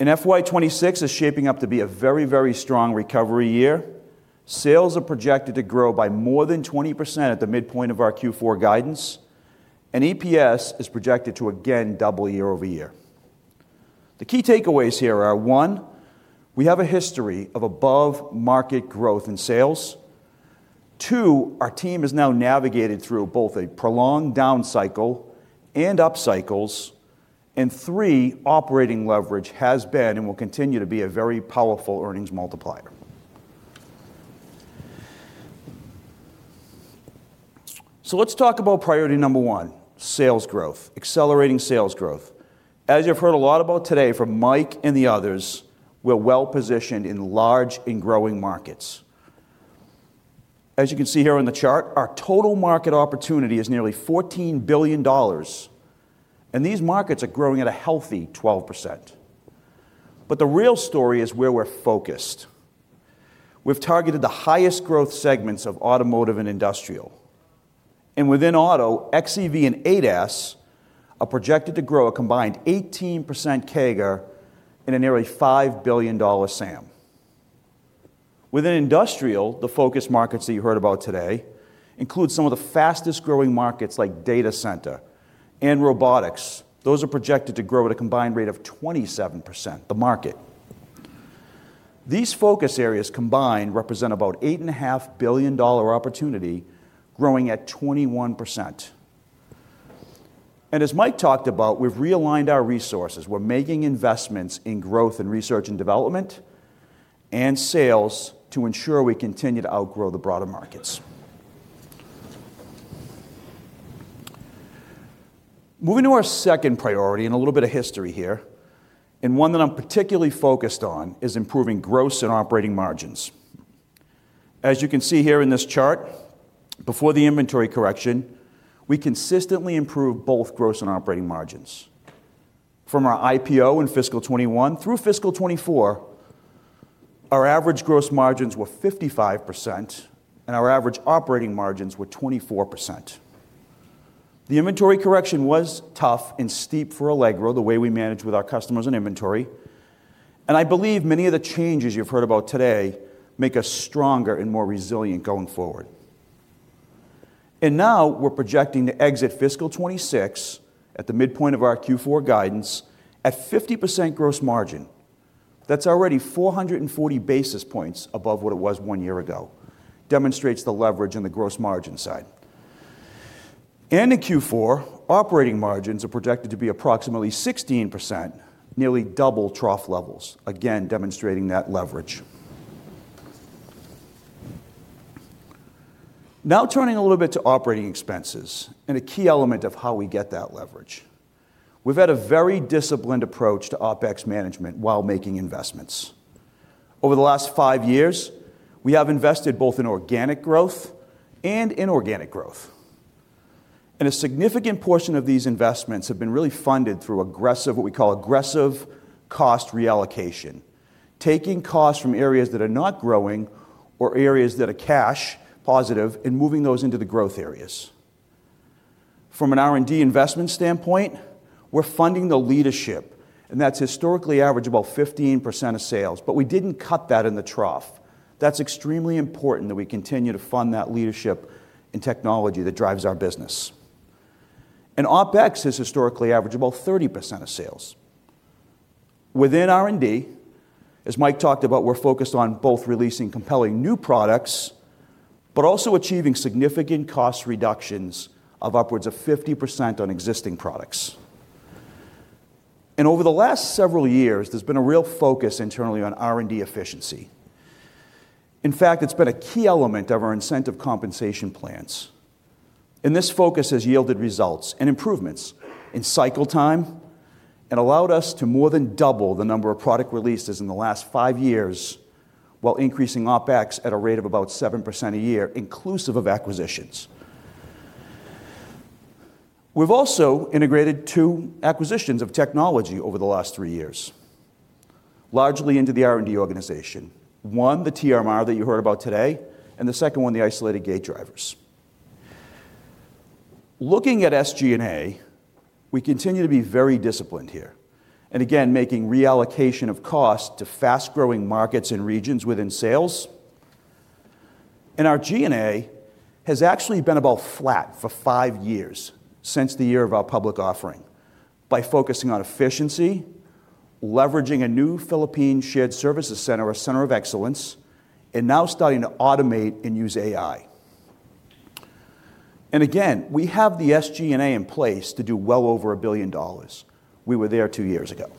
And FY 2026 is shaping up to be a very, very strong recovery year. Sales are projected to grow by more than 20% at the midpoint of our Q4 guidance, and EPS is projected to again double year-over-year. The key takeaways here are, one, we have a history of above-market growth in sales. Two, our team has now navigated through both a prolonged down cycle and up cycles. And three, operating leverage has been, and will continue to be, a very powerful earnings multiplier. So let's talk about priority number one, sales growth, accelerating sales growth. As you've heard a lot about today from Mike and the others, we're well-positioned in large and growing markets. As you can see here on the chart, our total market opportunity is nearly $14 billion, and these markets are growing at a healthy 12%. But the real story is where we're focused. We've targeted the highest growth segments of automotive and industrial, and within auto, xEV and ADAS are projected to grow a combined 18% CAGR in a nearly $5 billion SAM. Within industrial, the focus markets that you heard about today include some of the fastest-growing markets, like data center and robotics. Those are projected to grow at a combined rate of 27%, the market. These focus areas combined represent about $8.5 billion-dollar opportunity, growing at 21%. As Mike talked about, we've realigned our resources. We're making investments in growth and research and development and sales to ensure we continue to outgrow the broader markets. Moving to our second priority, and a little bit of history here, and one that I'm particularly focused on, is improving gross and operating margins. As you can see here in this chart, before the inventory correction, we consistently improved both gross and operating margins. From our IPO in fiscal 2021 through fiscal 2024, our average gross margins were 55% and our average operating margins were 24%. The inventory correction was tough and steep for Allegro, the way we managed with our customers and inventory, and I believe many of the changes you've heard about today make us stronger and more resilient going forward. Now, we're projecting to exit fiscal 2026, at the midpoint of our Q4 guidance, at 50% gross margin. That's already 440 basis points above what it was one year ago, demonstrates the leverage on the gross margin side. In Q4, operating margins are projected to be approximately 16%, nearly double trough levels, again, demonstrating that leverage. Now, turning a little bit to operating expenses and a key element of how we get that leverage. We've had a very disciplined approach to OpEx management while making investments. Over the last five years, we have invested both in organic growth and inorganic growth.... A significant portion of these investments have been really funded through aggressive, what we call aggressive cost reallocation. Taking costs from areas that are not growing or areas that are cash positive, and moving those into the growth areas. From an R&D investment standpoint, we're funding the leadership, and that's historically average about 15% of sales, but we didn't cut that in the trough. That's extremely important that we continue to fund that leadership and technology that drives our business. OpEx has historically averaged about 30% of sales. Within R&D, as Mike talked about, we're focused on both releasing compelling new products, but also achieving significant cost reductions of upwards of 50% on existing products. Over the last several years, there's been a real focus internally on R&D efficiency. In fact, it's been a key element of our incentive compensation plans and this focus has yielded results and improvements in cycle time, and allowed us to more than double the number of product releases in the last five years, while increasing OpEx at a rate of about 7% a year, inclusive of acquisitions. We've also integrated 2 acquisitions of technology over the last three years, largely into the R&D organization. One, the TMR that you heard about today, and the second one, the isolated gate drivers. Looking at SG&A, we continue to be very disciplined here, and again, making reallocation of cost to fast-growing markets and regions within sales. Our G&A has actually been about flat for five years, since the year of our public offering, by focusing on efficiency, leveraging a new Philippines shared services center, a center of excellence, and now starting to automate and use AI. And again, we have the SG&A in place to do well over $1 billion. We were there two years ago.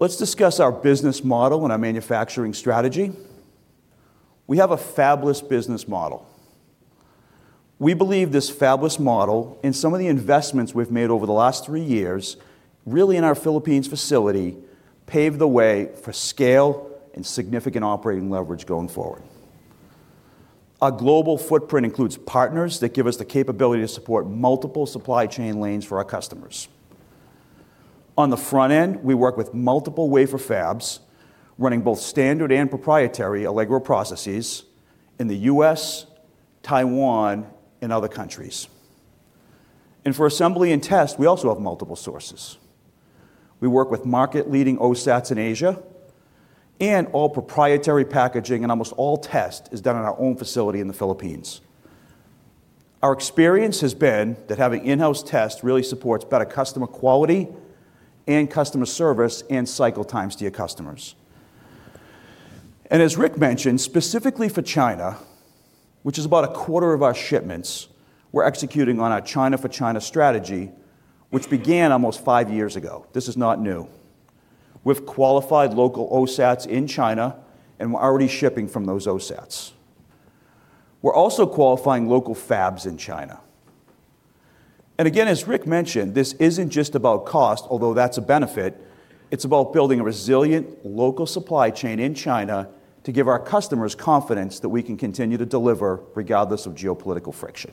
Let's discuss our business model and our manufacturing strategy. We have a fabless business model. We believe this fabless model and some of the investments we've made over the last three years, really in our Philippines facility, paved the way for scale and significant operating leverage going forward. Our global footprint includes partners that give us the capability to support multiple supply chain lanes for our customers. On the front end, we work with multiple wafer fabs, running both standard and proprietary Allegro processes in the U.S., Taiwan, and other countries. For assembly and test, we also have multiple sources. We work with market-leading OSATs in Asia, and all proprietary packaging, and almost all test, is done in our own facility in the Philippines. Our experience has been that having in-house test really supports better customer quality and customer service and cycle times to your customers. As Rick mentioned, specifically for China, which is about a quarter of our shipments, we're executing on our China-for-China strategy, which began almost five years ago. This is not new. We've qualified local OSATs in China, and we're already shipping from those OSATs. We're also qualifying local fabs in China. And again, as Rick mentioned, this isn't just about cost, although that's a benefit, it's about building a resilient local supply chain in China to give our customers confidence that we can continue to deliver regardless of geopolitical friction.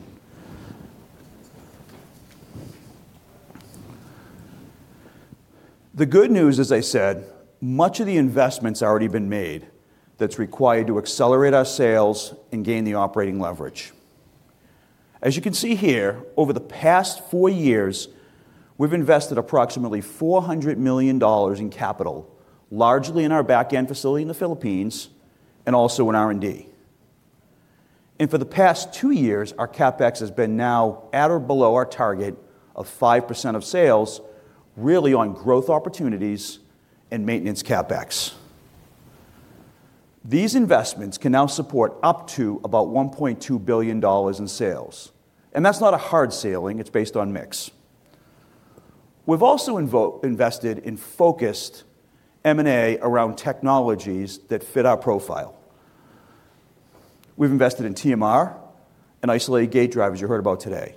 The good news, as I said, much of the investment's already been made that's required to accelerate our sales and gain the operating leverage. As you can see here, over the past four years, we've invested approximately $400 million in capital, largely in our back-end facility in the Philippines and also in R&D. For the past two years, our CapEx has been now at or below our target of 5% of sales, really on growth opportunities and maintenance CapEx. These investments can now support up to about $1.2 billion in sales, and that's not a hard ceiling, it's based on mix. We've also invested in focused M&A around technologies that fit our profile. We've invested in TMR and isolated gate drivers you heard about today.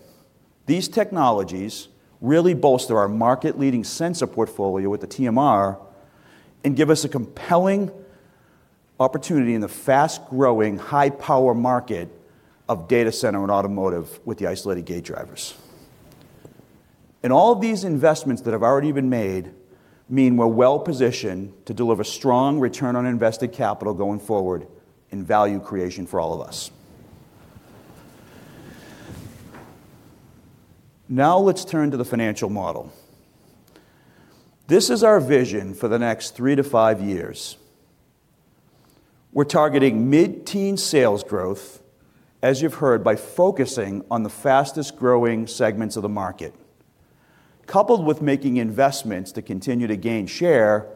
These technologies really bolster our market-leading sensor portfolio with the TMR, and give us a compelling opportunity in the fast-growing, high-power market of data center and automotive with the isolated gate drivers. And all of these investments that have already been made mean we're well-positioned to deliver strong return on invested capital going forward and value creation for all of us. Now, let's turn to the financial model. This is our vision for the next three to five years. We're targeting mid-teen sales growth, as you've heard, by focusing on the fastest-growing segments of the market, coupled with making investments to continue to gain share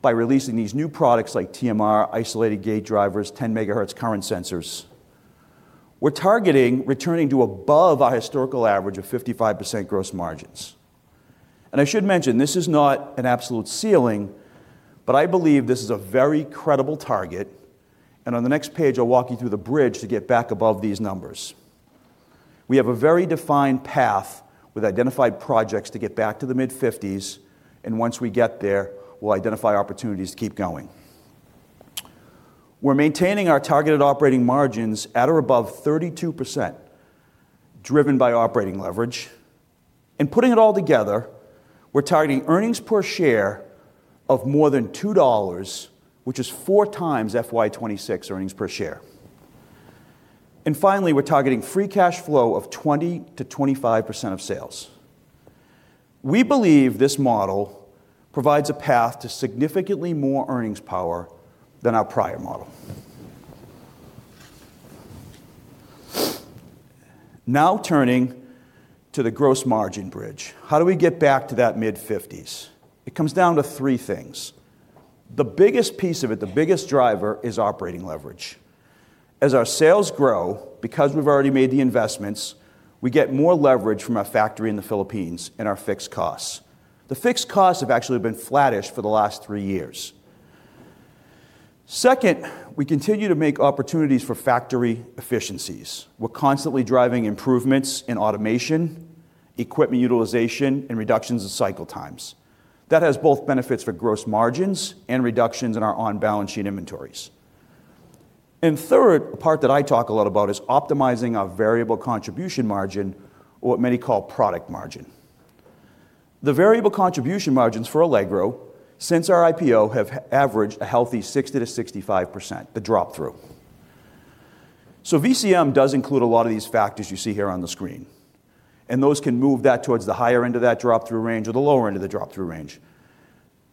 by releasing these new products like TMR, isolated gate drivers, 10 MHz current sensors. We're targeting returning to above our historical average of 55% gross margins. And I should mention, this is not an absolute ceiling, but I believe this is a very credible target, and on the next page, I'll walk you through the bridge to get back above these numbers. We have a very defined path with identified projects to get back to the mid-50s, and once we get there, we'll identify opportunities to keep going. We're maintaining our targeted operating margins at or above 32%, driven by operating leverage. And putting it all together, we're targeting earnings per share of more than $2, which is 4x FY 2026 earnings per share. And finally, we're targeting free cash flow of 20%-25% of sales. We believe this model provides a path to significantly more earnings power than our prior model. Now, turning to the gross margin bridge. How do we get back to that mid-50s? It comes down to three things. The biggest piece of it, the biggest driver, is operating leverage. As our sales grow, because we've already made the investments, we get more leverage from our factory in the Philippines and our fixed costs. The fixed costs have actually been flattish for the last three years. Second, we continue to make opportunities for factory efficiencies. We're constantly driving improvements in automation, equipment utilization, and reductions in cycle times. That has both benefits for gross margins and reductions in our on-balance sheet inventories. And third, a part that I talk a lot about, is optimizing our variable contribution margin, or what many call product margin. The variable contribution margins for Allegro, since our IPO, have averaged a healthy 60%-65%, the drop-through. So VCM does include a lot of these factors you see here on the screen, and those can move that towards the higher end of that drop-through range or the lower end of the drop-through range.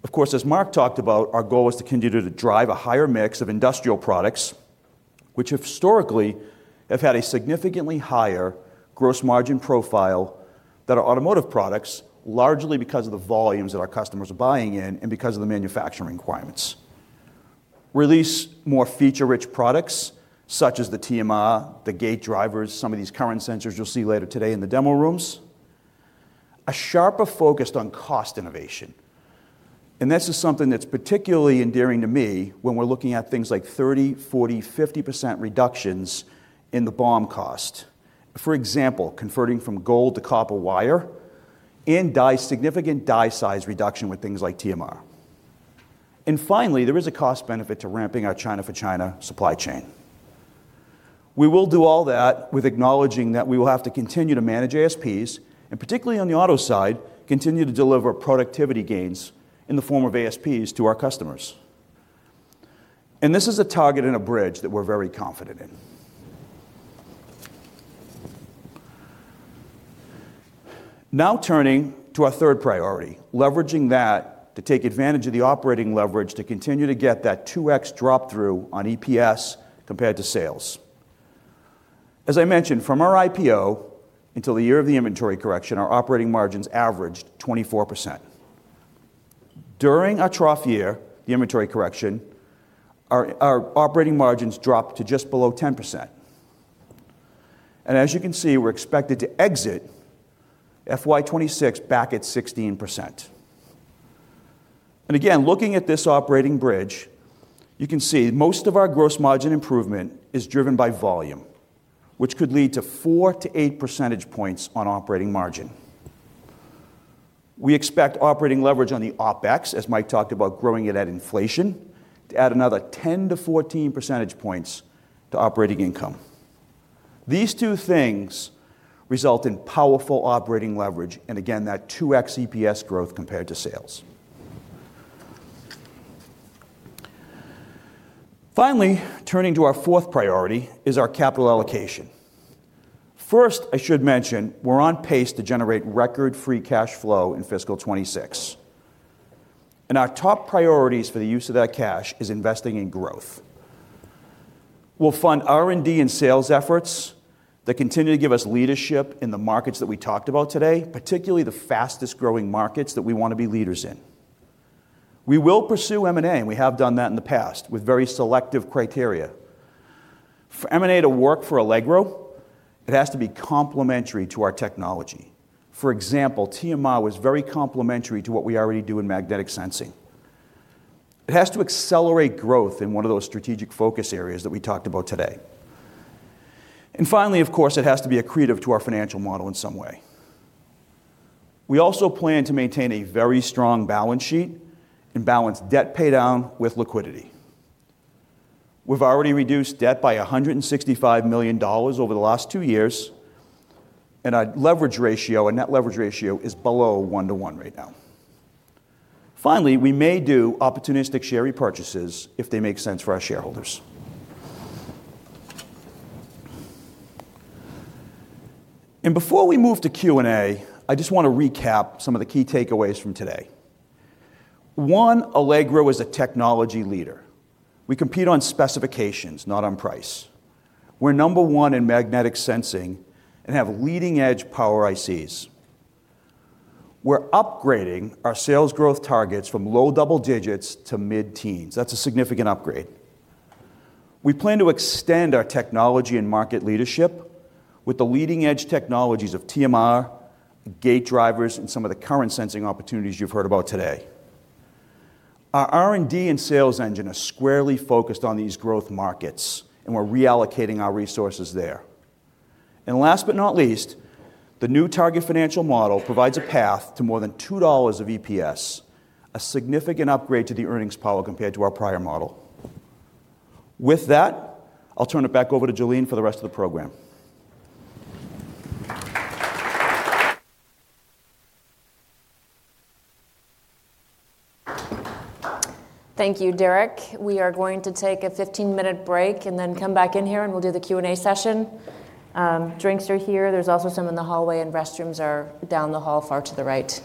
Of course, as Mark talked about, our goal is to continue to drive a higher mix of industrial products, which historically have had a significantly higher gross margin profile than our automotive products, largely because of the volumes that our customers are buying in and because of the manufacturing requirements. Release more feature-rich products, such as the TMR, the gate drivers, some of these current sensors you'll see later today in the demo rooms. A sharper focus on cost innovation, and this is something that's particularly endearing to me when we're looking at things like 30%, 40%, 50% reductions in the BOM cost. For example, converting from gold to copper wire and die, significant die size reduction with things like TMR. And finally, there is a cost benefit to ramping our China-for-China supply chain. We will do all that with acknowledging that we will have to continue to manage ASPs, and particularly on the auto side, continue to deliver productivity gains in the form of ASPs to our customers. And this is a target and a bridge that we're very confident in. Now, turning to our third priority, leveraging that to take advantage of the operating leverage to continue to get that 2x drop-through on EPS compared to sales. As I mentioned, from our IPO until the year of the inventory correction, our operating margins averaged 24%. During our trough year, the inventory correction, our operating margins dropped to just below 10%. As you can see, we're expected to exit FY 2026 back at 16%. Again, looking at this operating bridge, you can see most of our gross margin improvement is driven by volume, which could lead to 4-8 percentage points on operating margin. We expect operating leverage on the OpEx, as Mike talked about growing it at inflation, to add another 10-14 percentage points to operating income. These two things result in powerful operating leverage, and again, that 2x EPS growth compared to sales. Finally, turning to our fourth priority, is our capital allocation. First, I should mention, we're on pace to generate record free cash flow in fiscal 2026, and our top priorities for the use of that cash is investing in growth. We'll fund R&D and sales efforts that continue to give us leadership in the markets that we talked about today, particularly the fastest-growing markets that we want to be leaders in. We will pursue M&A, and we have done that in the past with very selective criteria. For M&A to work for Allegro, it has to be complementary to our technology. For example, TMR was very complementary to what we already do in magnetic sensing. It has to accelerate growth in one of those strategic focus areas that we talked about today. And finally, of course, it has to be accretive to our financial model in some way. We also plan to maintain a very strong balance sheet and balance debt paydown with liquidity. We've already reduced debt by $165 million over the last two years, and our leverage ratio, our net leverage ratio, is below 1 - 1 right now. Finally, we may do opportunistic share repurchases if they make sense for our shareholders. Before we move to Q&A, I just want to recap some of the key takeaways from today. One, Allegro is a technology leader. We compete on specifications, not on price. We're Number 1 in magnetic sensing and have leading-edge power ICs. We're upgrading our sales growth targets from low double digits to mid-teens. That's a significant upgrade. We plan to extend our technology and market leadership with the leading-edge technologies of TMR, gate drivers, and some of the current sensing opportunities you've heard about today. Our R&D and sales engine are squarely focused on these growth markets, and we're reallocating our resources there. Last but not least, the new target financial model provides a path to more than $2 of EPS, a significant upgrade to the earnings power compared to our prior model. With that, I'll turn it back over to Jalene for the rest of the program. Thank you, Derek. We are going to take a 15-minute break, and then come back in here, and we'll do the Q&A session. Drinks are here. There's also some in the hallway, and restrooms are down the hall, far to the right.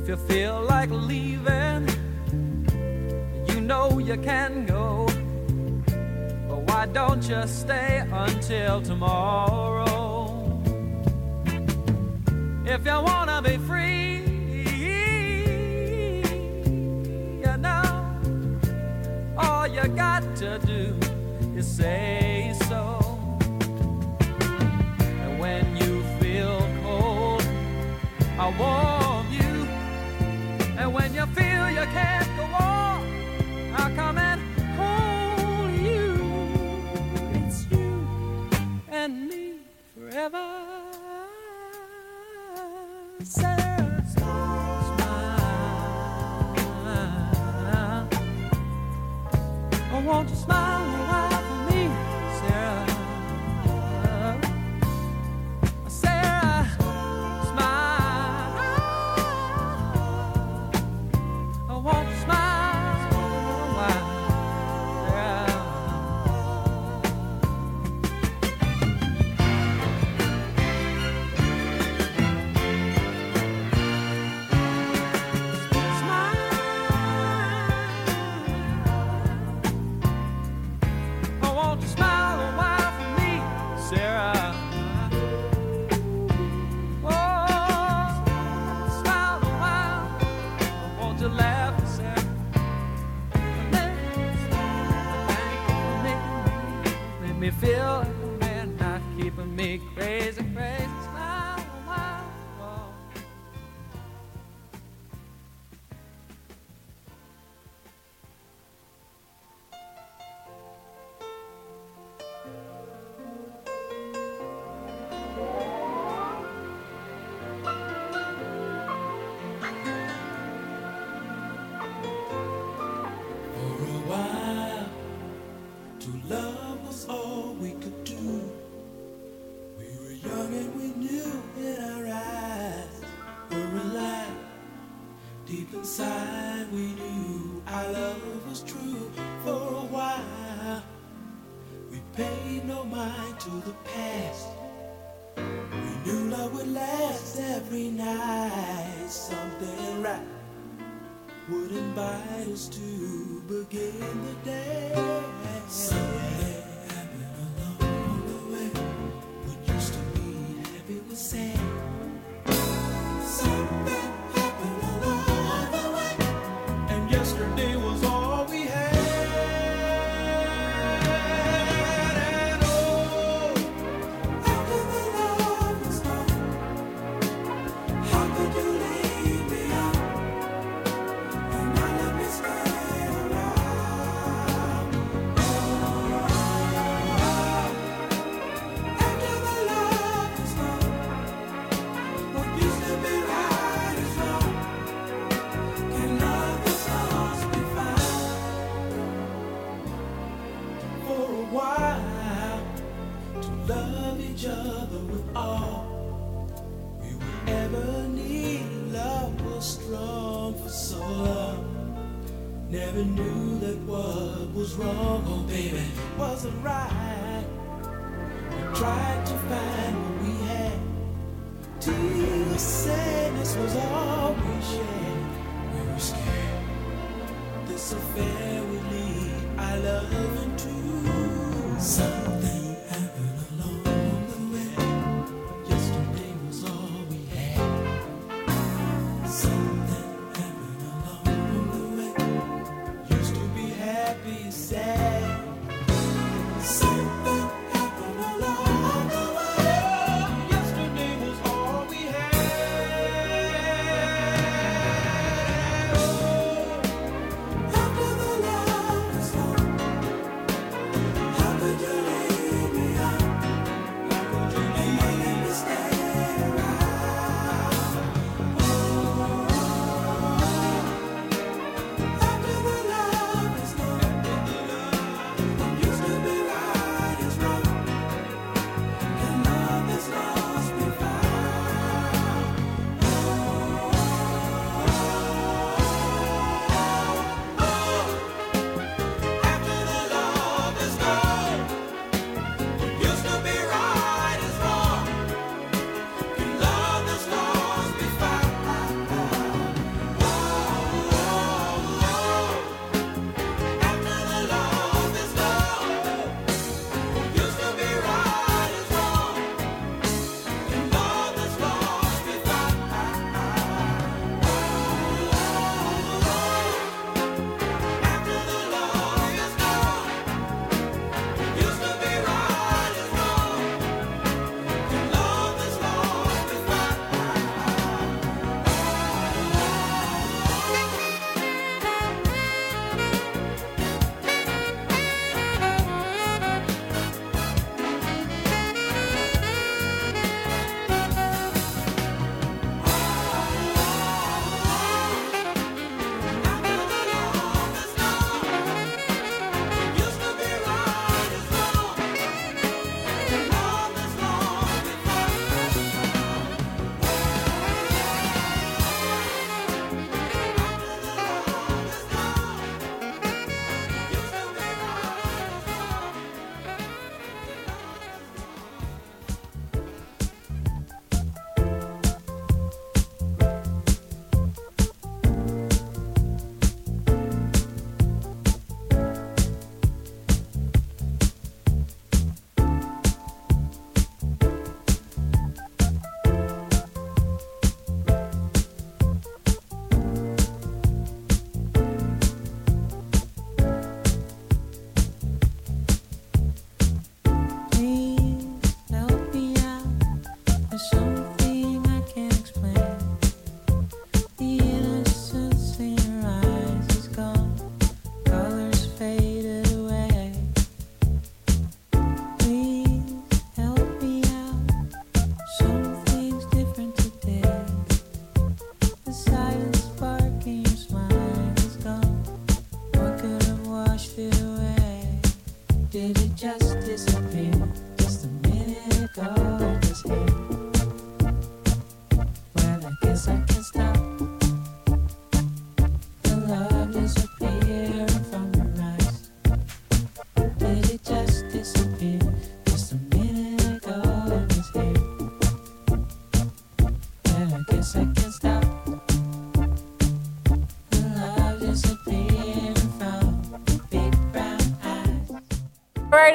All right,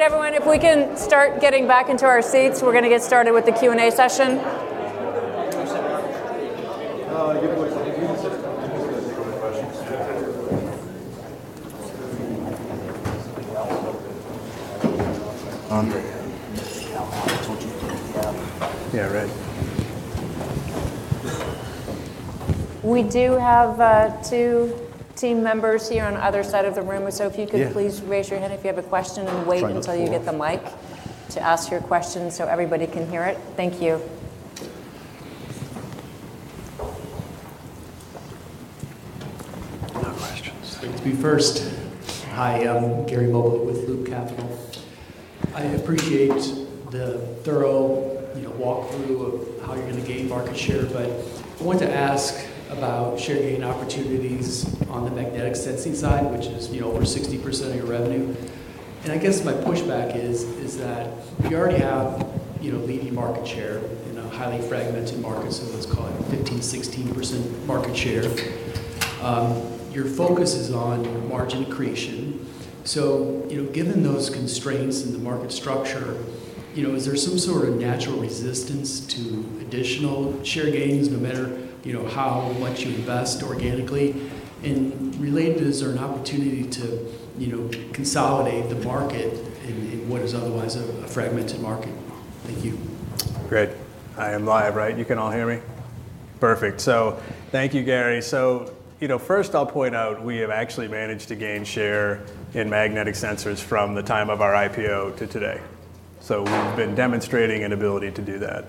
everyone, if we can start getting back into our seats, we're gonna get started with the Q&A session. We do have, two team members here on the other side of the room. So if you could- Yeah... please raise your hand if you have a question, and wait- Trying to look for you.... until you get the mic to ask your question so everybody can hear it. Thank you. No questions. Get to be first. Hi, I'm Gary Mobley with Loop Capital. I appreciate the thorough, you know, walkthrough of how you're gonna gain market share. But I want to ask about share gain opportunities on the magnetic sensing side, which is, you know, over 60% of your revenue. And I guess my pushback is, is that you already have, you know, leading market share in a highly fragmented market, so let's call it 15%, 16% market share. Your focus is on margin creation. So, you know, given those constraints in the market structure, you know, is there some sort of natural resistance to additional share gains, no matter, you know, how much you invest organically? And related to this, is there an opportunity to, you know, consolidate the market in, in what is otherwise a, a fragmented market? Thank you. Great. I am live, right? You can all hear me? Perfect. So thank you, Gary. So, you know, first, I'll point out we have actually managed to gain share in magnetic sensors from the time of our IPO to today. So we've been demonstrating an ability to do that.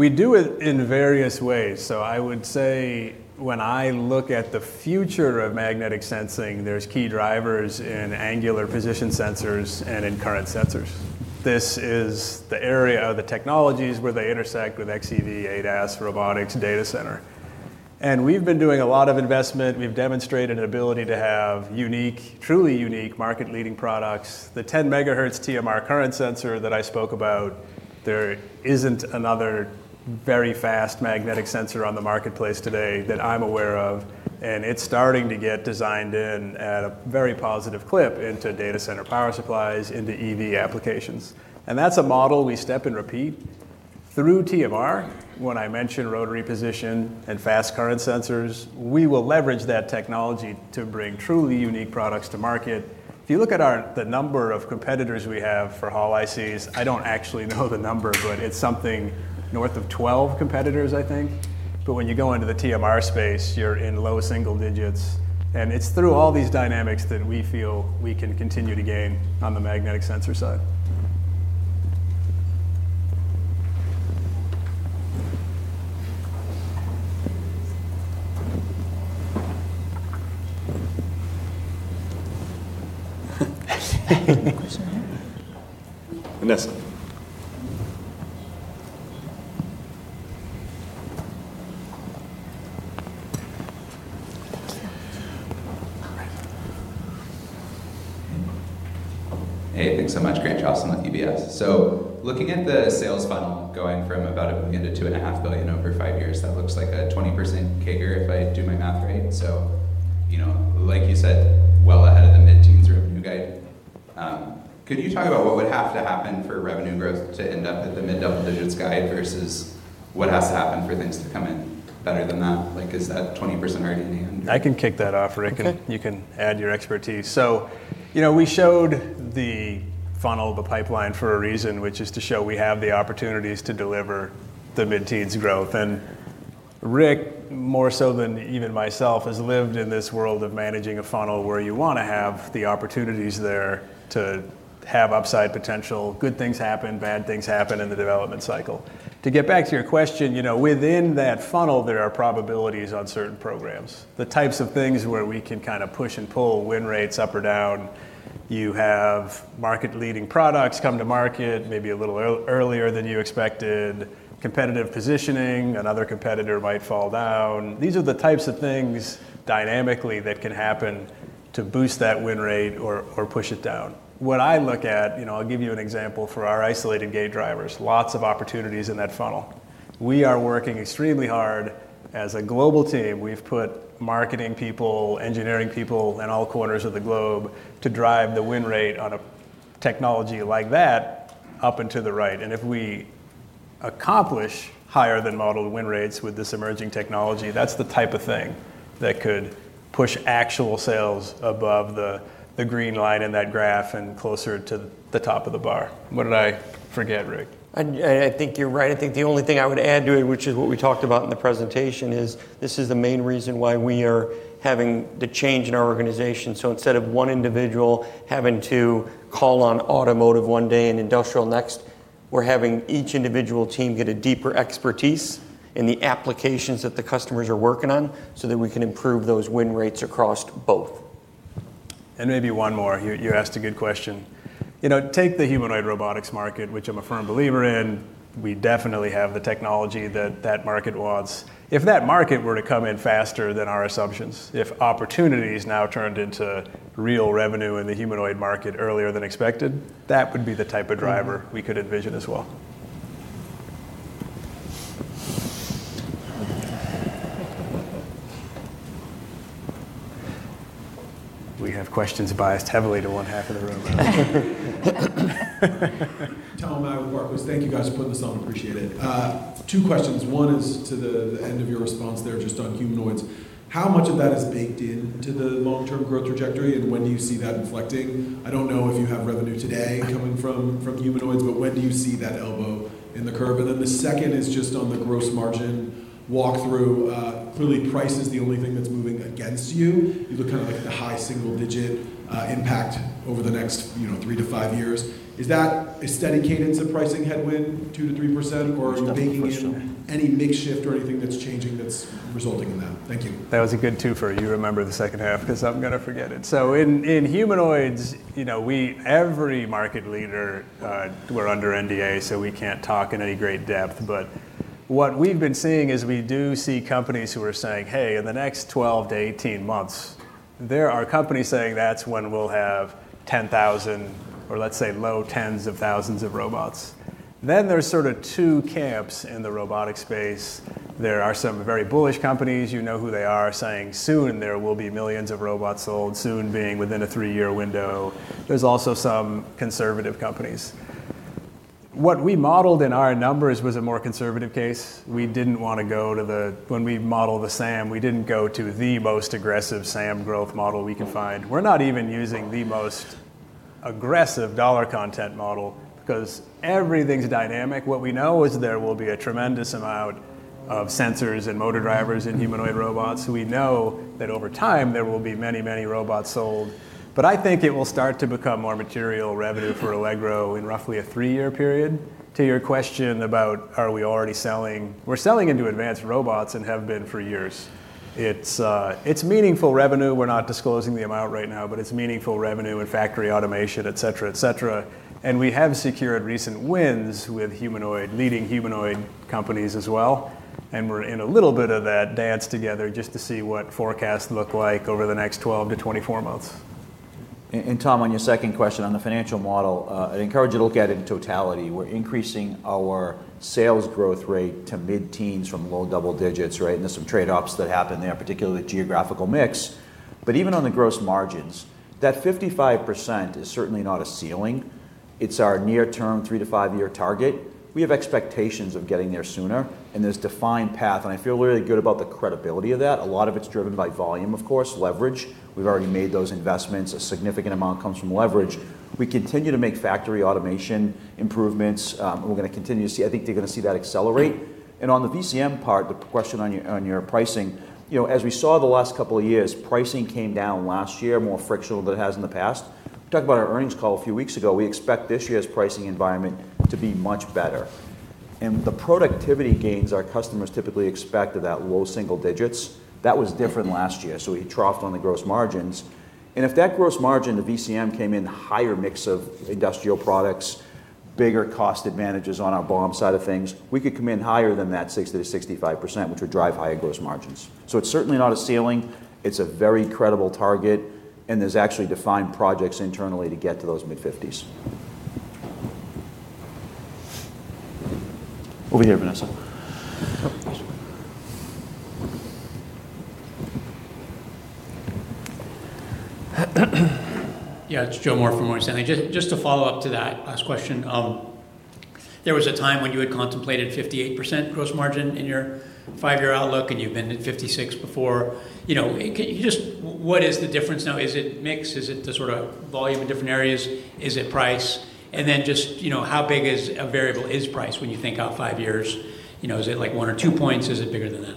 We do it in various ways. So I would say when I look at the future of magnetic sensing, there's key drivers in angular position sensors and in current sensors. This is the area of the technologies where they intersect with xEV, ADAS, robotics, data center. And we've been doing a lot of investment. We've demonstrated an ability to have unique, truly unique, market-leading products. The 10 MHz TMR current sensor that I spoke about, there isn't another very fast magnetic sensor on the marketplace today that I'm aware of, and it's starting to get designed in at a very positive clip into data center power supplies, into EV applications. That's a model we step and repeat. Through TMR, when I mention rotary position and fast current sensors, we will leverage that technology to bring truly unique products to market. If you look at our, the number of competitors we have for Hall ICs, I don't actually know the number, but it's something north of 12 competitors, I think. When you go into the TMR space, you're in low single digits, and it's through all these dynamics that we feel we can continue to gain on the magnetic sensor side. Hey, thanks so much. Grant Johnson with UBS. So looking at the sales funnel, going from about $1 billion - $2.5 billion over five years, that looks like a 20% CAGR, if I do my math right. So, you know, like you said, well ahead of the mid-teens revenue guide. Could you talk about what would have to happen for revenue growth to end up at the mid-double digits guide, versus what has to happen for things to come in better than that? Like, is that 20% already in the end? I can kick that off, Rick- Okay. And you can add your expertise. So, you know, we showed the funnel, the pipeline, for a reason, which is to show we have the opportunities to deliver the mid-teens growth. Rick, more so than even myself, has lived in this world of managing a funnel, where you wanna have the opportunities there to have upside potential. Good things happen, bad things happen in the development cycle. To get back to your question, you know, within that funnel, there are probabilities on certain programs. The types of things where we can kind of push and pull win rates up or down. You have market-leading products come to market, maybe a little earlier than you expected, competitive positioning, another competitor might fall down. These are the types of things dynamically that can happen to boost that win rate or push it down. What I look at... You know, I'll give you an example. For our isolated gate drivers, lots of opportunities in that funnel. We are working extremely hard as a global team. We've put marketing people, engineering people in all corners of the globe to drive the win rate on a technology like that up and to the right. And if we accomplish higher than modeled win rates with this emerging technology, that's the type of thing that could push actual sales above the, the green line in that graph and closer to the top of the bar. What did I forget, Rick? I think you're right. I think the only thing I would add to it, which is what we talked about in the presentation, is this is the main reason why we are having the change in our organization. So instead of one individual having to call on automotive one day and industrial next, we're having each individual team get a deeper expertise in the applications that the customers are working on, so that we can improve those win rates across both. Maybe one more. You, you asked a good question. You know, take the humanoid robotics market, which I'm a firm believer in. We definitely have the technology that that market wants. If that market were to come in faster than our assumptions, if opportunities now turned into real revenue in the humanoid market earlier than expected, that would be the type of driver- We could envision as well. We have questions biased heavily to one half of the room. Tom, I'm with Barclays. Thank you, guys, for putting this on. Appreciate it. Two questions. One is to the end of your response there, just on humanoids. How much of that is baked into the long-term growth trajectory, and when do you see that inflecting? I don't know if you have revenue today coming from humanoids, but when do you see that elbow in the curve? And then the second is just on the gross margin walkthrough. Clearly, price is the only thing that's moving against you. You look kind of like the high single digit impact over the next, you know, three to five years. Is that a steady cadence of pricing headwind, 2%-3%? It's definitely frictional. Or are you baking in any mix shift or anything that's changing, that's resulting in that? Thank you. That was a good twofer. You remember the second half? 'Cause I'm gonna forget it. So in humanoids, you know, every market leader, we're under NDA, so we can't talk in any great depth. But what we've been seeing is, we do see companies who are saying, "Hey, in the next 12 months-18 months..." There are companies saying that's when we'll have 10,000, or let's say, low tens of thousands of robots. Then there's sort of two camps in the robotic space. There are some very bullish companies, you know who they are, saying, "Soon there will be millions of robots sold," soon being within a three year window. There's also some conservative companies. What we modeled in our numbers was a more conservative case. We didn't wanna go to the... When we modeled the SAM, we didn't go to the most aggressive SAM growth model we could find. We're not even using the most aggressive dollar content model, because everything's dynamic. What we know is there will be a tremendous amount of sensors and motor drivers in humanoid robots. We know that over time, there will be many, many robots sold. But I think it will start to become more material revenue for Allegro in roughly a three-year period. To your question about, are we already selling? We're selling into advanced robots and have been for years. It's, it's meaningful revenue. We're not disclosing the amount right now, but it's meaningful revenue in factory automation, et cetera, et cetera. And we have secured recent wins with humanoid, leading humanoid companies as well. We're in a little bit of that dance together just to see what forecasts look like over the next 12 months-24 months. Tom, on your second question on the financial model, I'd encourage you to look at it in totality. We're increasing our sales growth rate to mid-teens from low double digits, right? And there's some trade-offs that happen there, particularly geographic mix. But even on the gross margins, that 55% is certainly not a ceiling. It's our near-term, 3year - 5year target. We have expectations of getting there sooner in this defined path, and I feel really good about the credibility of that. A lot of it's driven by volume, of course, leverage. We've already made those investments. A significant amount comes from leverage. We continue to make factory automation improvements, and we're gonna continue to see. I think you're gonna see that accelerate. On the VCM part, the question on your pricing, you know, as we saw the last couple of years, pricing came down last year, more frictional than it has in the past. We talked about our earnings call a few weeks ago. We expect this year's pricing environment to be much better. And the productivity gains our customers typically expect of that low single digits, that was different last year, so we troughed on the gross margins. And if that gross margin, the VCM, came in higher mix of industrial products-... bigger cost advantages on our BOM side of things, we could come in higher than that 60%-65%, which would drive higher gross margins. So it's certainly not a ceiling, it's a very credible target, and there's actually defined projects internally to get to those mid-50s. Over here, Vanessa. Yeah, it's Joseph Moore from Morgan Stanley. Just to follow up to that last question, there was a time when you had contemplated 58% gross margin in your five-year outlook, and you've been at 56% before. You know, can you just—what is the difference now? Is it mix? Is it the sorta volume in different areas? Is it price? And then just, you know, how big is—a variable is price when you think out five years? You know, is it like one or two points? Is it bigger than that?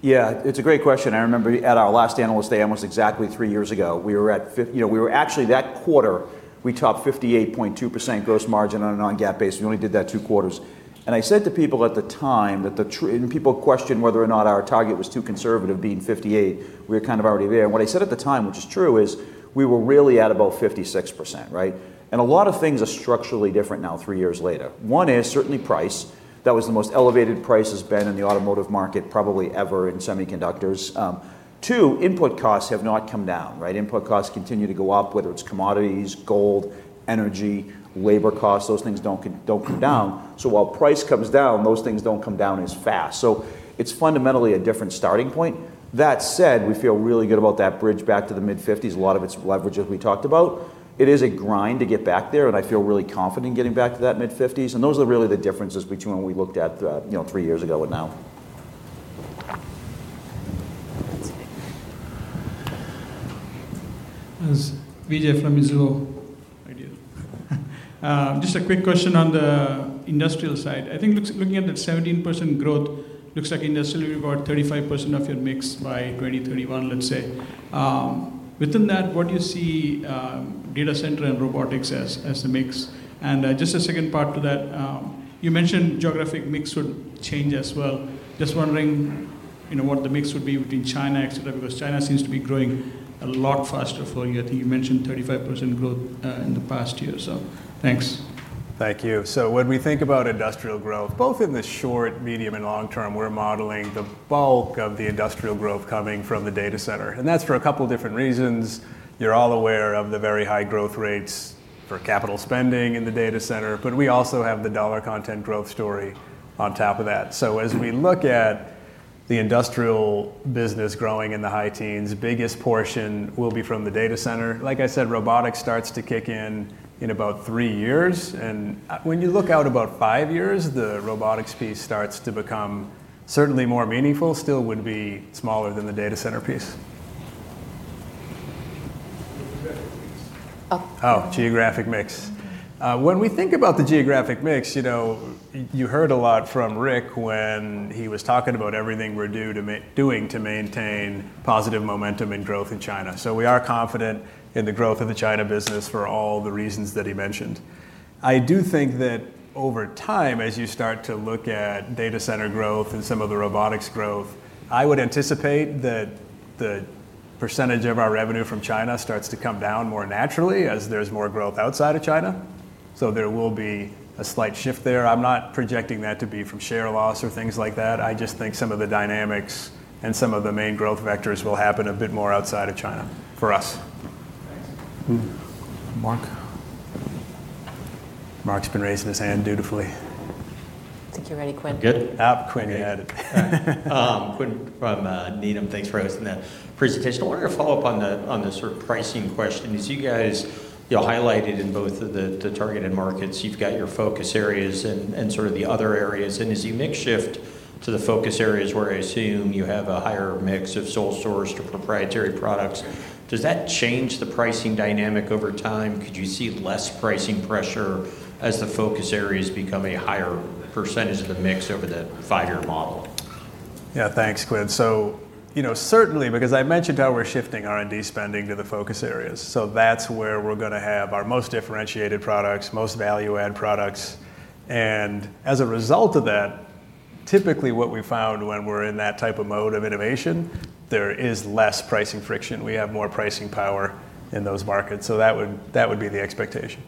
Thank you. Yeah, it's a great question. I remember at our last Analyst Day, almost exactly three years ago, we were at – you know, we were actually, that quarter, we topped 58.2% gross margin on a non-GAAP basis. We only did that two quarters. And I said to people at the time that the – and people questioned whether or not our target was too conservative being 58. We were kind of already there. And what I said at the time, which is true, is we were really at about 56%, right? And a lot of things are structurally different now, three years later. One is certainly price. That was the most elevated price it's been in the automotive market, probably ever in semiconductors. Two, input costs have not come down, right? Input costs continue to go up, whether it's commodities, gold, energy, labor costs. Those things don't come down. So while price comes down, those things don't come down as fast. So it's fundamentally a different starting point. That said, we feel really good about that bridge back to the mid-50s. A lot of it's leverage, as we talked about. It is a grind to get back there, and I feel really confident in getting back to that mid-50s, and those are really the differences between when we looked at, you know, three years ago and now. This is Vijay from Mizuho. Hi, dear. Just a quick question on the industrial side. I think looking at that 17% growth, looks like industrial will be about 35% of your mix by 2031, let's say. Within that, what do you see, data center and robotics as, as the mix? And just a second part to that, you mentioned geographic mix would change as well. Just wondering, you know, what the mix would be between China, et cetera, because China seems to be growing a lot faster for you. I think you mentioned 35% growth in the past year. So, thanks. Thank you. So when we think about industrial growth, both in the short, medium, and long term, we're modeling the bulk of the industrial growth coming from the data center, and that's for a couple different reasons. You're all aware of the very high growth rates for capital spending in the data center, but we also have the dollar content growth story on top of that. So as we look at the industrial business growing in the high teens, biggest portion will be from the data center. Like I said, robotics starts to kick in in about three years, and when you look out about five years, the robotics piece starts to become certainly more meaningful, still would be smaller than the data center piece. Oh, geographic mix. When we think about the geographic mix, you know, you heard a lot from Rick when he was talking about everything we're doing to maintain positive momentum and growth in China. So we are confident in the growth of the China business for all the reasons that he mentioned. I do think that over time, as you start to look at data center growth and some of the robotics growth, I would anticipate that the percentage of our revenue from China starts to come down more naturally as there's more growth outside of China. So there will be a slight shift there. I'm not projecting that to be from share loss or things like that. I just think some of the dynamics and some of the main growth vectors will happen a bit more outside of China for us. Thanks. Mm-hmm. Mark? Mark's been raising his hand dutifully. I think you're ready, Quinn. Good. Quinn, go ahead. Quinn from Needham. Thanks for hosting that presentation. I wanted to follow up on the sort of pricing question. As you guys, you know, highlighted in both of the targeted markets, you've got your focus areas and sort of the other areas. As you make shift to the focus areas where I assume you have a higher mix of sole source to proprietary products, does that change the pricing dynamic over time? Could you see less pricing pressure as the focus areas become a higher percentage of the mix over the five-year model? Yeah, thanks, Quinn. So, you know, certainly, because I mentioned how we're shifting R&D spending to the focus areas, so that's where we're gonna have our most differentiated products, most value-add products. And as a result of that, typically what we found when we're in that type of mode of innovation, there is less pricing friction. We have more pricing power in those markets, so that would, that would be the expectation.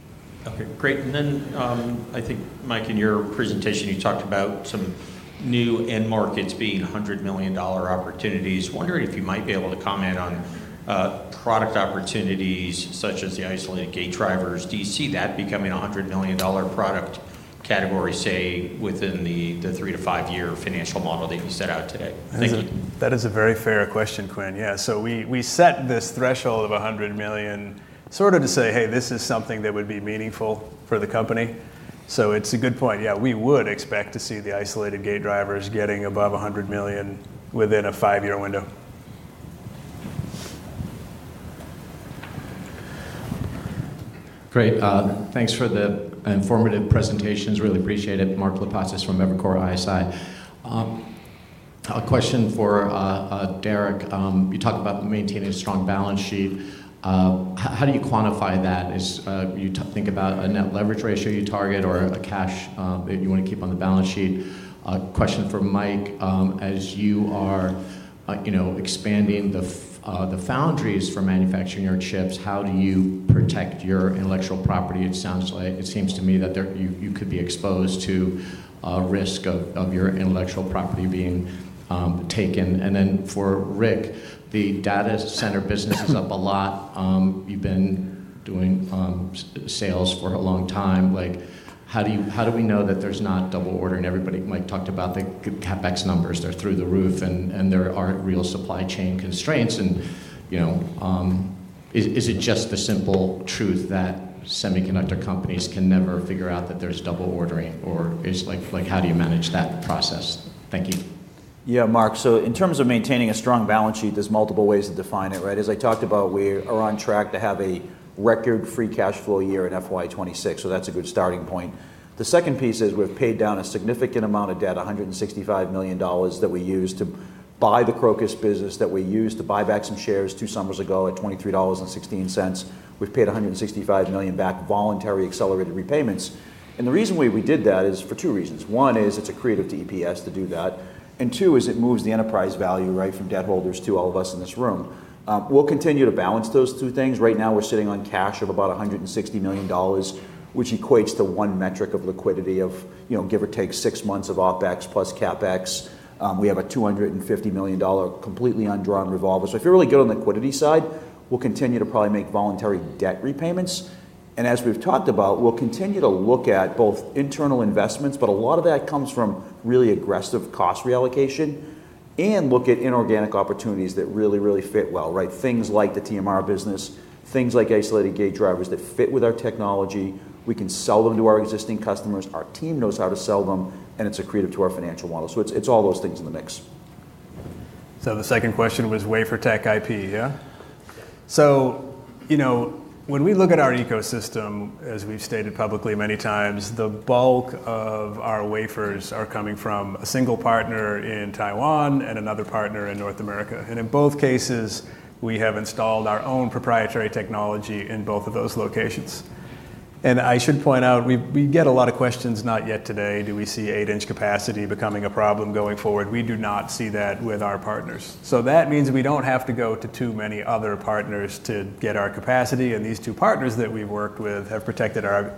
Okay, great. And then, I think, Mike, in your presentation, you talked about some new end markets being $100 million opportunities. Wondering if you might be able to comment on, product opportunities such as the isolated gate drivers. Do you see that becoming a $100 million product category, say, within the 3year - 5year financial model that you set out today? Thank you. That is, that is a very fair question, Quinn. Yeah, so we, we set this threshold of $100 million sort of to say, "Hey, this is something that would be meaningful for the company." So it's a good point. Yeah, we would expect to see the isolated gate drivers getting above $100 million within a 5-year window.... Great. Thanks for the informative presentations. Really appreciate it. Mark Lipacis from Evercore ISI. A question for Derek. You talked about maintaining a strong balance sheet. How do you quantify that? Do you think about a net leverage ratio you target or a cash that you want to keep on the balance sheet? A question for Mike. As you are, you know, expanding the foundries for manufacturing your chips, how do you protect your intellectual property? It sounds like it seems to me that there you could be exposed to risk of your intellectual property being taken. And then for Rick, the data center business is up a lot. You've been doing sales for a long time. Like, how do we know that there's not double ordering? Everybody, Mike talked about the CapEx numbers. They're through the roof, and there aren't real supply chain constraints and, you know, is it just the simple truth that semiconductor companies can never figure out that there's double ordering, or is, like, how do you manage that process? Thank you. Yeah, Mark, so in terms of maintaining a strong balance sheet, there's multiple ways to define it, right? As I talked about, we are on track to have a record free cash flow year in FY 2026, so that's a good starting point. The second piece is we've paid down a significant amount of debt, $165 million, that we used to buy the Crocus business, that we used to buy back some shares two summers ago at $23.16. We've paid $165 million back, voluntary accelerated repayments. The reason why we did that is for two reasons: one is it's accretive to EPS to do that, and two, is it moves the enterprise value, right, from debt holders to all of us in this room. We'll continue to balance those two things. Right now, we're sitting on cash of about $160 million, which equates to one metric of liquidity of, you know, give or take, six months of OpEx plus CapEx. We have a $250 million completely undrawn revolver. So if you're really good on the liquidity side, we'll continue to probably make voluntary debt repayments, and as we've talked about, we'll continue to look at both internal investments, but a lot of that comes from really aggressive cost reallocation, and look at inorganic opportunities that really, really fit well, right? Things like the TMR business, things like isolated gate drivers that fit with our technology. We can sell them to our existing customers, our team knows how to sell them, and it's accretive to our financial model. So it's, it's all those things in the mix. The second question was WaferTech IP, yeah? So, you know, when we look at our ecosystem, as we've stated publicly many times, the bulk of our wafers are coming from a single partner in Taiwan and another partner in North America, and in both cases, we have installed our own proprietary technology in both of those locations. And I should point out, we get a lot of questions, not yet today, do we see eight inch capacity becoming a problem going forward? We do not see that with our partners. So that means we don't have to go to too many other partners to get our capacity, and these two partners that we've worked with have protected our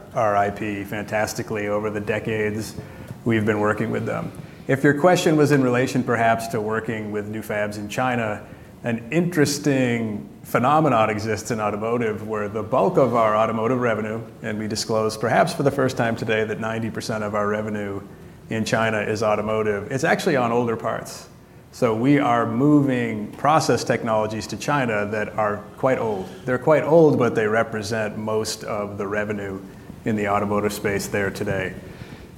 IP fantastically over the decades we've been working with them. If your question was in relation perhaps to working with new fabs in China, an interesting phenomenon exists in automotive, where the bulk of our automotive revenue, and we disclosed perhaps for the first time today, that 90% of our revenue in China is automotive. It's actually on older parts. So we are moving process technologies to China that are quite old. They're quite old, but they represent most of the revenue in the automotive space there today.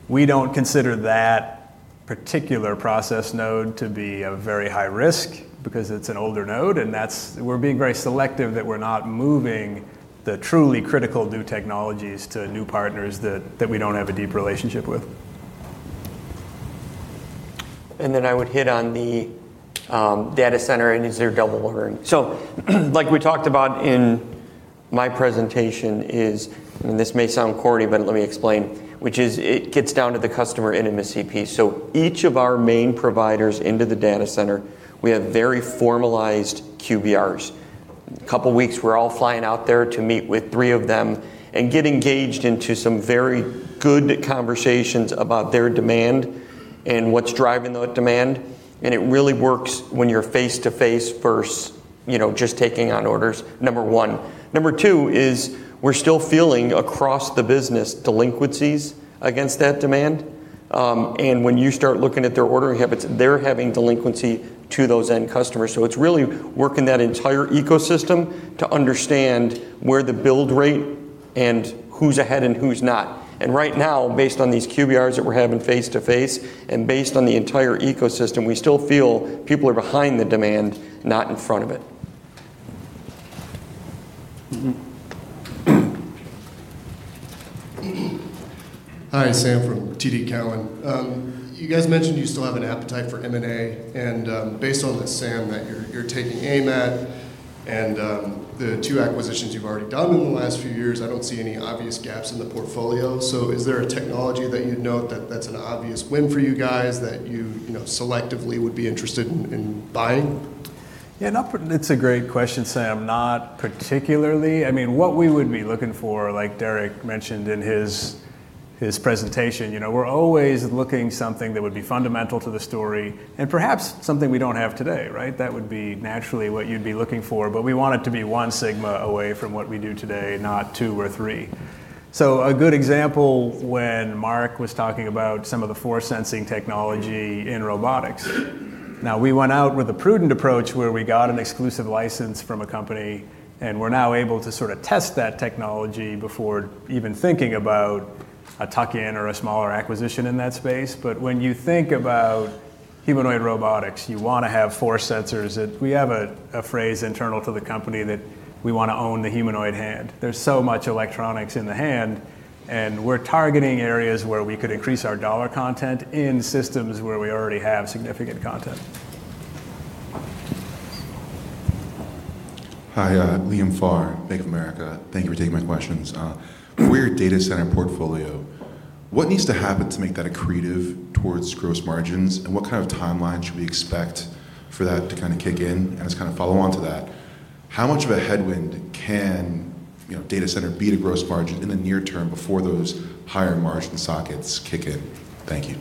We don't consider that particular process node to be of very high risk because it's an older node, and that's... We're being very selective that we're not moving the truly critical new technologies to new partners that, that we don't have a deep relationship with. And then I would hit on the data center, and is there double ordering? So, like we talked about in my presentation, is, and this may sound corny, but let me explain, which is it gets down to the customer intimacy piece. So each of our main providers into the data center, we have very formalized QBRs. In a couple of weeks, we're all flying out there to meet with three of them and get engaged into some very good conversations about their demand and what's driving the demand. And it really works when you're face-to-face versus, you know, just taking on orders, number one. Number 2 is we're still feeling across the business, delinquencies against that demand, and when you start looking at their ordering habits, they're having delinquency to those end customers. It's really working that entire ecosystem to understand where the build rate and who's ahead and who's not. Right now, based on these QBRs that we're having face-to-face and based on the entire ecosystem, we still feel people are behind the demand, not in front of it. Hi, Sam from TD Cowen. You guys mentioned you still have an appetite for M&A, and based on the SAM that you're taking aim at and the two acquisitions you've already done in the last few years, I don't see any obvious gaps in the portfolio. So is there a technology that you'd note that that's an obvious win for you guys, that you know selectively would be interested in buying? It's a great question, Sam. Not particularly. I mean, what we would be looking for, like Derek mentioned in his, his presentation, you know, we're always looking something that would be fundamental to the story and perhaps something we don't have today, right? That would be naturally what you'd be looking for, but we want it to be one sigma away from what we do today, not two or three. So a good example, when Mark was talking about some of the force sensing technology in robotics. Now, we went out with a prudent approach, where we got an exclusive license from a company, and we're now able to sort of test that technology before even thinking about a tuck-in or a smaller acquisition in that space. But when you think about-... Humanoid robotics, you want to have force sensors that. We have a phrase internal to the company that we want to own the humanoid hand. There's so much electronics in the hand, and we're targeting areas where we could increase our dollar content in systems where we already have significant content. Hi, Liam Farr, Bank of America. Thank you for taking my questions. Weird data center portfolio. What needs to happen to make that accretive towards gross margins? And what kind of timeline should we expect for that to kind of kick in? And as kind of follow on to that, how much of a headwind can, you know, data center be to gross margin in the near term before those higher margin sockets kick in? Thank you.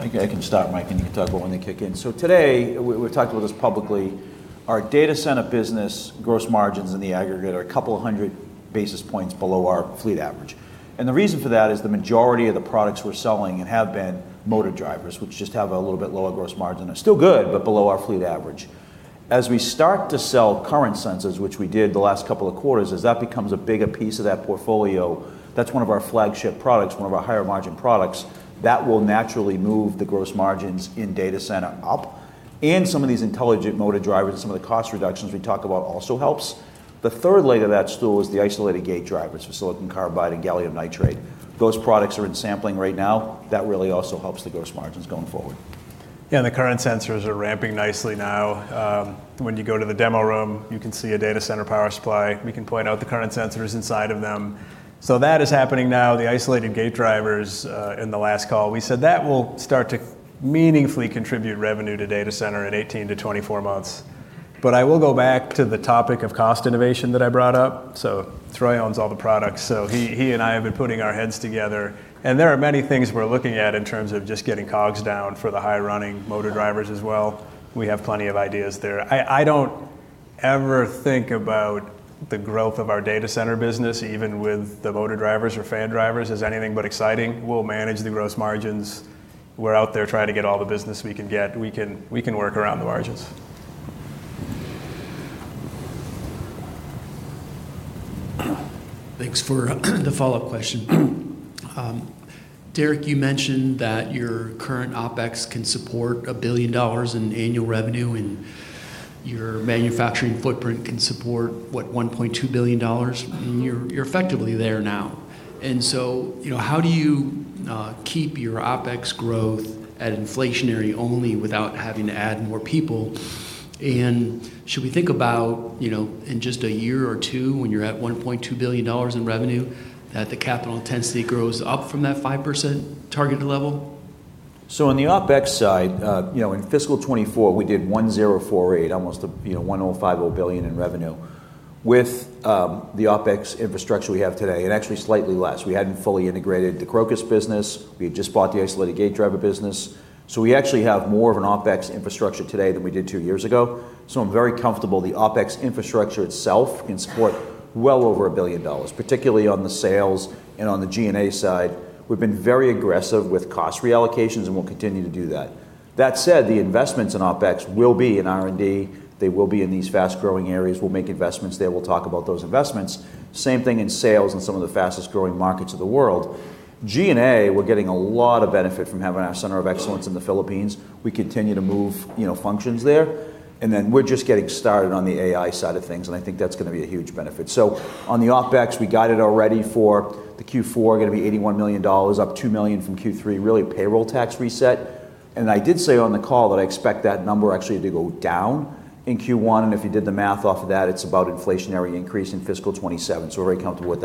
I can start, Mike, and you can talk about when they kick in. So today, we've talked about this publicly; our data center business gross margins in the aggregate are 200 basis points below our fleet average. And the reason for that is the majority of the products we're selling, and have been, motor drivers, which just have a little bit lower gross margin, are still good, but below our fleet average. As we start to sell current sensors, which we did the last couple of quarters, as that becomes a bigger piece of that portfolio, that's one of our flagship products, one of our higher margin products, that will naturally move the gross margins in data center up. And some of these intelligent motor drivers and some of the cost reductions we talked about also helps. The third leg of that stool is the isolated gate drivers for silicon carbide and gallium nitride. Those products are in sampling right now. That really also helps the gross margins going forward. The current sensors are ramping nicely now. When you go to the demo room, you can see a data center power supply. We can point out the current sensors inside of them. So that is happening now. The isolated gate drivers, in the last call, we said that will start to meaningfully contribute revenue to data center in 18 months-24 months. But I will go back to the topic of cost innovation that I brought up. So Troy owns all the products, so he and I have been putting our heads together, and there are many things we're looking at in terms of just getting COGS down for the high running motor drivers as well. We have plenty of ideas there. I don't ever think about the growth of our data center business, even with the motor drivers or fan drivers, as anything but exciting. We'll manage the gross margins. We're out there trying to get all the business we can get. We can work around the margins. Thanks for the follow-up question. Derek, you mentioned that your current OpEx can support $1 billion in annual revenue, and your manufacturing footprint can support, what, $1.2 billion? You're effectively there now. And so, you know, how do you keep your OpEx growth at inflationary only without having to add more people? And should we think about, you know, in just a year or two, when you're at $1.2 billion in revenue, that the capital intensity grows up from that 5% targeted level? So on the OpEx side, you know, in fiscal 2024, we did $1.048 billion, almost a, you know, $1.05 billion in revenue. With, the OpEx infrastructure we have today, and actually slightly less, we hadn't fully integrated the Crocus business. We had just bought the isolated gate driver business. So we actually have more of an OpEx infrastructure today than we did two years ago. So I'm very comfortable the OpEx infrastructure itself can support well over $1 billion, particularly on the sales and on the GaN side. We've been very aggressive with cost reallocations, and we'll continue to do that. That said, the investments in OpEx will be in R&D. They will be in these fast-growing areas. We'll make investments there. We'll talk about those investments. Same thing in sales and some of the fastest-growing markets of the world. GaN, we're getting a lot of benefit from having our center of excellence in the Philippines. We continue to move, you know, functions there, and then we're just getting started on the AI side of things, and I think that's going to be a huge benefit. So on the OpEx, we guided already for the Q4, going to be $81 million, up $2 million from Q3, really a payroll tax reset. And I did say on the call that I expect that number actually to go down in Q1, and if you did the math off of that, it's about inflationary increase in fiscal 2027, so we're very comfortable with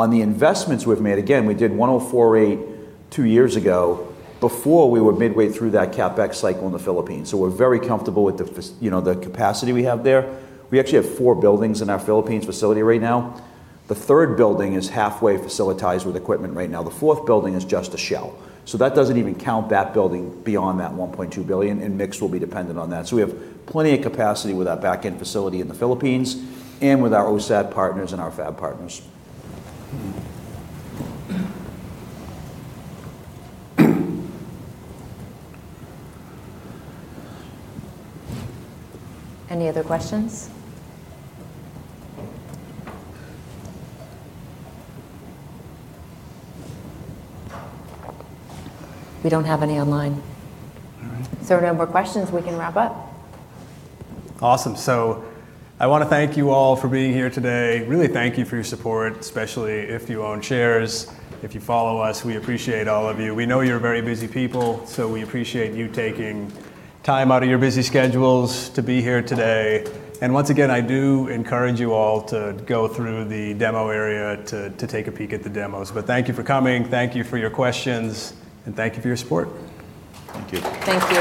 that. On the investments we've made, again, we did $104.8 million two years ago, before we were midway through that CapEx cycle in the Philippines. We're very comfortable with the you know, the capacity we have there. We actually have 4 buildings in our Philippines facility right now. The third building is halfway fitted with equipment right now. The fourth building is just a shell. That doesn't even count that building beyond that $1.2 billion, and mix will be dependent on that. We have plenty of capacity with our backend facility in the Philippines and with our OSAT partners and our fab partners. Any other questions? We don't have any online. All right. If there are no more questions, we can wrap up. Awesome. So I want to thank you all for being here today. Really, thank you for your support, especially if you own shares, if you follow us. We appreciate all of you. We know you're very busy people, so we appreciate you taking time out of your busy schedules to be here today. Once again, I do encourage you all to go through the demo area to take a peek at the demos. But thank you for coming, thank you for your questions, and thank you for your support. Thank you. Thank you.